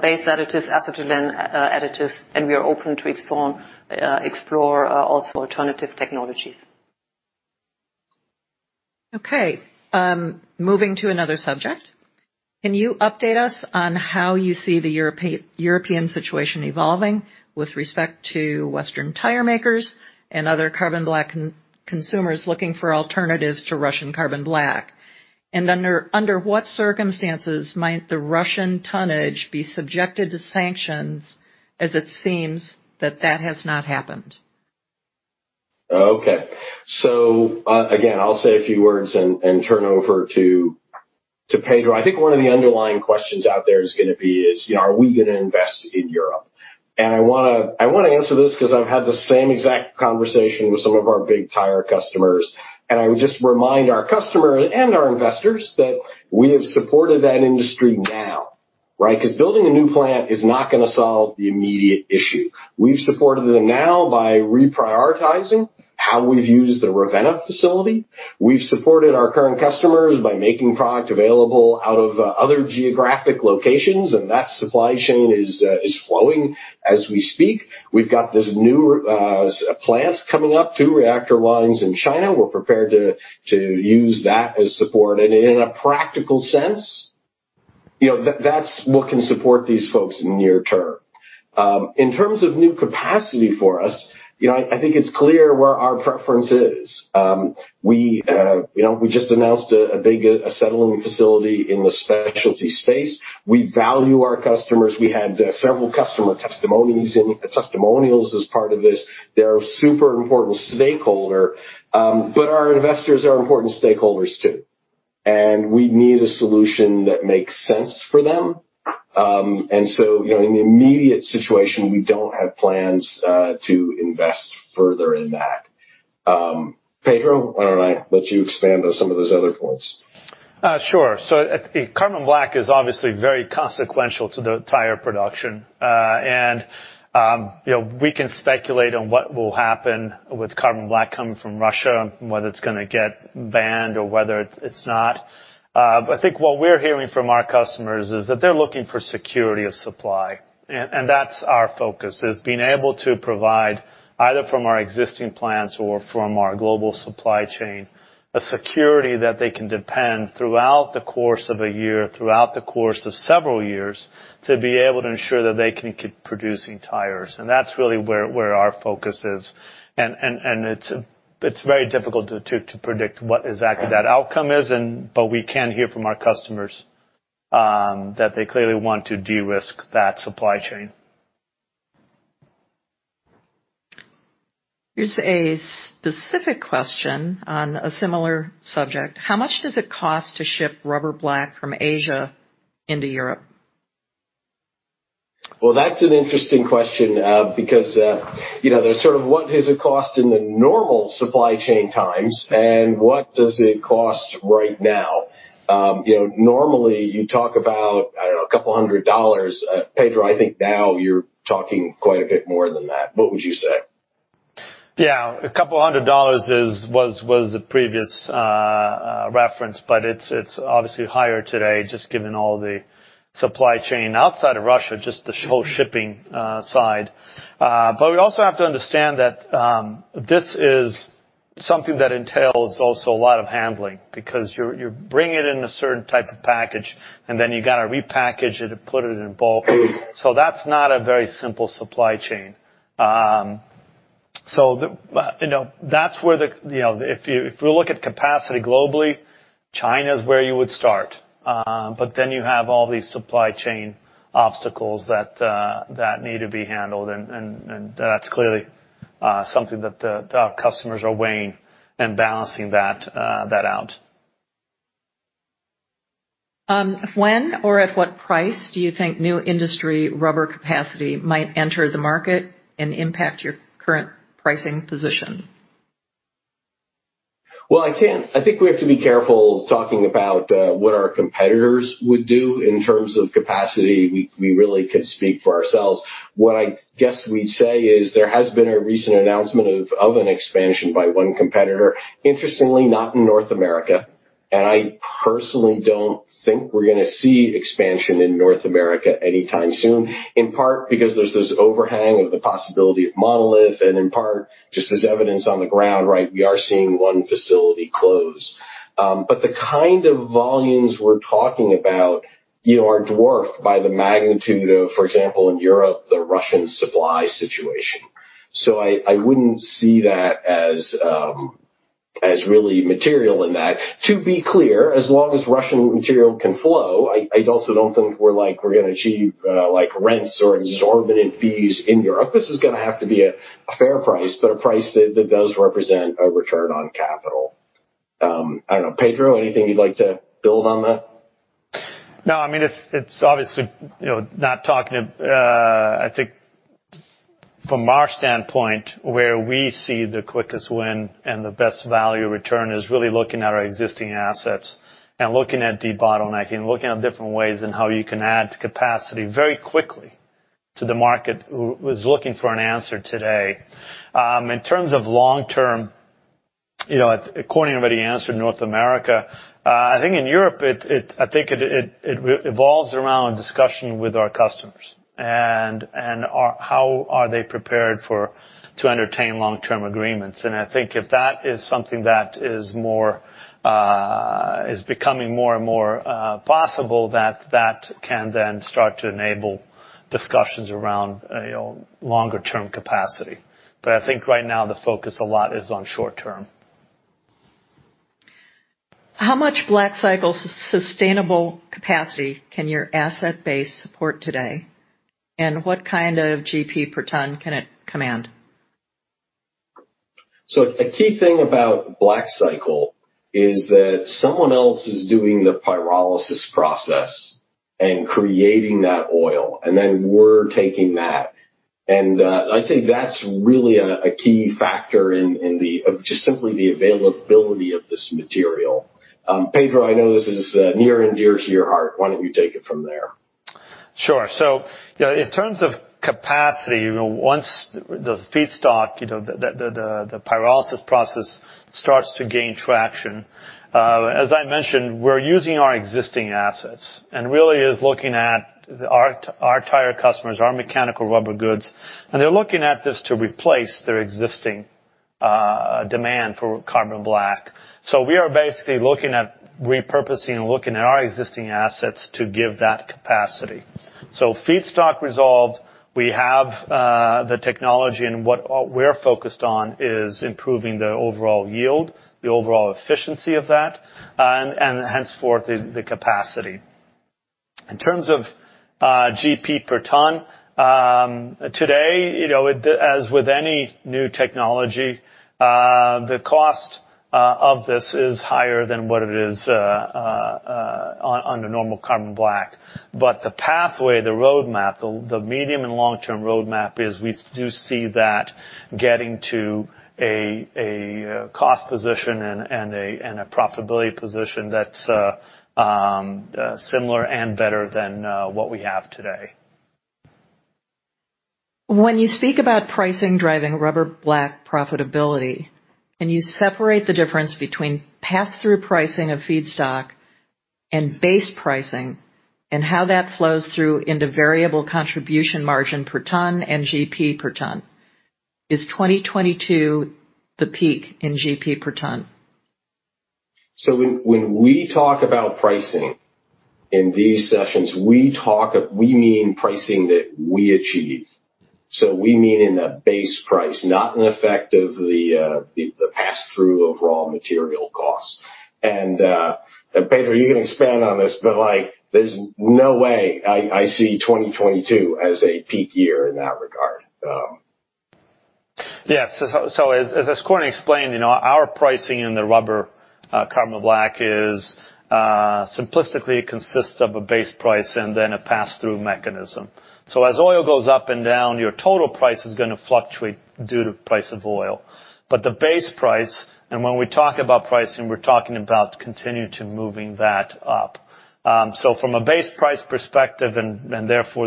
based additives, acetylene additives, and we are open to explore also alternative technologies. Okay. Moving to another subject, can you update us on how you see the European situation evolving with respect to Western tire makers and other carbon black consumers looking for alternatives to Russian carbon black? Under what circumstances might the Russian tonnage be subjected to sanctions as it seems that has not happened? Okay. Again, I'll say a few words and turn over to Pedro. I think one of the underlying questions out there is gonna be, you know, are we gonna invest in Europe? I wanna answer this 'cause I've had the same exact conversation with some of our big tire customers. I would just remind our customer and our investors that we have supported that industry now, right? 'Cause building a new plant is not gonna solve the immediate issue. We've supported them now by reprioritizing how we've used the Ravenna facility. We've supported our current customers by making product available out of other geographic locations, and that supply chain is flowing as we speak. We've got this new plant coming up, two reactor lines in China. We're prepared to use that as support. In a practical sense, that's what can support these folks near term. In terms of new capacity for us, I think it's clear where our preference is. We just announced a big acetylene facility in the specialty space. We value our customers. We had several customer testimonials as part of this. They're super important stakeholder, but our investors are important stakeholders too, and we need a solution that makes sense for them. In the immediate situation, we don't have plans to invest further in that. Pedro, why don't I let you expand on some of those other points? Sure. Carbon black is obviously very consequential to the tire production. You know, we can speculate on what will happen with carbon black coming from Russia, whether it's gonna get banned or whether it's not. I think what we're hearing from our customers is that they're looking for security of supply. That's our focus, is being able to provide either from our existing plants or from our global supply chain, a security that they can depend throughout the course of a year, throughout the course of several years, to be able to ensure that they can keep producing tires. That's really where our focus is. It's very difficult to predict what exactly that outcome is. We can hear from our customers that they clearly want to de-risk that supply chain. Here's a specific question on a similar subject: How much does it cost to ship rubber black from Asia into Europe? Well, that's an interesting question, because you know, there's sort of what does it cost in the normal supply chain times and what does it cost right now? You know, normally you talk about, I don't know, $200. Pedro, I think now you're talking quite a bit more than that. What would you say? Yeah, $200 was the previous reference, but it's obviously higher today, just given all the supply chain outside of Russia, just the whole shipping side. We also have to understand that this is something that entails also a lot of handling because you're bringing in a certain type of package, and then you gotta repackage it and put it in bulk. That's not a very simple supply chain. You know, that's where you know if you look at capacity globally, China is where you would start. You have all these supply chain obstacles that need to be handled, and that's clearly something that the customers are weighing and balancing that out. When or at what price do you think new industry rubber capacity might enter the market and impact your current pricing position? I think we have to be careful talking about what our competitors would do in terms of capacity. We really could speak for ourselves. What I guess we'd say is there has been a recent announcement of an expansion by one competitor, interestingly, not in North America, and I personally don't think we're gonna see expansion in North America anytime soon, in part because there's this overhang of the possibility of Monolith, and in part, just as evidence on the ground, right, we are seeing one facility close. But the kind of volumes we're talking about, you know, are dwarfed by the magnitude of, for example, in Europe, the Russian supply situation. I wouldn't see that as really material in that. To be clear, as long as Russian material can flow, I also don't think we're like, we're gonna achieve like rents or exorbitant fees in Europe. This is gonna have to be a fair price, but a price that does represent a return on capital. I don't know. Pedro, anything you'd like to build on that? No, I mean, it's obviously, you know, not talking. I think from our standpoint, where we see the quickest win and the best value return is really looking at our existing assets and looking at debottlenecking, looking at different ways in how you can add capacity very quickly to the market was looking for an answer today. In terms of long-term, you know, according to everybody answered, North America. I think in Europe it revolves around discussion with our customers and how are they prepared for to entertain long-term agreements. I think if that is something that is more is becoming more and more possible that that can then start to enable discussions around, you know, longer term capacity. I think right now the focus a lot is on short term. How much BlackCycle's sustainable capacity can your asset base support today, and what kind of GP per ton can it command? A key thing about BlackCycle is that someone else is doing the pyrolysis process and creating that oil, and then we're taking that. I'd say that's really a key factor of just simply the availability of this material. Pedro, I know this is near and dear to your heart. Why don't you take it from there? Sure. In terms of capacity, once the feedstock, the pyrolysis process starts to gain traction, as I mentioned, we're using our existing assets and really is looking at our tire customers, our mechanical rubber goods, and they're looking at this to replace their existing demand for carbon black. We are basically looking at repurposing and looking at our existing assets to give that capacity. Feedstock resolved, we have the technology, and we're focused on is improving the overall yield, the overall efficiency of that, and henceforth the capacity. In terms of GP per ton, today, as with any new technology, the cost of this is higher than what it is, on the normal carbon black. The pathway, the roadmap, the medium- and long-term roadmap is we do see that getting to a cost position and a profitability position that's similar and better than what we have today. When you speak about pricing driving rubber black profitability, and you separate the difference between passthrough pricing of feedstock and base pricing and how that flows through into variable contribution margin per ton and GP per ton, is 2022 the peak in GP per ton? When we talk about pricing in these sessions, we mean pricing that we achieve. We mean a base price, not an effect of the pass-through of raw material costs. Pedro, you can expand on this, but like, there's no way I see 2022 as a peak year in that regard. Yes. As Corning explained, you know, our pricing in the rubber carbon black simplistically consists of a base price and then a pass-through mechanism. As oil goes up and down, your total price is gonna fluctuate due to price of oil. But the base price, and when we talk about pricing, we're talking about continue to moving that up. From a base price perspective and therefore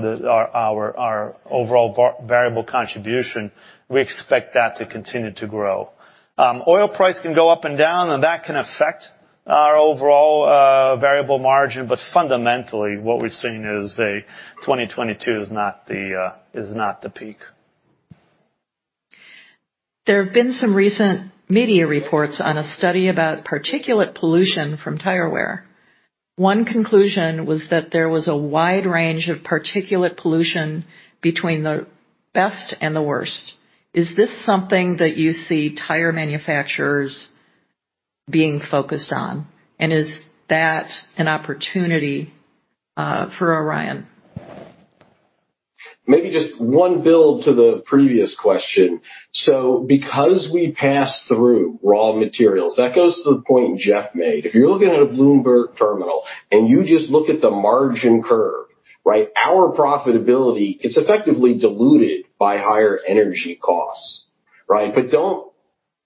our overall variable contribution, we expect that to continue to grow. Oil price can go up and down, and that can affect our overall variable margin, but fundamentally, what we're seeing is that 2022 is not the peak. There have been some recent media reports on a study about particulate pollution from tire wear. One conclusion was that there was a wide range of particulate pollution between the best and the worst. Is this something that you see tire manufacturers being focused on? Is that an opportunity for Orion? Maybe just one build to the previous question. Because we pass through raw materials, that goes to the point Jeff made. If you're looking at a Bloomberg terminal, and you just look at the margin curve, right? Our profitability, it's effectively diluted by higher energy costs, right? But don't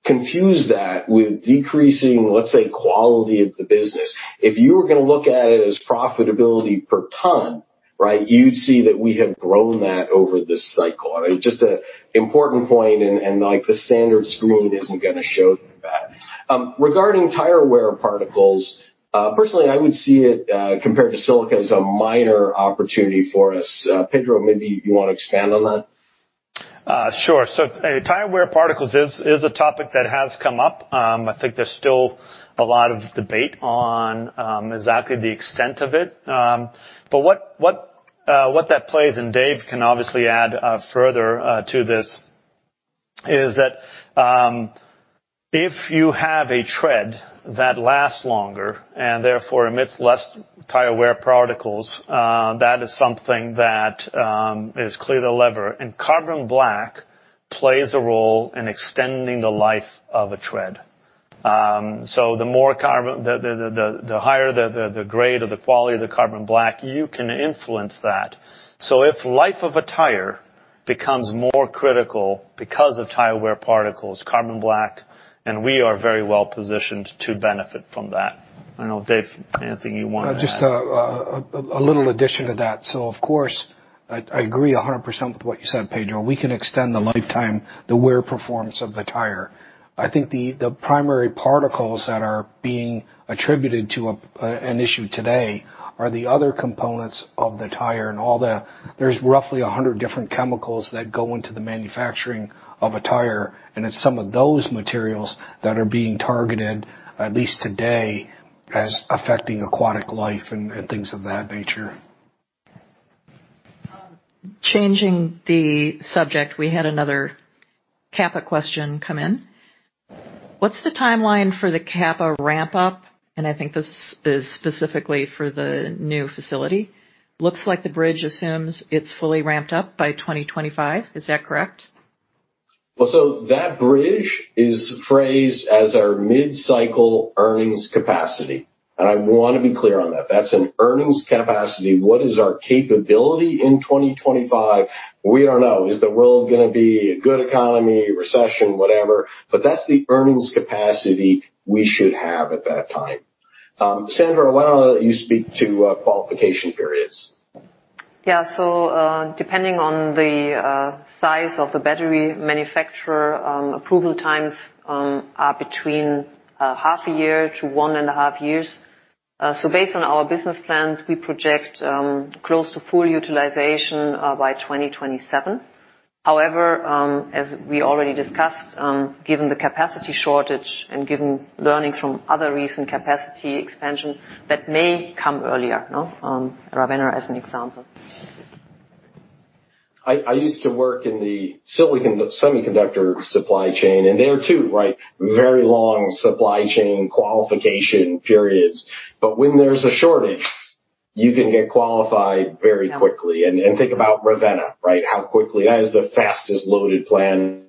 confuse that with decreasing, let's say, quality of the business. If you were gonna look at it as profitability per ton, right, you'd see that we have grown that over this cycle. I mean, just a important point and, like, the standard screen isn't gonna show you that. Regarding tire wear particles, personally, I would see it compared to silica as a minor opportunity for us. Pedro, maybe you wanna expand on that. Sure. Tire wear particles is a topic that has come up. I think there's still a lot of debate on exactly the extent of it. But what that plays, and Dave can obviously add further to this, is that if you have a tread that lasts longer and therefore emits less tire wear particles, that is something that is clearly a lever. Carbon black plays a role in extending the life of a tread. The higher the grade or the quality of the carbon black, you can influence that. If life of a tire becomes more critical because of tire wear particles, carbon black, and we are very well positioned to benefit from that. I don't know, Dave, anything you wanna add? Just a little addition to that. Of course, I agree 100% with what you said, Pedro. We can extend the lifetime, the wear performance of the tire. I think the primary particles that are being attributed to an issue today are the other components of the tire. There's roughly 100 different chemicals that go into the manufacturing of a tire, and it's some of those materials that are being targeted, at least today, as affecting aquatic life and things of that nature. Changing the subject, we had another Kappa question come in. What's the timeline for the Kappa ramp-up? I think this is specifically for the new facility. Looks like the bridge assumes it's fully ramped up by 2025. Is that correct? That bridge is phrased as our mid-cycle earnings capacity. I wanna be clear on that. That's an earnings capacity. What is our capability in 2025? We don't know. Is the world gonna be a good economy, recession, whatever? That's the earnings capacity we should have at that time. Sandra, why don't I let you speak to qualification periods? Yeah. Depending on the size of the battery manufacturer, approval times are between half a year to one and a half years. Based on our business plans, we project close to full utilization by 2027. However, as we already discussed, given the capacity shortage and given learnings from other recent capacity expansion, that may come earlier, no. Ravenna as an example. I used to work in the silicon semiconductor supply chain, and they were, too, right? Very long supply chain qualification periods. When there's a shortage, you can get qualified very quickly. Think about Ravenna, right? How quickly that is the fastest loaded plant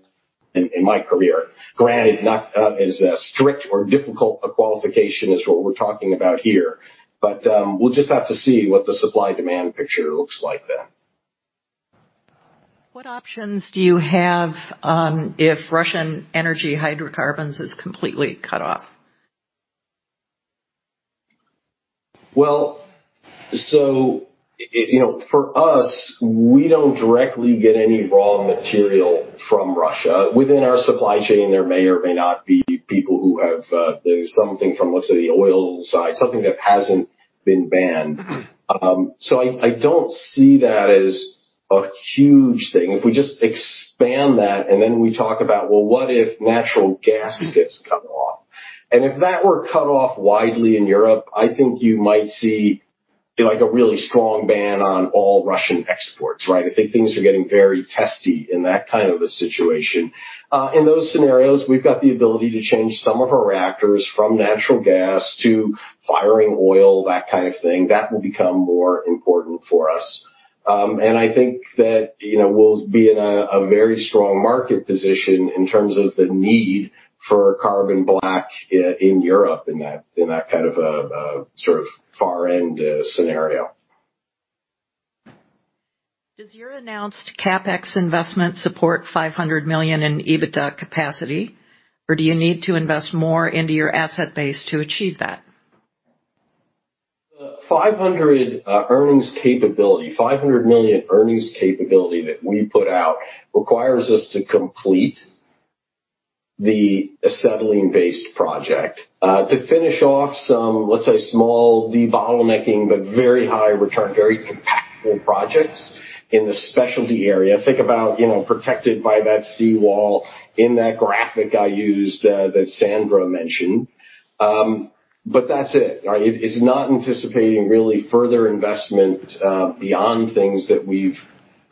in my career. Granted, not as strict or difficult a qualification as what we're talking about here. We'll just have to see what the supply-demand picture looks like then. What options do you have, if Russian energy hydrocarbons is completely cut off? You know, for us, we don't directly get any raw material from Russia. Within our supply chain, there may or may not be people who have, something from, let's say, the oil side, something that hasn't been banned. I don't see that as a huge thing. If we just expand that, and then we talk about, well, what if natural gas gets cut off? If that were cut off widely in Europe, I think you might see like a really strong ban on all Russian exports, right? I think things are getting very testy in that kind of a situation. In those scenarios, we've got the ability to change some of our reactors from natural gas to firing oil, that kind of thing. That will become more important for us. I think that, you know, we'll be in a very strong market position in terms of the need for carbon black in Europe in that kind of a sort of far end scenario. Does your announced CapEx investment support $500 million in EBITDA capacity, or do you need to invest more into your asset base to achieve that? The $500 million earnings capability that we put out requires us to complete the acetylene-based project, to finish off some, let's say, small de-bottlenecking, but very high return, very impactful projects in the specialty area. Think about, you know, protected by that sea wall in that graphic I used, that Sandra mentioned. But that's it. It's not anticipating really further investment, beyond things that we've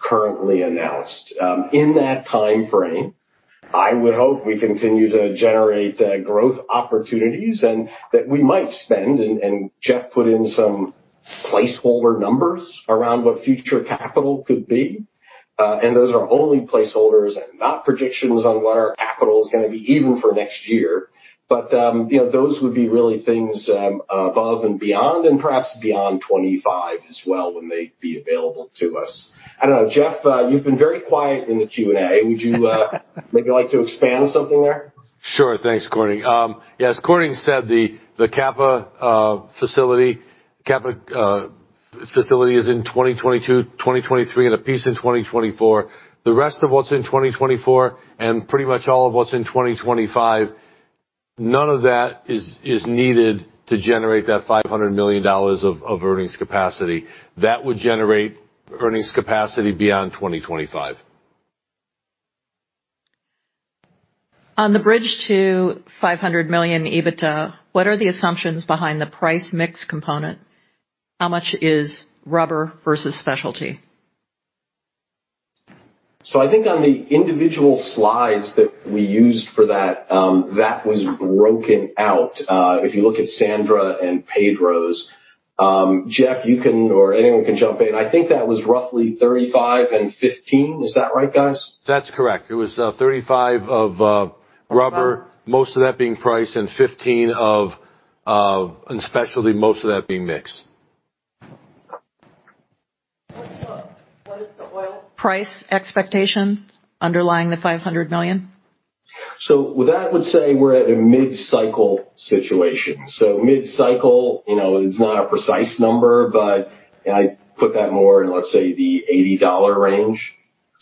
currently announced. In that timeframe, I would hope we continue to generate growth opportunities and that we might spend, and Jeff put in some placeholder numbers around what future capital could be. And those are only placeholders and not predictions on what our capital is gonna be even for next year. You know, those would be really things above and beyond, and perhaps beyond 25 as well when they'd be available to us. I don't know. Jeff, you've been very quiet in the Q&A. Would you maybe like to expand something there? Sure. Thanks, Corning. Yeah, as Corning said, the Kappa facility is in 2022, 2023, and a piece in 2024. The rest of what's in 2024 and pretty much all of what's in 2025, none of that is needed to generate that $500 million of earnings capacity. That would generate earnings capacity beyond 2025. On the bridge to $500 million EBITDA, what are the assumptions behind the price mix component? How much is rubber versus specialty? I think on the individual slides that we used for that was broken out, if you look at Sandra and Pedro's. Jeff, you can or anyone can jump in. I think that was roughly 35% and 15%. Is that right, guys? That's correct. It was 35% of rubber, most of that being price, and 15% of specialty, most of that being mix. What is the oil price expectation underlying the $500 million? With that, I would say we're at a mid-cycle situation. Mid-cycle, you know, is not a precise number, but I put that more in, let's say, the $80 range.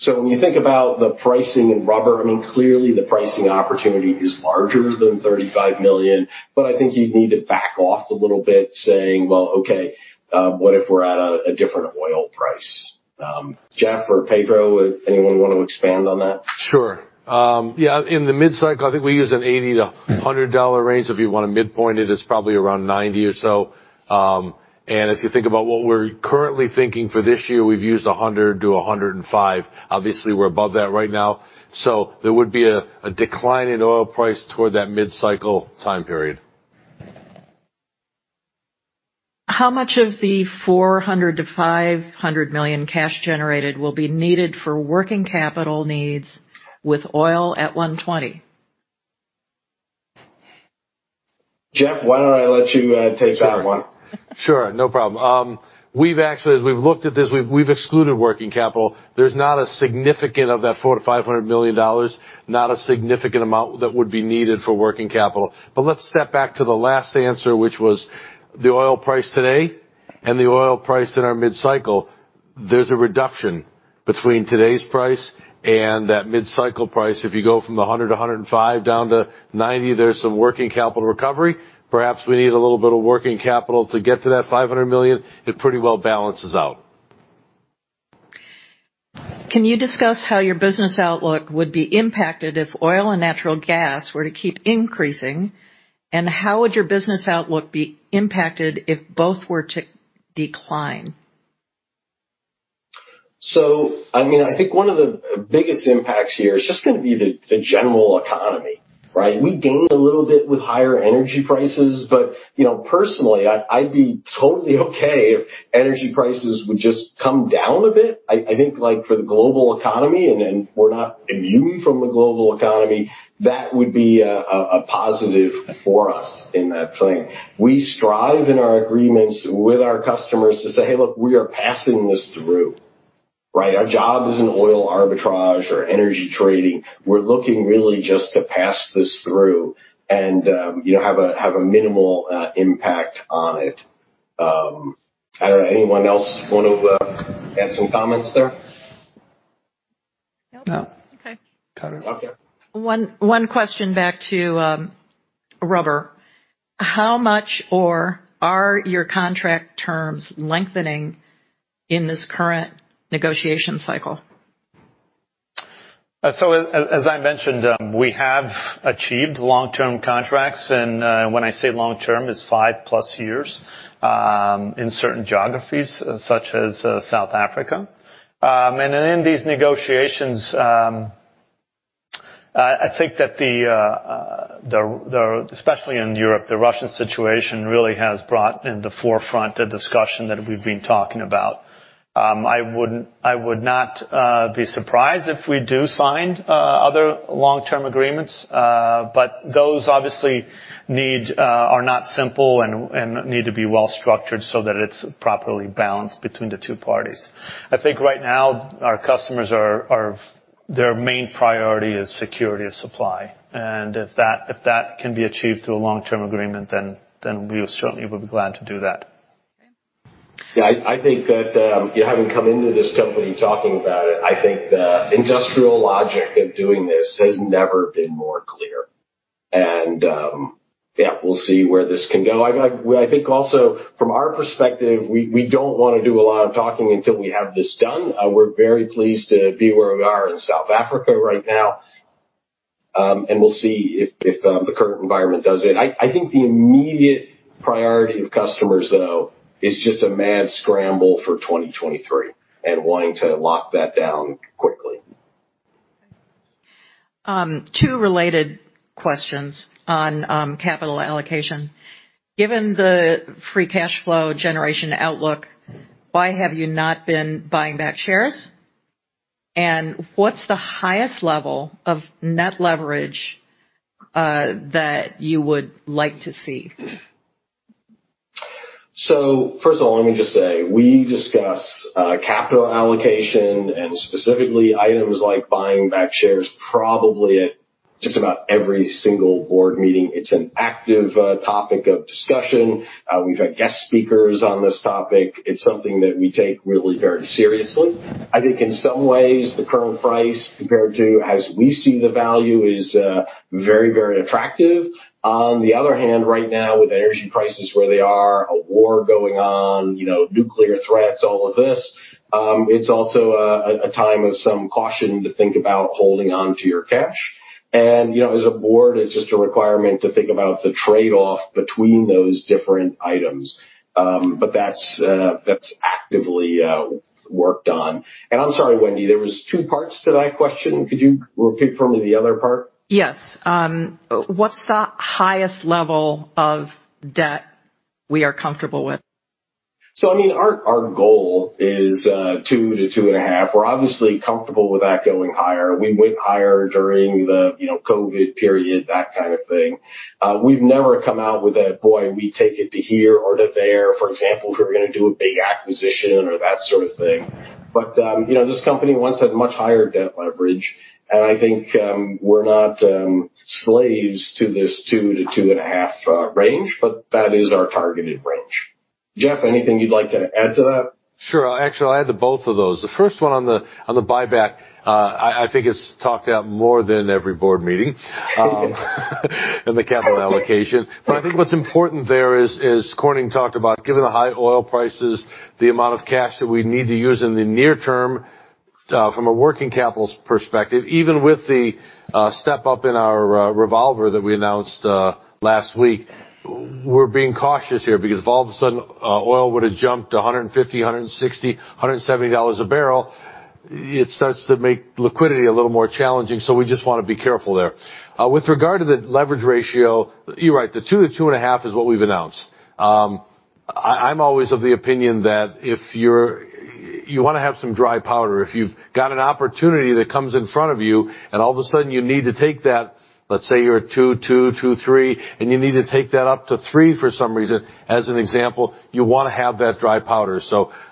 When you think about the pricing in rubber, I mean, clearly the pricing opportunity is larger than $35 million, but I think you'd need to back off a little bit saying, "Well, okay, what if we're at a different oil price?" Jeff or Pedro, would anyone want to expand on that? Sure. Yeah, in the mid-cycle, I think we use an $80-$100 range. If you wanna midpoint it's probably around $90 or so. And if you think about what we're currently thinking for this year, we've used a $100-$105. Obviously, we're above that right now. There would be a decline in oil price toward that mid-cycle time period. How much of the $400 million-$500 million cash generated will be needed for working capital needs with oil at $120? Jeff, why don't I let you take that one? Sure. No problem. As we've looked at this, we've excluded working capital. There's not a significant of that $400 million-$500 million, not a significant amount that would be needed for working capital. Let's step back to the last answer, which was the oil price today and the oil price in our mid-cycle. There's a reduction between today's price and that mid-cycle price. If you go from $100 to $105 down to $90, there's some working capital recovery. Perhaps we need a little bit of working capital to get to that $500 million. It pretty well balances out. Can you discuss how your business outlook would be impacted if oil and natural gas were to keep increasing, and how would your business outlook be impacted if both were to decline? I mean, I think one of the biggest impacts here is just gonna be the general economy, right? We gain a little bit with higher energy prices, but, you know, personally, I'd be totally okay if energy prices would just come down a bit. I think, like for the global economy, and we're not immune from the global economy, that would be a positive for us in that thing. We strive in our agreements with our customers to say, "Hey, look, we are passing this through." Right? Our job isn't oil arbitrage or energy trading. We're looking really just to pass this through and, you know, have a minimal impact on it. I don't know. Anyone else wanna add some comments there? No. No. Okay. Got it. Okay. One question back to Robert. How much are your contract terms lengthening in this current negotiation cycle? As I mentioned, we have achieved long-term contracts, and when I say long-term, it's five plus years in certain geographies such as South Africa. In these negotiations, I think that especially in Europe, the Russian situation really has brought to the forefront a discussion that we've been talking about. I would not be surprised if we do sign other long-term agreements, but those obviously are not simple and need to be well structured so that it's properly balanced between the two parties. I think right now our customers' main priority is security of supply, and if that can be achieved through a long-term agreement, then we certainly would be glad to do that. Okay. Yeah. I think that, having come into this company talking about it, I think the industrial logic of doing this has never been more clear. Yeah, we'll see where this can go. I think also from our perspective, we don't wanna do a lot of talking until we have this done. We're very pleased to be where we are in South Africa right now. We'll see if the current environment does it. I think the immediate priority of customers though is just a mad scramble for 2023 and wanting to lock that down quickly. Two related questions on capital allocation. Given the free cash flow generation outlook, why have you not been buying back shares? What's the highest level of net leverage that you would like to see? First of all, let me just say, we discuss capital allocation and specifically items like buying back shares probably at just about every single board meeting. It's an active topic of discussion. We've had guest speakers on this topic. It's something that we take really very seriously. I think in some ways, the current price compared to as we see the value is very, very attractive. On the other hand, right now, with energy prices where they are, a war going on, you know, nuclear threats, all of this, it's also a time of some caution to think about holding onto your cash. You know, as a board, it's just a requirement to think about the trade-off between those different items. But that's actively worked on. I'm sorry, Wendy, there was two parts to that question. Could you repeat for me the other part? Yes. What's the highest level of debt we are comfortable with? I mean, our goal is 2.0x-2.5x. We're obviously comfortable with that going higher. We went higher during the you know, COVID period, that kind of thing. We've never come out with a "Boy, we take it to here or to there," for example, if we're gonna do a big acquisition or that sort of thing. You know, this company once had much higher debt leverage, and I think we're not slaves to this 2.0x-2.5x range, but that is our targeted range. Jeff, anything you'd like to add to that? Sure. Actually, I'll add to both of those. The first one on the buyback, I think it's talked about more than every board meeting. The capital allocation. I think what's important there is Corning talked about given the high oil prices, the amount of cash that we need to use in the near term, from a working capital perspective, even with the step-up in our revolver that we announced last week, we're being cautious here because if all of a sudden oil were to jump to $150, $160, $170 a barrel, it starts to make liquidity a little more challenging, so we just wanna be careful there. With regard to the leverage ratio, you're right. The 2.0x-2.5x is what we've announced. I'm always of the opinion that you wanna have some dry powder. If you've got an opportunity that comes in front of you, and all of a sudden you need to take that, let's say you're at 2.2x-2.3x, and you need to take that up to 3.0x For some reason, as an example, you wanna have that dry powder.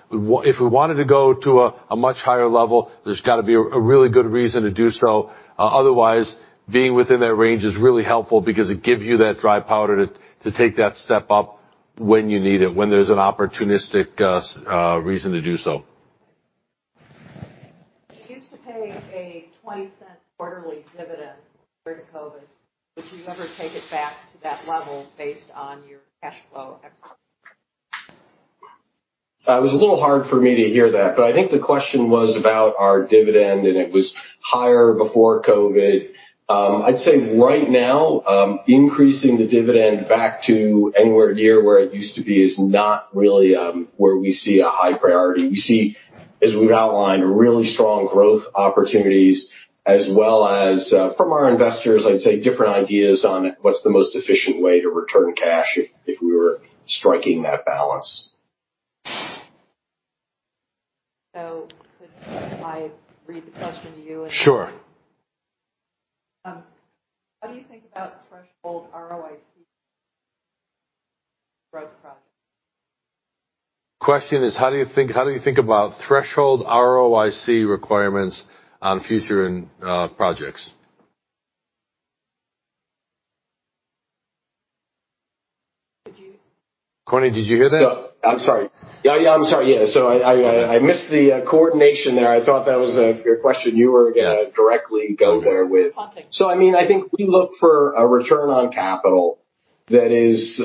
If we wanted to go to a much higher level, there's gotta be a really good reason to do so. Otherwise, being within that range is really helpful because it give you that dry powder to take that step up when you need it, when there's an opportunistic reason to do so. You used to pay a $0.20 quarterly dividend during COVID. Would you ever take it back to that level based on your cash flow excellent? It was a little hard for me to hear that, but I think the question was about our dividend, and it was higher before COVID. I'd say right now, increasing the dividend back to anywhere near where it used to be is not really where we see a high priority. We see, as we've outlined, really strong growth opportunities as well as from our investors, I'd say different ideas on what's the most efficient way to return cash if we were striking that balance. Could I read the question to you? Sure. How do you think about threshold ROIC growth projects? Question is, how do you think about threshold ROIC requirements on future projects? Did you- Corning, did you hear that? So- I'm sorry. Yeah, I missed the coordination there. I thought that was your question you were gonna directly go there with. Okay. I mean, I think we look for a return on capital that is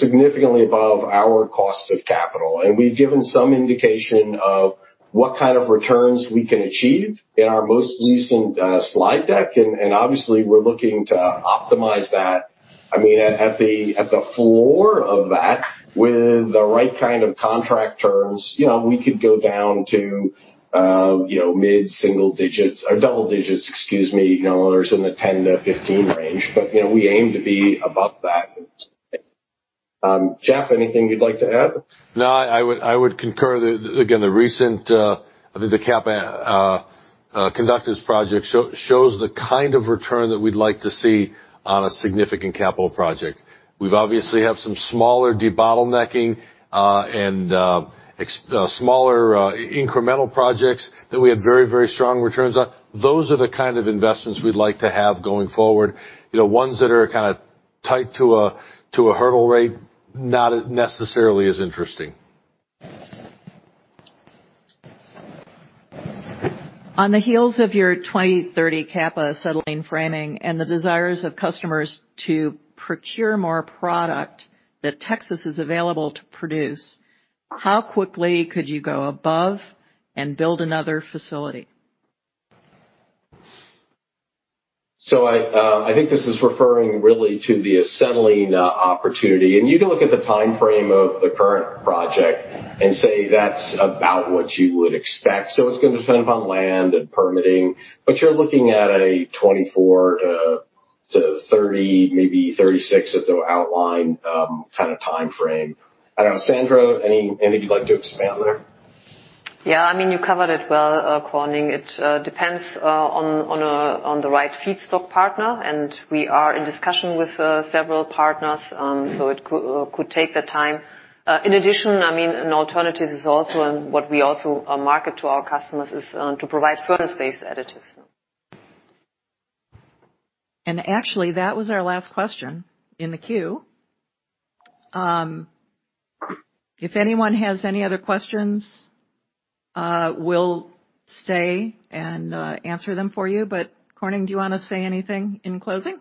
significantly above our cost of capital. We've given some indication of what kind of returns we can achieve in our most recent slide deck. Obviously, we're looking to optimize that. I mean, at the floor of that, with the right kind of contract terms, you know, we could go down to, you know, mid-single digits or double digits, excuse me, you know, where there's in the 10%-15% range. You know, we aim to be above that. Jeff, anything you'd like to add? No, I would concur. Again, the recent Kappa conductives project shows the kind of return that we'd like to see on a significant capital project. We've obviously have some smaller debottlenecking, incremental projects that we have very, very strong returns on. Those are the kind of investments we'd like to have going forward. You know, ones that are kinda tight to a hurdle rate, not as necessarily as interesting. On the heels of your 2030 Kappa acetylene black and the desires of customers to procure more product that exists is available to produce, how quickly could you go ahead and build another facility? I think this is referring really to the Acetylene opportunity. You can look at the timeframe of the current project and say that's about what you would expect. It's gonna depend upon land and permitting, but you're looking at a 24-30, maybe 36 as the outlined kinda timeframe. I don't know, Sandra, anything you'd like to expand there? Yeah. I mean, you covered it well, Corning. It depends on the right feedstock partner, and we are in discussion with several partners. So it could take the time. In addition, I mean, an alternative is also, and what we also market to our customers is to provide furnace-based additives. Actually, that was our last question in the queue. If anyone has any other questions, we'll stay and answer them for you. Corning, do you wanna say anything in closing?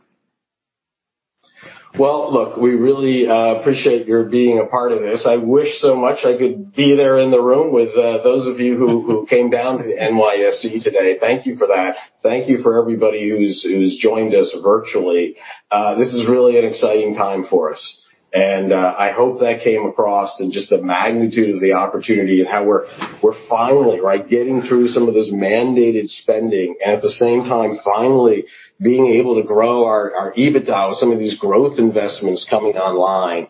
Well, look, we really appreciate your being a part of this. I wish so much I could be there in the room with those of you who came down to the NYSE today. Thank you for that. Thank you for everybody who's joined us virtually. This is really an exciting time for us. I hope that came across in just the magnitude of the opportunity and how we're finally, right, getting through some of this mandated spending. Finally being able to grow our EBITDA with some of these growth investments coming online.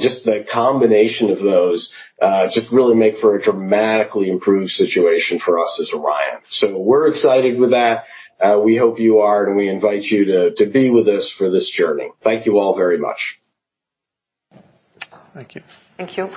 Just the combination of those just really make for a dramatically improved situation for us as Orion. We're excited with that. We hope you are, and we invite you to be with us for this journey. Thank you all very much. Thank you. Thank you.